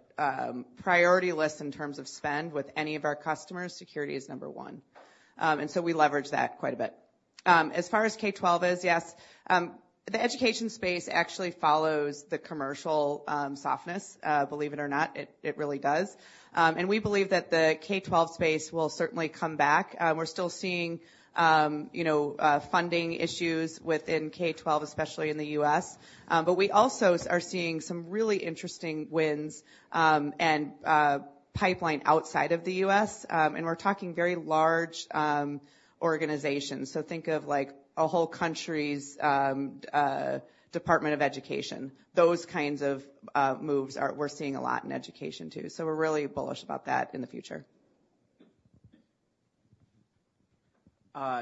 priority list in terms of spend with any of our customers, security is number one. So we leverage that quite a bit. As far as K-12 is, yes, the education space actually follows the commercial softness, believe it or not. It really does. We believe that the K-12 space will certainly come back. We're still seeing funding issues within K-12, especially in the U.S. But we also are seeing some really interesting wins and pipeline outside of the U.S. We're talking very large organizations. So think of a whole country's Department of Education. Those kinds of moves we're seeing a lot in education too. So we're really bullish about that in the future.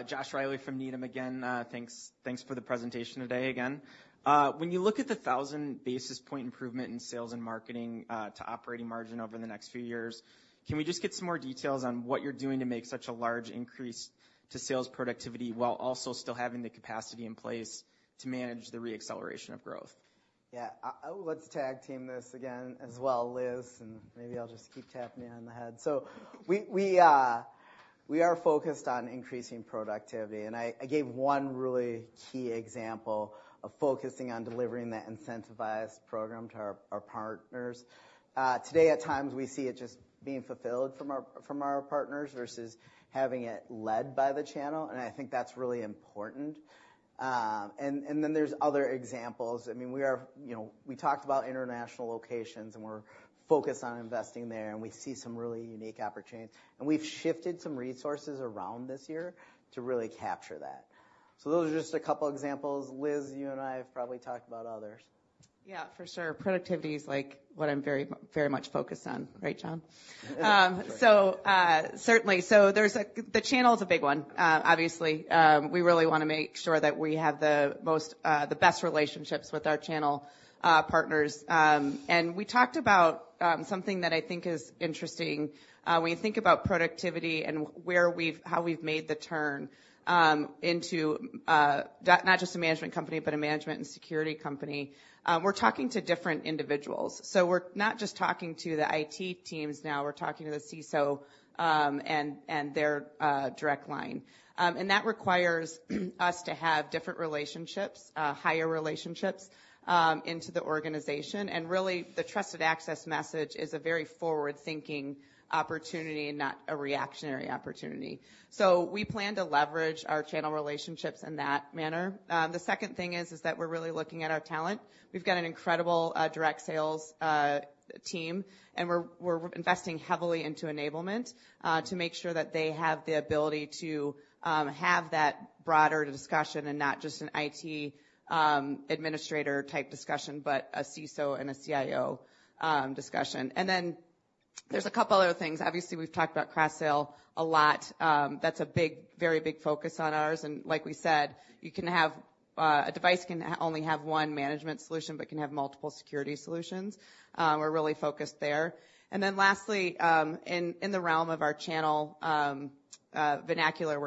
Josh Riley from Needham again. Thanks for the presentation today again. When you look at the 1,000 basis points improvement in sales and marketing to operating margin over the next few years, can we just get some more details on what you're doing to make such a large increase to sales productivity while also still having the capacity in place to manage the re-acceleration of growth? Yeah. Let's tag team this again as well, Liz, and maybe I'll just keep tapping you on the head. So we are focused on increasing productivity. And I gave one really key example of focusing on delivering that incentivized program to our partners. Today, at times, we see it just being fulfilled from our partners versus having it led by the channel. And I think that's really important. And then there's other examples. I mean, we talked about international locations, and we're focused on investing there. And we see some really unique opportunities. And we've shifted some resources around this year to really capture that. So those are just a couple of examples. Liz, you and I have probably talked about others. Yeah, for sure. Productivity is what I'm very much focused on, right, John? So certainly. So the channel is a big one, obviously. We really want to make sure that we have the best relationships with our channel partners. And we talked about something that I think is interesting. When you think about productivity and how we've made the turn into not just a management company, but a management and security company, we're talking to different individuals. So we're not just talking to the IT teams now. We're talking to the CISO and their direct line. And that requires us to have different relationships, higher relationships into the organization. And really, the Trusted Access message is a very forward-thinking opportunity and not a reactionary opportunity. So we plan to leverage our channel relationships in that manner. The second thing is that we're really looking at our talent. We've got an incredible direct sales team, and we're investing heavily into enablement to make sure that they have the ability to have that broader discussion and not just an IT administrator-type discussion, but a CISO and a CIO discussion. And then there's a couple other things. Obviously, we've talked about cross-sell a lot. That's a very big focus on ours. And like we said, a device can only have one management solution but can have multiple security solutions. We're really focused there. And then lastly, in the realm of our channel vernacular,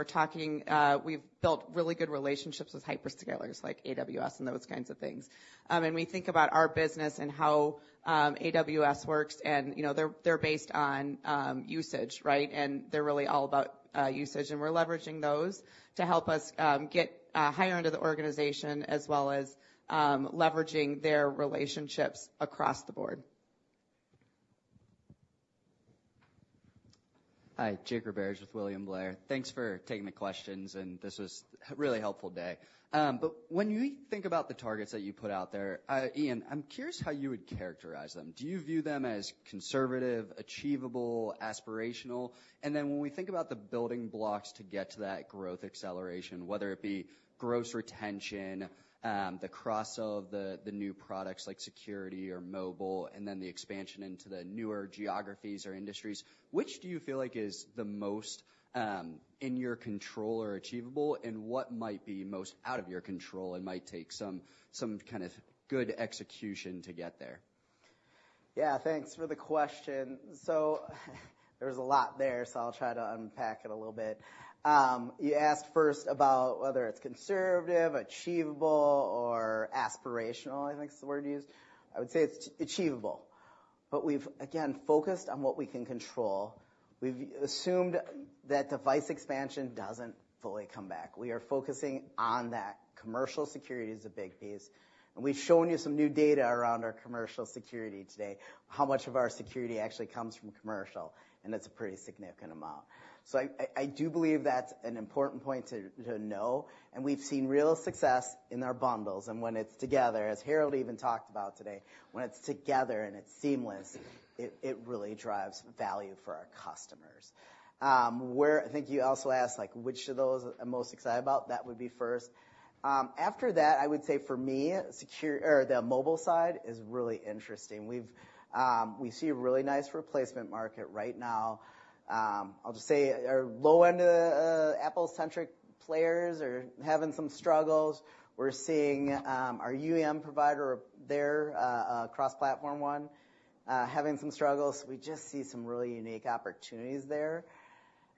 we've built really good relationships with hyperscalers like AWS and those kinds of things. And we think about our business and how AWS works. And they're based on usage, right? And they're really all about usage. And we're leveraging those to help us get higher into the organization as well as leveraging their relationships across the board. Hi. Jake Roberge with William Blair. Thanks for taking the questions, and this was a really helpful day. But when you think about the targets that you put out there, Ian, I'm curious how you would characterize them. Do you view them as conservative, achievable, aspirational? And then when we think about the building blocks to get to that growth acceleration, whether it be gross retention, the cross-sell of the new products like security or mobile, and then the expansion into the newer geographies or industries, which do you feel like is the most in your control or achievable, and what might be most out of your control and might take some kind of good execution to get there? Yeah. Thanks for the question. So there was a lot there, so I'll try to unpack it a little bit. You asked first about whether it's conservative, achievable, or aspirational. I think it's the word you used. I would say it's achievable. But we've, again, focused on what we can control. We've assumed that device expansion doesn't fully come back. We are focusing on that. Commercial security is a big piece. And we've shown you some new data around our commercial security today, how much of our security actually comes from commercial. And it's a pretty significant amount. So I do believe that's an important point to know. And we've seen real success in our bundles. And when it's together, as Harold even talked about today, when it's together and it's seamless, it really drives value for our customers. I think you also asked, which of those am I most excited about? That would be first. After that, I would say for me, the mobile side is really interesting. We see a really nice replacement market right now. I'll just say our low-end Apple-centric players are having some struggles. We're seeing our UEM provider, their cross-platform one, having some struggles. We just see some really unique opportunities there.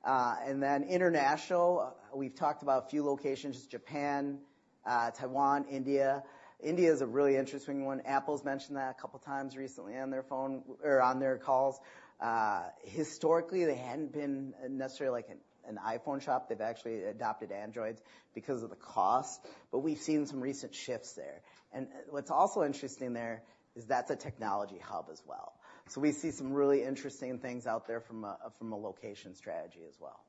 And then international, we've talked about a few locations, Japan, Taiwan, India. India is a really interesting one. Apple's mentioned that a couple of times recently on their calls. Historically, they hadn't been necessarily an iPhone shop. They've actually adopted Androids because of the cost. But we've seen some recent shifts there. And what's also interesting there is that's a technology hub as well. So we see some really interesting things out there from a location strategy as well.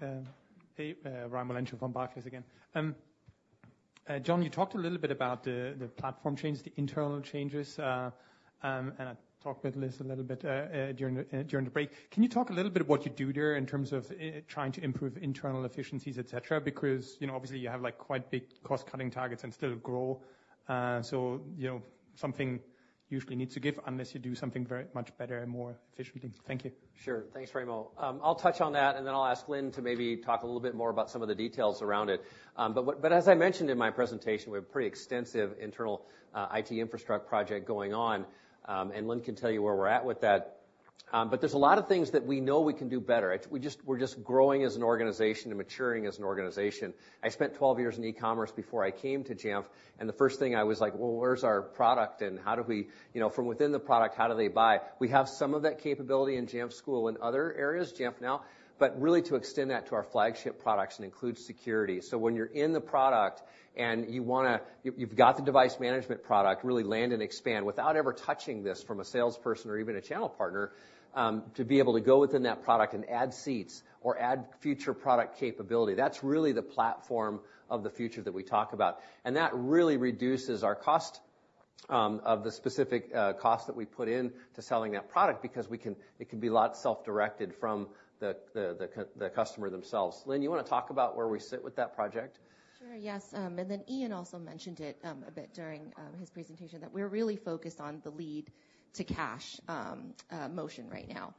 Hey. Raimo Lenschow from Barclays again. John, you talked a little bit about the platform changes, the internal changes. I talked with Liz a little bit during the break. Can you talk a little bit about what you do there in terms of trying to improve internal efficiencies, etc.? Because obviously, you have quite big cost-cutting targets and still grow. Something usually needs to give unless you do something very much better and more efficiently. Thank you. Sure. Thanks, Raimo. I'll touch on that, and then I'll ask Linh to maybe talk a little bit more about some of the details around it. As I mentioned in my presentation, we have a pretty extensive internal IT infrastructure project going on. Linh can tell you where we're at with that. There's a lot of things that we know we can do better. We're just growing as an organization and maturing as an organization. I spent 12 years in e-commerce before I came to Jamf. The first thing I was like, "Well, where's our product? And from within the product, how do they buy?" We have some of that capability in Jamf School and other areas, Jamf Now, but really to extend that to our flagship products and include security. So when you're in the product and you've got the device management product, really land and expand without ever touching this from a salesperson or even a channel partner to be able to go within that product and add seats or add future product capability. That's really the platform of the future that we talk about. And that really reduces our cost of the specific cost that we put in to selling that product because it can be a lot self-directed from the customer themselves. Linh, you want to talk about where we sit with that project? Sure. Yes. And then Ian also mentioned it a bit during his presentation that we're really focused on the lead-to-cash motion right now.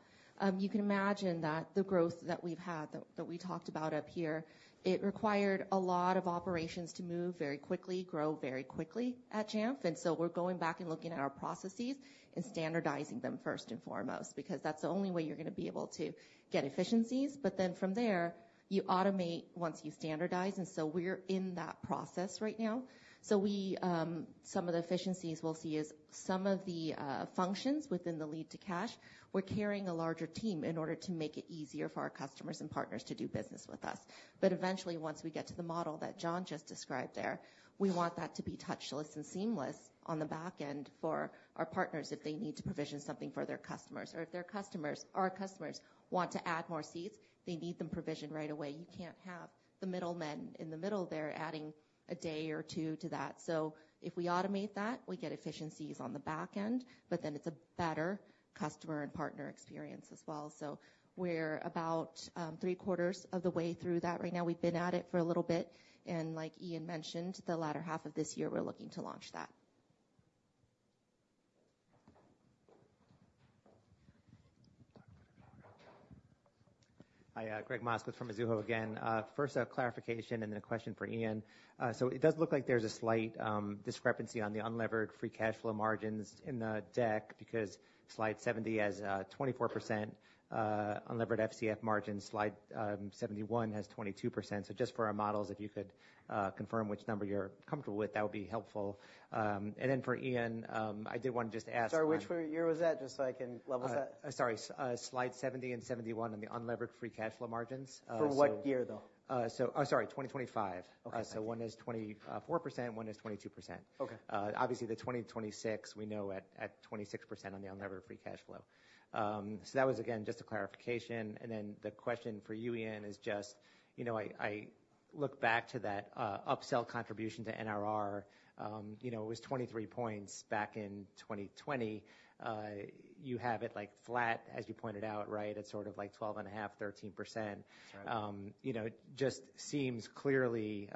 You can imagine that the growth that we've had that we talked about up here, it required a lot of operations to move very quickly, grow very quickly at Jamf. And so we're going back and looking at our processes and standardizing them first and foremost because that's the only way you're going to be able to get efficiencies. But then from there, you automate once you standardize. And so we're in that process right now. So some of the efficiencies we'll see is some of the functions within the lead-to-cash, we're carrying a larger team in order to make it easier for our customers and partners to do business with us. But eventually, once we get to the model that John just described there, we want that to be touchless and seamless on the back end for our partners if they need to provision something for their customers. Or if our customers want to add more seats, they need them provisioned right away. You can't have the middlemen in the middle there adding a day or two to that. So if we automate that, we get efficiencies on the back end, but then it's a better customer and partner experience as well. So we're about three-quarters of the way through that right now. We've been at it for a little bit. And like Ian mentioned, the latter half of this year, we're looking to launch that. Hi. Gregg Moskowitz from Mizuho again. First, a clarification and then a question for Ian. So it does look like there's a slight discrepancy on the unlevered free cash flow margins in the deck because slide 70 has 24% unlevered FCF margins. Slide 71 has 22%. So just for our models, if you could confirm which number you're comfortable with, that would be helpful. And then for Ian, I did want to just ask. Sorry. Which year was that? Just so I can level that. Sorry. Slide 70 and 71 on the unlevered free cash flow margins. For what year, though? Oh, sorry. 2025. So one is 24%, one is 22%. Okay Obviously, 2026, we know at 26% on the unlevered free cash flow. So that was, again, just a clarification. And then the question for you, Ian, is just I look back to that upsell contribution to NRR. It was 23 points back in 2020. You have it flat, as you pointed out, right? It's sort of like 12.5, 13%. Just seems clearly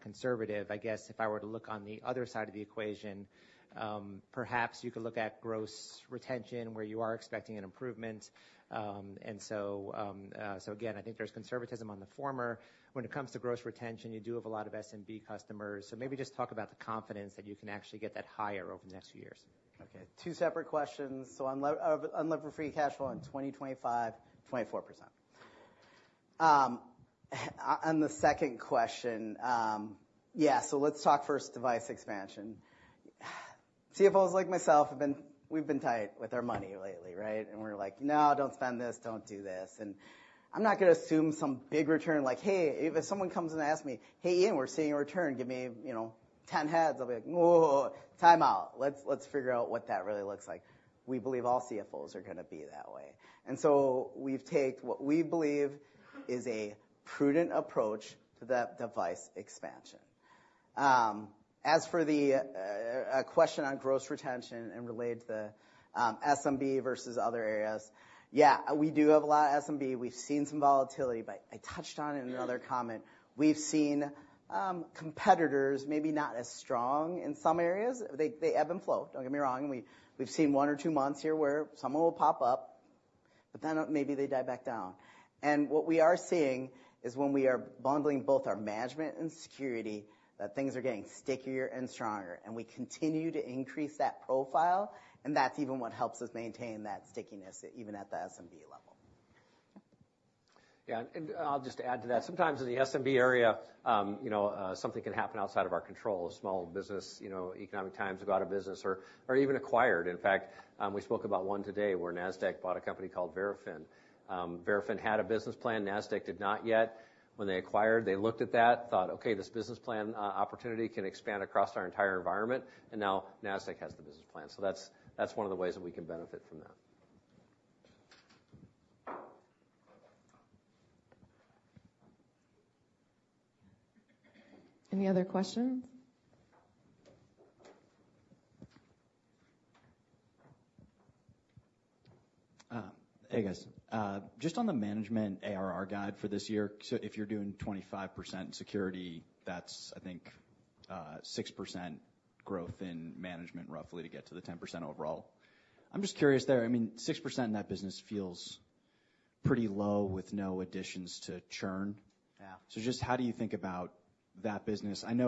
conservative. I guess if I were to look on the other side of the equation, perhaps you could look at gross retention where you are expecting an improvement. And so again, I think there's conservatism on the former. When it comes to gross retention, you do have a lot of SMB customers. So maybe just talk about the confidence that you can actually get that higher over the next few years. Okay. Two separate questions. So unlevered free cash flow in 2025, 24%. On the second question, yeah. So let's talk first, device expansion. CFOs like myself, we've been tight with our money lately, right? And we're like, "No, don't spend this. Don't do this." And I'm not going to assume some big return. Like, hey, if someone comes and asks me, "Hey, Ian, we're seeing a return. Give me 10 heads," I'll be like, "Whoa. Time out. Let's figure out what that really looks like." We believe all CFOs are going to be that way. And so we've taken what we believe is a prudent approach to that device expansion. As for the question on gross retention and related to the SMB versus other areas, yeah, we do have a lot of SMB. We've seen some volatility. But I touched on it in another comment. We've seen competitors maybe not as strong in some areas. They ebb and flow. Don't get me wrong. We've seen one or two months here where someone will pop up, but then maybe they die back down. What we are seeing is when we are bundling both our management and security, that things are getting stickier and stronger. We continue to increase that profile. That's even what helps us maintain that stickiness, even at the SMB level. Yeah. And I'll just add to that. Sometimes in the SMB area, something can happen outside of our control. A small business, economic times go out of business or even acquired. In fact, we spoke about one today where NASDAQ bought a company called Verafin. Verafin had a business plan. NASDAQ did not yet. When they acquired, they looked at that, thought, "Okay. This business plan opportunity can expand across our entire environment." And now NASDAQ has the business plan. So that's one of the ways that we can benefit from that. Any other questions? Hey, guys. Just on the management ARR guide for this year, so if you're doing 25% in security, that's, I think, 6% growth in management roughly to get to the 10% overall. I'm just curious there. I mean, 6% in that business feels pretty low with no additions to churn. So just how do you think about that business? And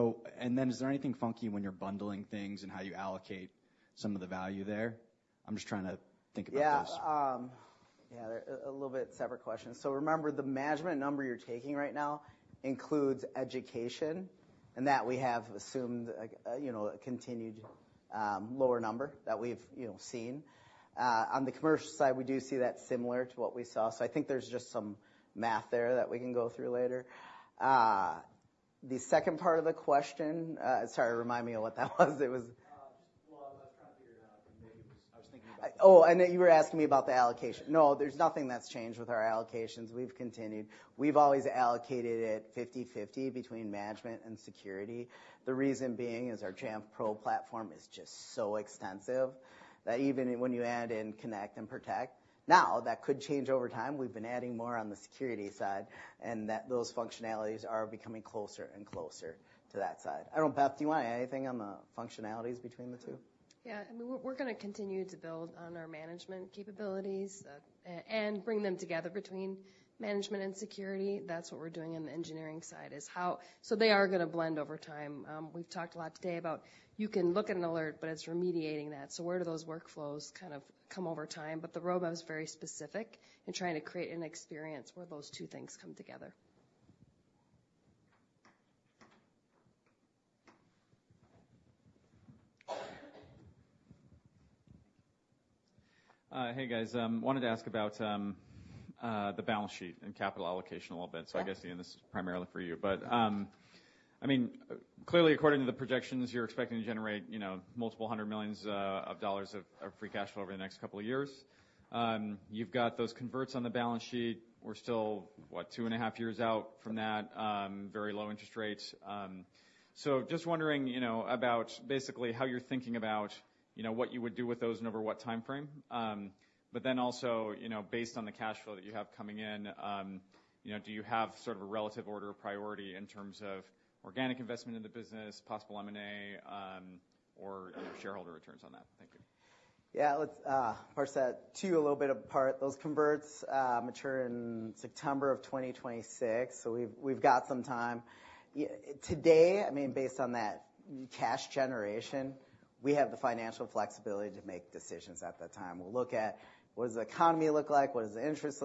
then is there anything funky when you're bundling things and how you allocate some of the value there? I'm just trying to think about those. Yeah. Yeah. A little bit separate question. So remember, the management number you're taking right now includes education. And that we have assumed a continued lower number that we've seen. On the commercial side, we do see that similar to what we saw. So I think there's just some math there that we can go through later. The second part of the question, sorry, remind me of what that was. It was. Well, I was trying to figure it out. And maybe it was. I was thinking about. Oh, and you were asking me about the allocation. No, there's nothing that's changed with our allocations. We've continued. We've always allocated it 50/50 between management and security. The reason being is our Jamf Pro platform is just so extensive that even when you add in Connect and Protect. Now, that could change over time. We've been adding more on the security side and that those functionalities are becoming closer and closer to that side. I don't know, Beth, do you want to add anything on the functionalities between the two? Yeah. I mean, we're going to continue to build on our management capabilities and bring them together between management and security. That's what we're doing on the engineering side is how so they are going to blend over time. We've talked a lot today about you can look at an alert, but it's remediating that. So where do those workflows kind of come over time? But the roadmap is very specific in trying to create an experience where those two things come together. Hey, guys. Wanted to ask about the balance sheet and capital allocation a little bit. So I guess, Ian, this is primarily for you. But I mean, clearly, according to the projections, you're expecting to generate multiple hundreds of millions of free cash flow over the next couple of years. You've got those converts on the balance sheet. We're still, what, 2.5 years out from that, very low interest rates. So just wondering about basically how you're thinking about what you would do with those and over what time frame. But then also, based on the cash flow that you have coming in, do you have sort of a relative order of priority in terms of organic investment in the business, possible M&A, or shareholder returns on that? Thank you. Yeah. Let's parse that out a little bit apart. Those convertibles mature in September of 2026. So we've got some time. Today, I mean, based on that cash generation, we have the financial flexibility to make decisions at that time. We'll look at what does the economy look like? What does the interest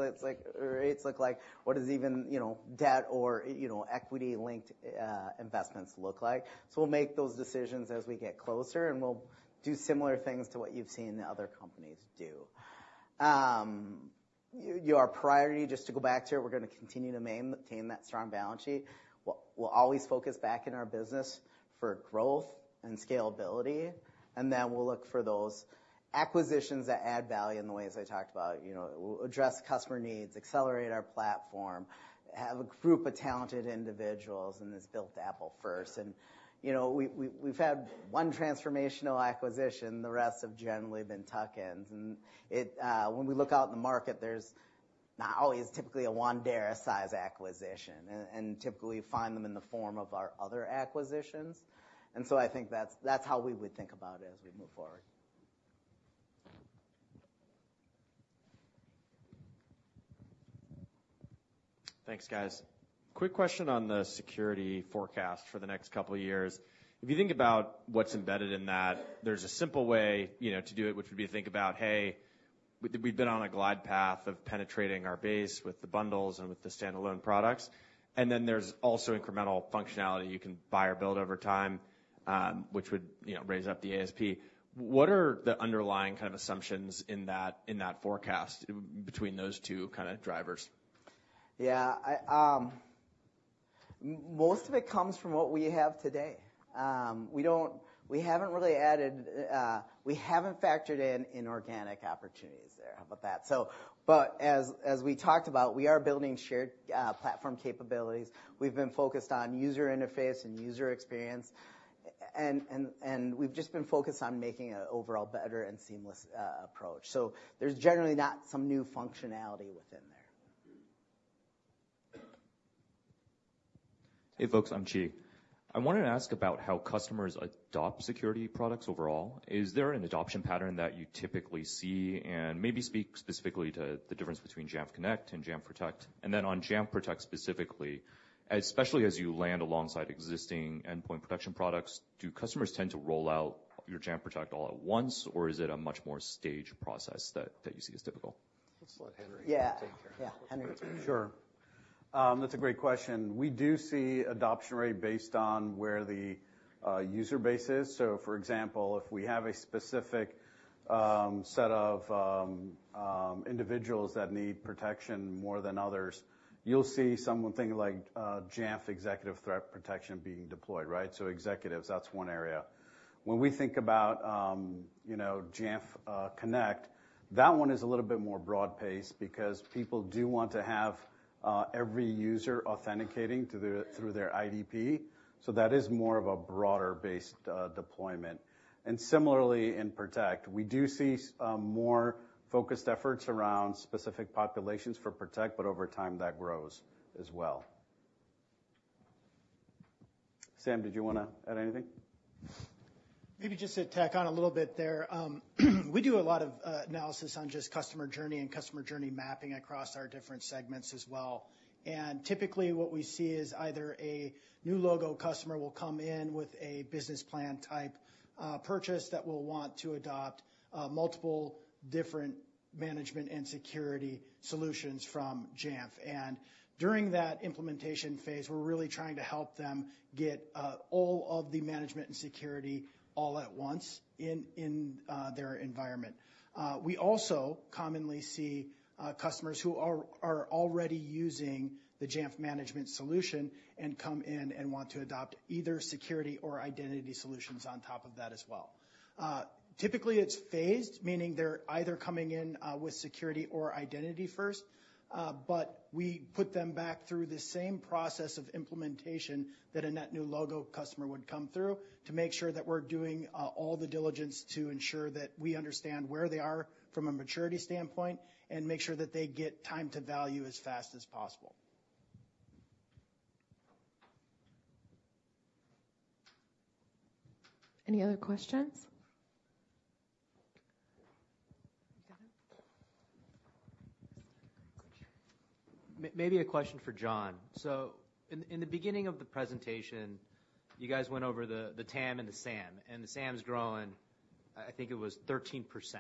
rates look like? What does even debt or equity-linked investments look like? So we'll make those decisions as we get closer. And we'll do similar things to what you've seen the other companies do. Our priority, just to go back to it, we're going to continue to maintain that strong balance sheet. We'll always focus back in our business for growth and scalability. And then we'll look for those acquisitions that add value in the ways I talked about. We'll address customer needs, accelerate our platform, have a group of talented individuals. And it's built Apple first. We've had one transformational acquisition. The rest have generally been tuck-ins. When we look out in the market, there's not always typically a Wandera-sized acquisition. Typically, we find them in the form of our other acquisitions. So I think that's how we would think about it as we move forward. Thanks, guys. Quick question on the security forecast for the next couple of years. If you think about what's embedded in that, there's a simple way to do it, which would be to think about, "Hey, we've been on a glide path of penetrating our base with the bundles and with the standalone products." And then there's also incremental functionality. You can buy or build over time, which would raise up the ASP. What are the underlying kind of assumptions in that forecast between those two kind of drivers? Yeah. Most of it comes from what we have today. We haven't really added. We haven't factored in inorganic opportunities there. How about that? But as we talked about, we are building shared platform capabilities. We've been focused on user interface and user experience. And we've just been focused on making an overall better and seamless approach. So there's generally not some new functionality within there. Hey, folks. I'm Chi. I wanted to ask about how customers adopt security products overall. Is there an adoption pattern that you typically see? And maybe speak specifically to the difference between Jamf Connect and Jamf Protect. And then on Jamf Protect specifically, especially as you land alongside existing endpoint protection products, do customers tend to roll out your Jamf Protect all at once? Or is it a much more staged process that you see as typical? Let's let Henry take care of that. Yeah. Henry. Sure. That's a great question. We do see adoption rate based on where the user base is. So for example, if we have a specific set of individuals that need protection more than others, you'll see something like Jamf Executive Threat Protection being deployed, right? So executives, that's one area. When we think about Jamf Connect, that one is a little bit more broad-based because people do want to have every user authenticating through their IDP. So that is more of a broader-based deployment. And similarly, in Protect, we do see more focused efforts around specific populations for Protect. But over time, that grows as well. Sam, did you want to add anything? Maybe just to tack on a little bit there. We do a lot of analysis on just customer journey and customer journey mapping across our different segments as well. Typically, what we see is either a new logo customer will come in with a business plan-type purchase that will want to adopt multiple different management and security solutions from Jamf. During that implementation phase, we're really trying to help them get all of the management and security all at once in their environment. We also commonly see customers who are already using the Jamf management solution and come in and want to adopt either security or identity solutions on top of that as well. Typically, it's phased, meaning they're either coming in with security or identity first. But we put them back through the same process of implementation that a net new logo customer would come through to make sure that we're doing all the diligence to ensure that we understand where they are from a maturity standpoint and make sure that they get time to value as fast as possible. Any other questions? Maybe a question for John. In the beginning of the presentation, you guys went over the TAM and the SAM. The SAM's growing, I think it was 13%.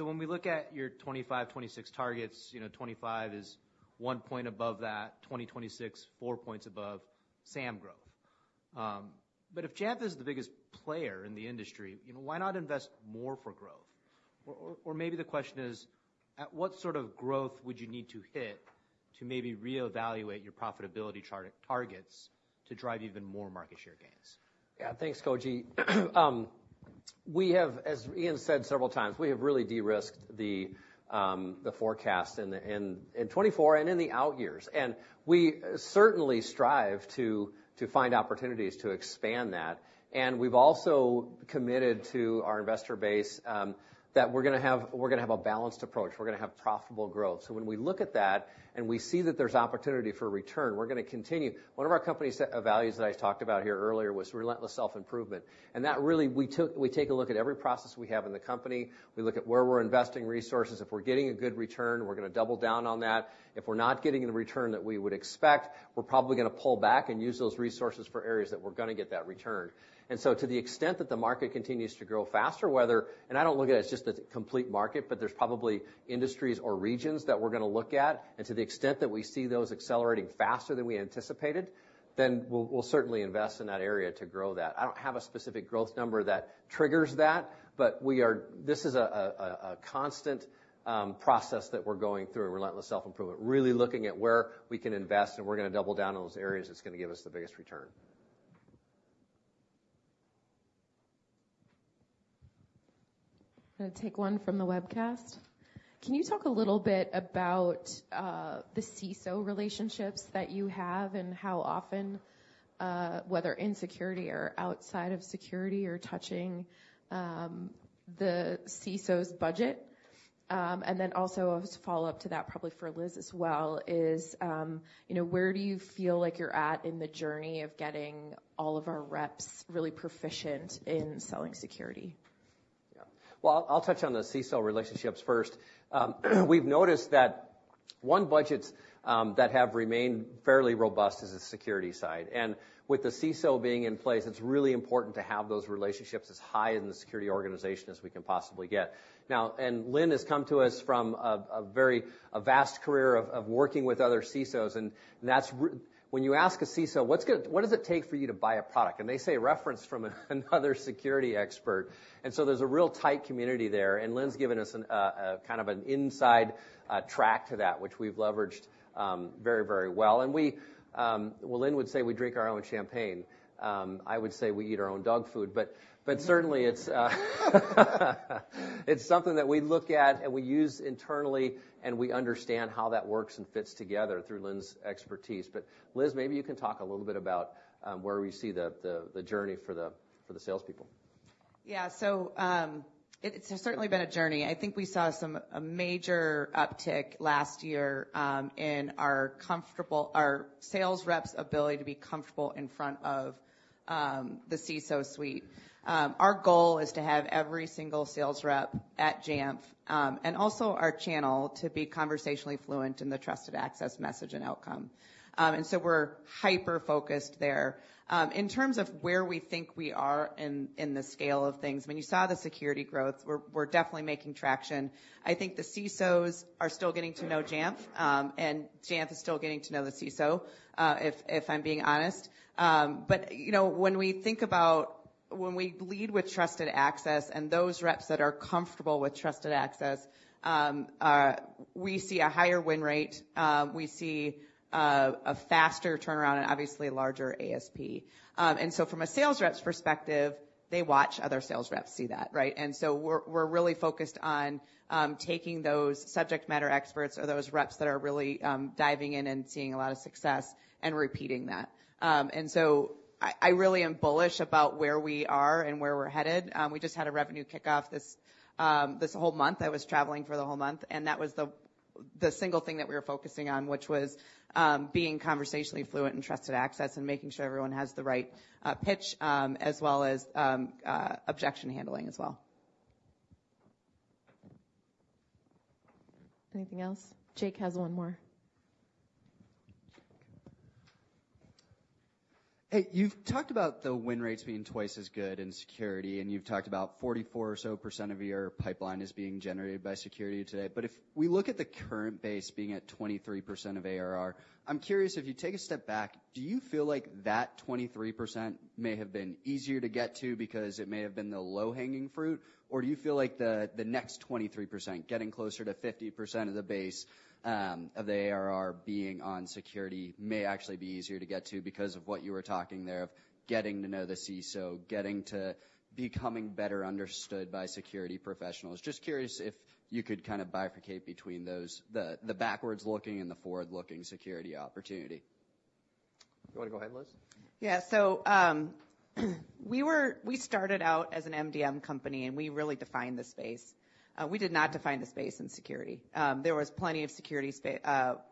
When we look at your 2025, 2026 targets, 2025 is one point above that, 2026 four points above SAM growth. If Jamf is the biggest player in the industry, why not invest more for growth? Or maybe the question is, at what sort of growth would you need to hit to maybe reevaluate your profitability targets to drive even more market share gains? Yeah. Thanks, Koji. As Ian said several times, we have really de-risked the forecast in 2024 and in the out years. And we certainly strive to find opportunities to expand that. And we've also committed to our investor base that we're going to have a balanced approach. We're going to have profitable growth. So when we look at that and we see that there's opportunity for return, we're going to continue. One of our company values that I talked about here earlier was relentless self-improvement. And that really, we take a look at every process we have in the company. We look at where we're investing resources. If we're getting a good return, we're going to double down on that. If we're not getting the return that we would expect, we're probably going to pull back and use those resources for areas that we're going to get that return. To the extent that the market continues to grow faster, whether and I don't look at it as just a complete market, but there's probably industries or regions that we're going to look at. To the extent that we see those accelerating faster than we anticipated, then we'll certainly invest in that area to grow that. I don't have a specific growth number that triggers that. This is a constant process that we're going through, relentless self-improvement, really looking at where we can invest. We're going to double down on those areas that's going to give us the biggest return. I'm going to take one from the webcast. Can you talk a little bit about the CISO relationships that you have and how often, whether in security or outside of security, you're touching the CISO's budget? And then also, as a follow-up to that, probably for Liz as well, is where do you feel like you're at in the journey of getting all of our reps really proficient in selling security? Yeah. Well, I'll touch on the CISO relationships first. We've noticed that one budget that have remained fairly robust is the security side. With the CISO being in place, it's really important to have those relationships as high in the security organization as we can possibly get. Now, Linh has come to us from a very vast career of working with other CISOs. When you ask a CISO, "What does it take for you to buy a product?" They say, "Reference from another security expert." So there's a real tight community there. Linh's given us kind of an inside track to that, which we've leveraged very, very well. Well, Linh would say we drink our own champagne. I would say we eat our own dog food. But certainly, it's something that we look at and we use internally. We understand how that works and fits together through Linh's expertise. Liz, maybe you can talk a little bit about where we see the journey for the salespeople. Yeah. So it's certainly been a journey. I think we saw some major uptick last year in our sales reps' ability to be comfortable in front of the CISO suite. Our goal is to have every single sales rep at Jamf and also our channel to be conversationally fluent in the Trusted Access message and outcome. And so we're hyper-focused there. In terms of where we think we are in the scale of things, I mean, you saw the security growth. We're definitely making traction. I think the CISOs are still getting to know Jamf. And Jamf is still getting to know the CISO, if I'm being honest. But when we think about when we lead with Trusted Access and those reps that are comfortable with Trusted Access, we see a higher win rate. We see a faster turnaround and obviously a larger ASP. And so from a sales rep's perspective, they watch other sales reps see that, right? And so we're really focused on taking those subject matter experts or those reps that are really diving in and seeing a lot of success and repeating that. And so I really am bullish about where we are and where we're headed. We just had a revenue kickoff this whole month. I was traveling for the whole month. And that was the single thing that we were focusing on, which was being conversationally fluent in Trusted Access and making sure everyone has the right pitch as well as objection handling as well. Anything else? Jake has one more. Hey. You've talked about the win rates being twice as good in security. And you've talked about 44% or so of your pipeline being generated by security today. But if we look at the current base being at 23% of ARR, I'm curious, if you take a step back, do you feel like that 23% may have been easier to get to because it may have been the low-hanging fruit? Or do you feel like the next 23%, getting closer to 50% of the base of the ARR being on security, may actually be easier to get to because of what you were talking there of getting to know the CISO, getting to becoming better understood by security professionals? Just curious if you could kind of bifurcate between the backwards-looking and the forward-looking security opportunity. You want to go ahead, Liz? Yeah. So we started out as an MDM company. We really defined the space. We did not define the space in security. There was plenty of security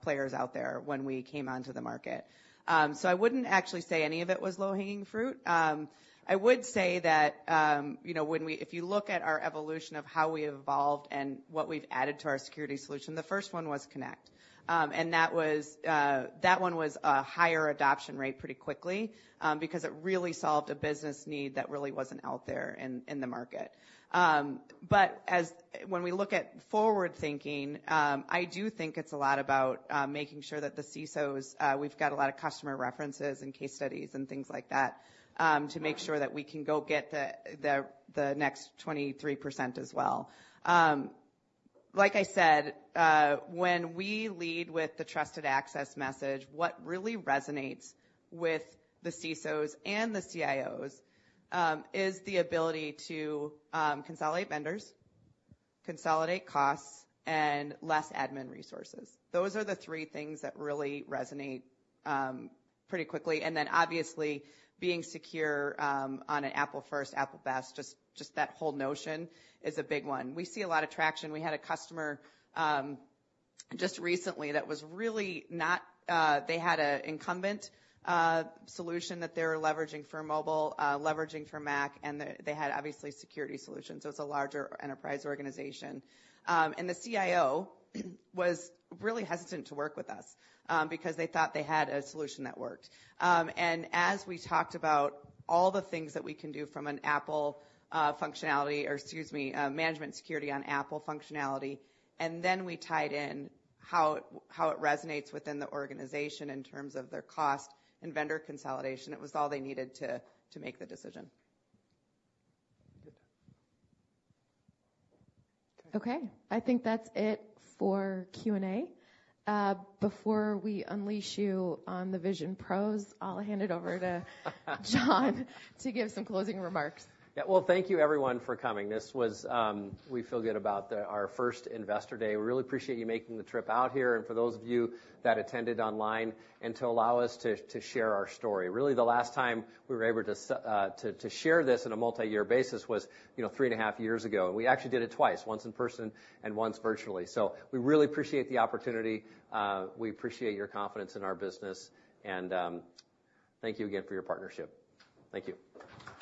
players out there when we came onto the market. So I wouldn't actually say any of it was low-hanging fruit. I would say that when we, if you look at our evolution of how we've evolved and what we've added to our security solution, the first one was Connect. That one was a higher adoption rate pretty quickly because it really solved a business need that really wasn't out there in the market. But when we look at forward-thinking, I do think it's a lot about making sure that the CISOs, we've got a lot of customer references and case studies and things like that to make sure that we can go get the next 23% as well. Like I said, when we lead with the Trusted Access message, what really resonates with the CISOs and the CIOs is the ability to consolidate vendors, consolidate costs, and less admin resources. Those are the three things that really resonate pretty quickly. And then obviously, being secure on an Apple-first, Apple-best, just that whole notion is a big one. We see a lot of traction. We had a customer just recently that was really not they had an incumbent solution that they were leveraging for mobile, leveraging for Mac. And they had obviously security solutions. So it's a larger enterprise organization. And the CIO was really hesitant to work with us because they thought they had a solution that worked. As we talked about all the things that we can do from an Apple functionality or, excuse me, management security on Apple functionality, and then we tied in how it resonates within the organization in terms of their cost and vendor consolidation, it was all they needed to make the decision. Good. Okay. I think that's it for Q&A. Before we unleash you on the Vision Pros, I'll hand it over to John to give some closing remarks. Yeah. Well, thank you, everyone, for coming. We feel good about our first Investor Day. We really appreciate you making the trip out here. For those of you that attended online and to allow us to share our story, really, the last time we were able to share this on a multi-year basis was three and a half years ago. We actually did it twice, once in person and once virtually. We really appreciate the opportunity. We appreciate your confidence in our business. Thank you again for your partnership. Thank you.